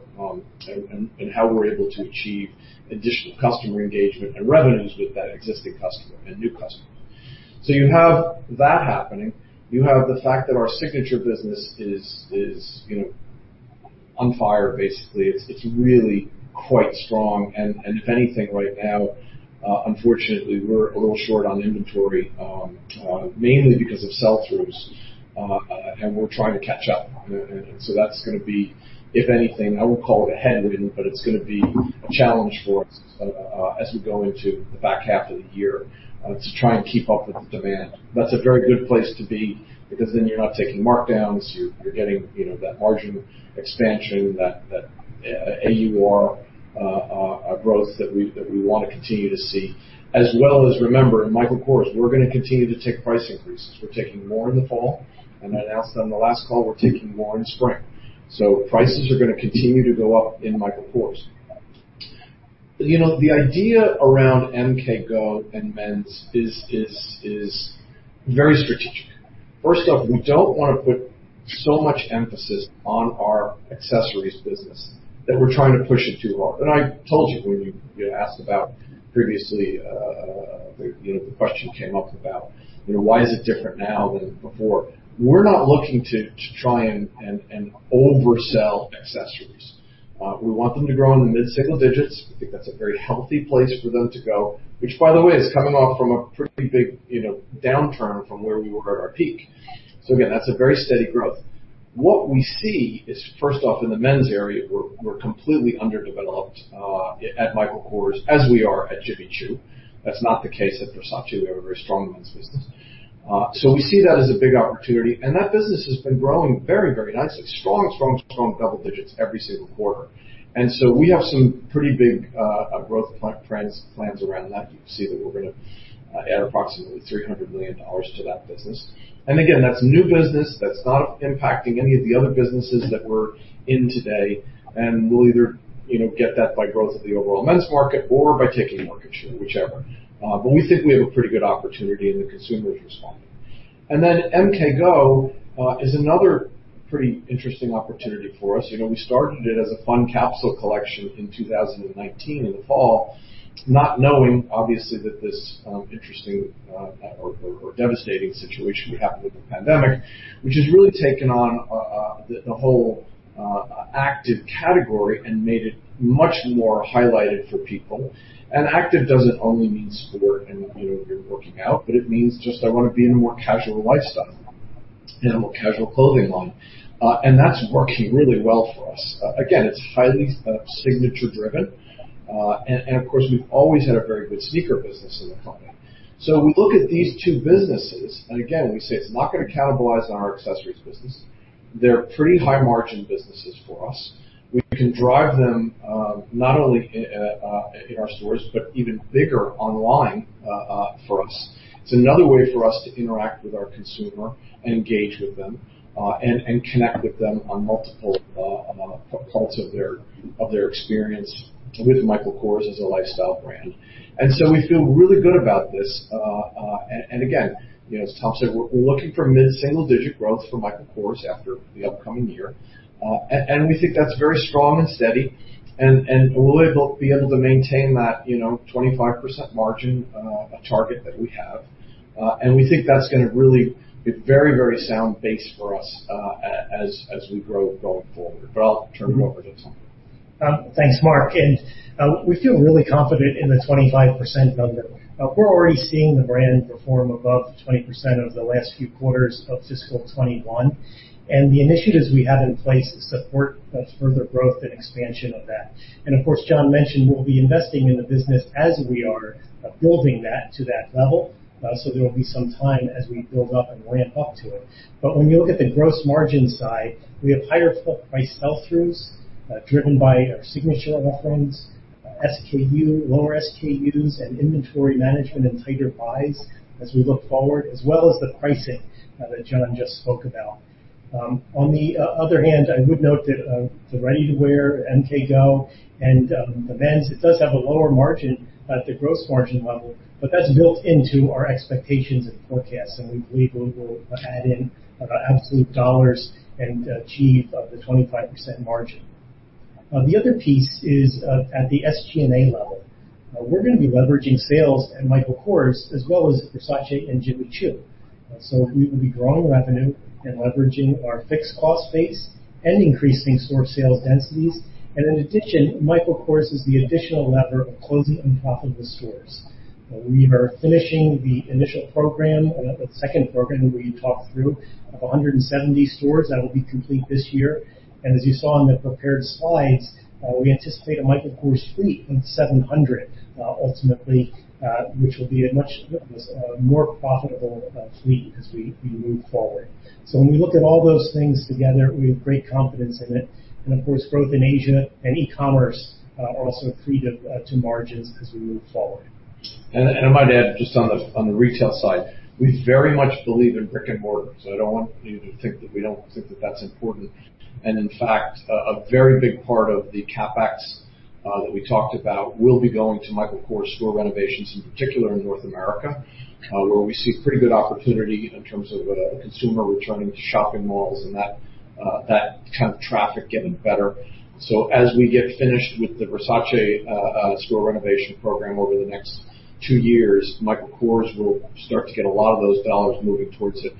in how we're able to achieve additional customer engagement and revenues with that existing customer and new customer. You have that happening. You have the fact that our signature business is on fire, basically. It's really quite strong. If anything, right now, unfortunately, we're a little short on inventory, mainly because of sell-throughs. We're trying to catch up. That's going to be, if anything, I won't call it a headwind, but it's going to be a challenge for us as we go into the back half of the year to try and keep up with the demand. That's a very good place to be because then you're not taking markdowns. You're getting that margin expansion, that AUR growth that we want to continue to see. As well as remember, in Michael Kors, we're going to continue to take price increases. We're taking more in the fall, I announced on the last call we're taking more in spring. Prices are going to continue to go up in Michael Kors. The idea around MK Go and men's is very strategic. First off, we don't want to put so much emphasis on our accessories business that we're trying to push it too hard. I told you when you asked about previously, the question came up about why is it different now than before? We're not looking to try and oversell accessories. We want them to grow in the mid-single digits. We think that's a very healthy place for them to go, which by the way, is coming off from a pretty big downturn from where we were at our peak. Again, that's a very steady growth. What we see is, first off, in the men's area, we're completely underdeveloped at Michael Kors, as we are at Jimmy Choo. That's not the case at Versace. We have a very strong men's business. We see that as a big opportunity. That business has been growing very nicely. Strong double digits every single quarter. We have some pretty big growth plans around that. You can see that we're going to add approximately $300 million to that business. Again, that's new business that's not impacting any of the other businesses that we're in today. We'll either get that by growth of the overall men's market or by taking market share, whichever. We think we have a pretty good opportunity, and the consumer is responding. MK Go is another pretty interesting opportunity for us. We started it as a fun capsule collection in 2019 in the fall, not knowing, obviously, that this interesting or devastating situation we have with the pandemic, which has really taken on the whole active category and made it much more highlighted for people. Active doesn't only mean sport and you're working out, but it means just I want to be in a more casual lifestyle, in a more casual clothing line. That's working really well for us. Again, it's highly signature driven, and of course, we've always had a very good sneaker business in the company. We look at these two businesses, again, we say it's not going to cannibalize our accessories business. They're pretty high-margin businesses for us. We can drive them not only in our stores, but even bigger online for us. It's another way for us to interact with our consumer, engage with them, and connect with them on multiple parts of their experience with Michael Kors as a lifestyle brand. We feel really good about this. Again, as Tom said, we're looking for mid-single-digit growth for Michael Kors after the upcoming year, and we think that's very strong and steady, and we'll be able to maintain that 25% margin target that we have. We think that's going to really be very, very sound base for us as we grow going forward. I'll turn it over to Tom. Thanks, Mark. We feel really confident in the 25% number. We're already seeing the brand perform above the 20% over the last few quarters of fiscal 2021. The initiatives we have in place support that further growth and expansion of that. Of course, John mentioned we'll be investing in the business as we are building that to that level. There'll be some time as we build up and ramp up to it. When you look at the gross margin side, we have higher price-throughs driven by our signature offerings, lower SKUs, and inventory management and tighter buys as we look forward, as well as the pricing that John just spoke about. On the other hand, I would note that the ready-to-wear, MK Go, and the men's, it does have a lower margin at the gross margin level, but that's built into our expectations and forecasts, and we believe we will add in absolute dollars and achieve the 25% margin. The other piece is at the SG&A level. We're going to be leveraging sales at Michael Kors as well as Versace and Jimmy Choo. We will be growing revenue and leveraging our fixed cost base and increasing store sales densities. In addition, Michael Kors is the additional lever of closing unprofitable stores. We are finishing the initial program, the second program that we talked through, of 170 stores that will be complete this year. As you saw in the prepared slides, we anticipate a Michael Kors fleet of 700 ultimately, which will be a much more profitable fleet as we move forward. When we look at all those things together, we have great confidence in it. Of course, growth in Asia and e-commerce also accretive to margins as we move forward. I might add, just on the retail side, we very much believe in brick and mortar. I don't want you to think that we don't think that that's important. In fact, a very big part of the CapEx that we talked about will be going to Michael Kors store renovations, in particular in North America, where we see a pretty good opportunity in terms of a consumer returning to shopping malls and that kind of traffic getting better. As we get finished with the Versace store renovation program over the next two years, Michael Kors will start to get a lot of those dollars moving towards it.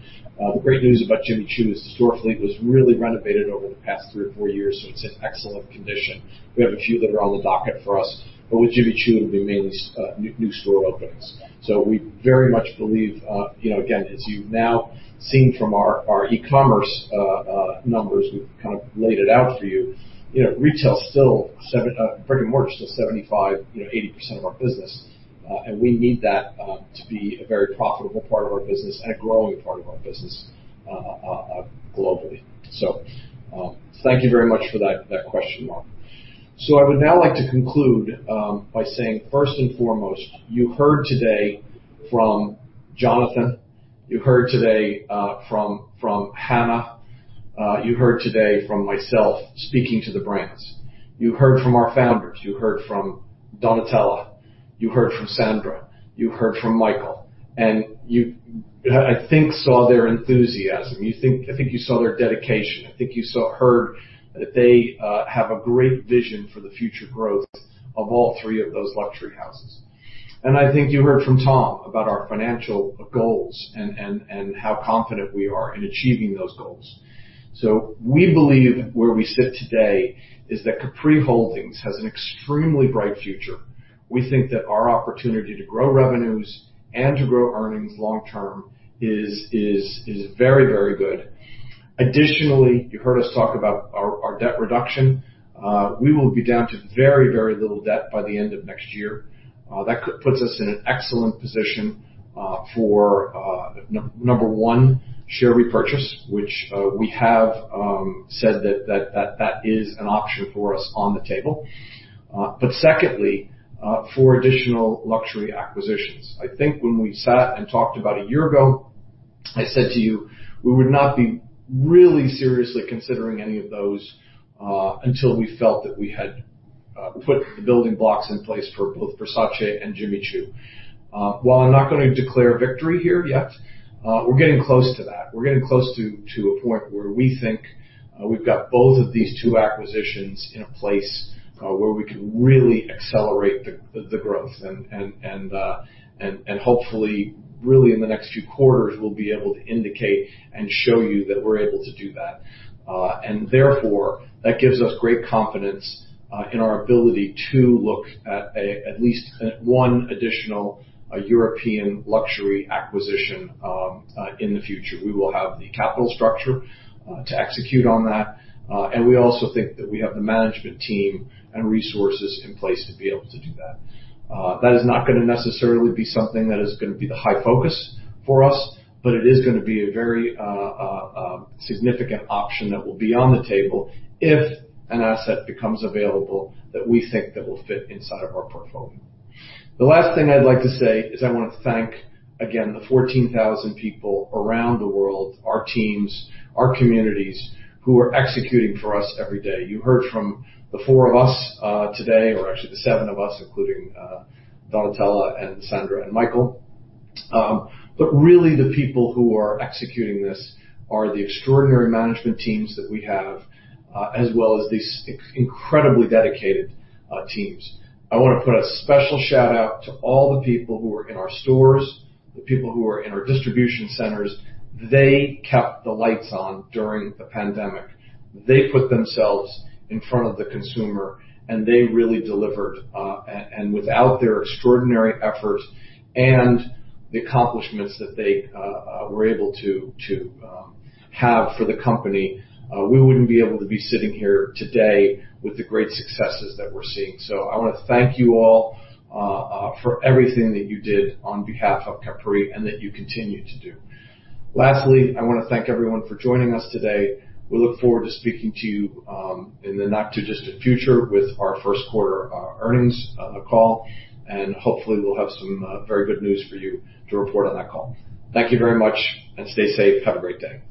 The great news about Jimmy Choo is the store fleet was really renovated over the past three or four years, so it's in excellent condition. We have a few that are on the docket for us. With Jimmy Choo, it'll be mainly new store openings. We very much believe, again, as you've now seen from our e-commerce numbers, we've kind of laid it out for you, retail is still pretty much still 75%-80% of our business, and we need that to be a very profitable part of our business and a growing part of our business globally. Thank you very much for that question, Mark. I would now like to conclude by saying, first and foremost, you heard today from Jonathan. You heard today from Hannah, you heard today from myself speaking to the brands, you heard from our founders, you heard from Donatella, you heard from Sandra, you heard from Michael, and you, I think, saw their enthusiasm. I think you saw their dedication. I think you heard that they have a great vision for the future growth of all three of those luxury houses. I think you heard from Tom about our financial goals and how confident we are in achieving those goals. We believe where we sit today is that Capri Holdings has an extremely bright future. We think that our opportunity to grow revenues and to grow earnings long term is very, very good. Additionally, you heard us talk about our debt reduction. We will be down to very, very little debt by the end of next year. That puts us in an excellent position for, number one, share repurchase, which we have said that is an option for us on the table. Secondly, for additional luxury acquisitions. I think when we sat and talked about a year ago, I said to you, we would not be really seriously considering any of those, until we felt that we had put the building blocks in place for both Versace and Jimmy Choo. While I'm not going to declare victory here yet, we're getting close to that. We're getting close to a point where we think we've got both of these two acquisitions in place, where we can really accelerate the growth and hopefully, really in the next few quarters, we'll be able to indicate and show you that we're able to do that. Therefore, that gives us great confidence in our ability to look at least at one additional European luxury acquisition in the future. We will have the capital structure to execute on that. We also think that we have the management team and resources in place to be able to do that. That is not going to necessarily be something that is going to be the high focus for us, but it is going to be a very significant option that will be on the table if an asset becomes available that we think that will fit inside of our portfolio. The last thing I'd like to say is I want to thank again the 14,000 people around the world, our teams, our communities, who are executing for us every day. You heard from the four of us today, or actually the seven of us, including Donatella and Sandra and Michael. Really the people who are executing this are the extraordinary management teams that we have, as well as the incredibly dedicated teams. I want to put a special shout-out to all the people who are in our stores, the people who are in our distribution centers. They kept the lights on during the pandemic. They put themselves in front of the consumer, they really delivered. Without their extraordinary efforts and the accomplishments that they were able to have for the company, we wouldn't be able to be sitting here today with the great successes that we're seeing. I want to thank you all for everything that you did on behalf of Capri and that you continue to do. Lastly, I want to thank everyone for joining us today. We look forward to speaking to you, in the not too distant future with our first quarter earnings on the call, hopefully, we'll have some very good news for you to report on that call. Thank you very much, and stay safe. Have a great day.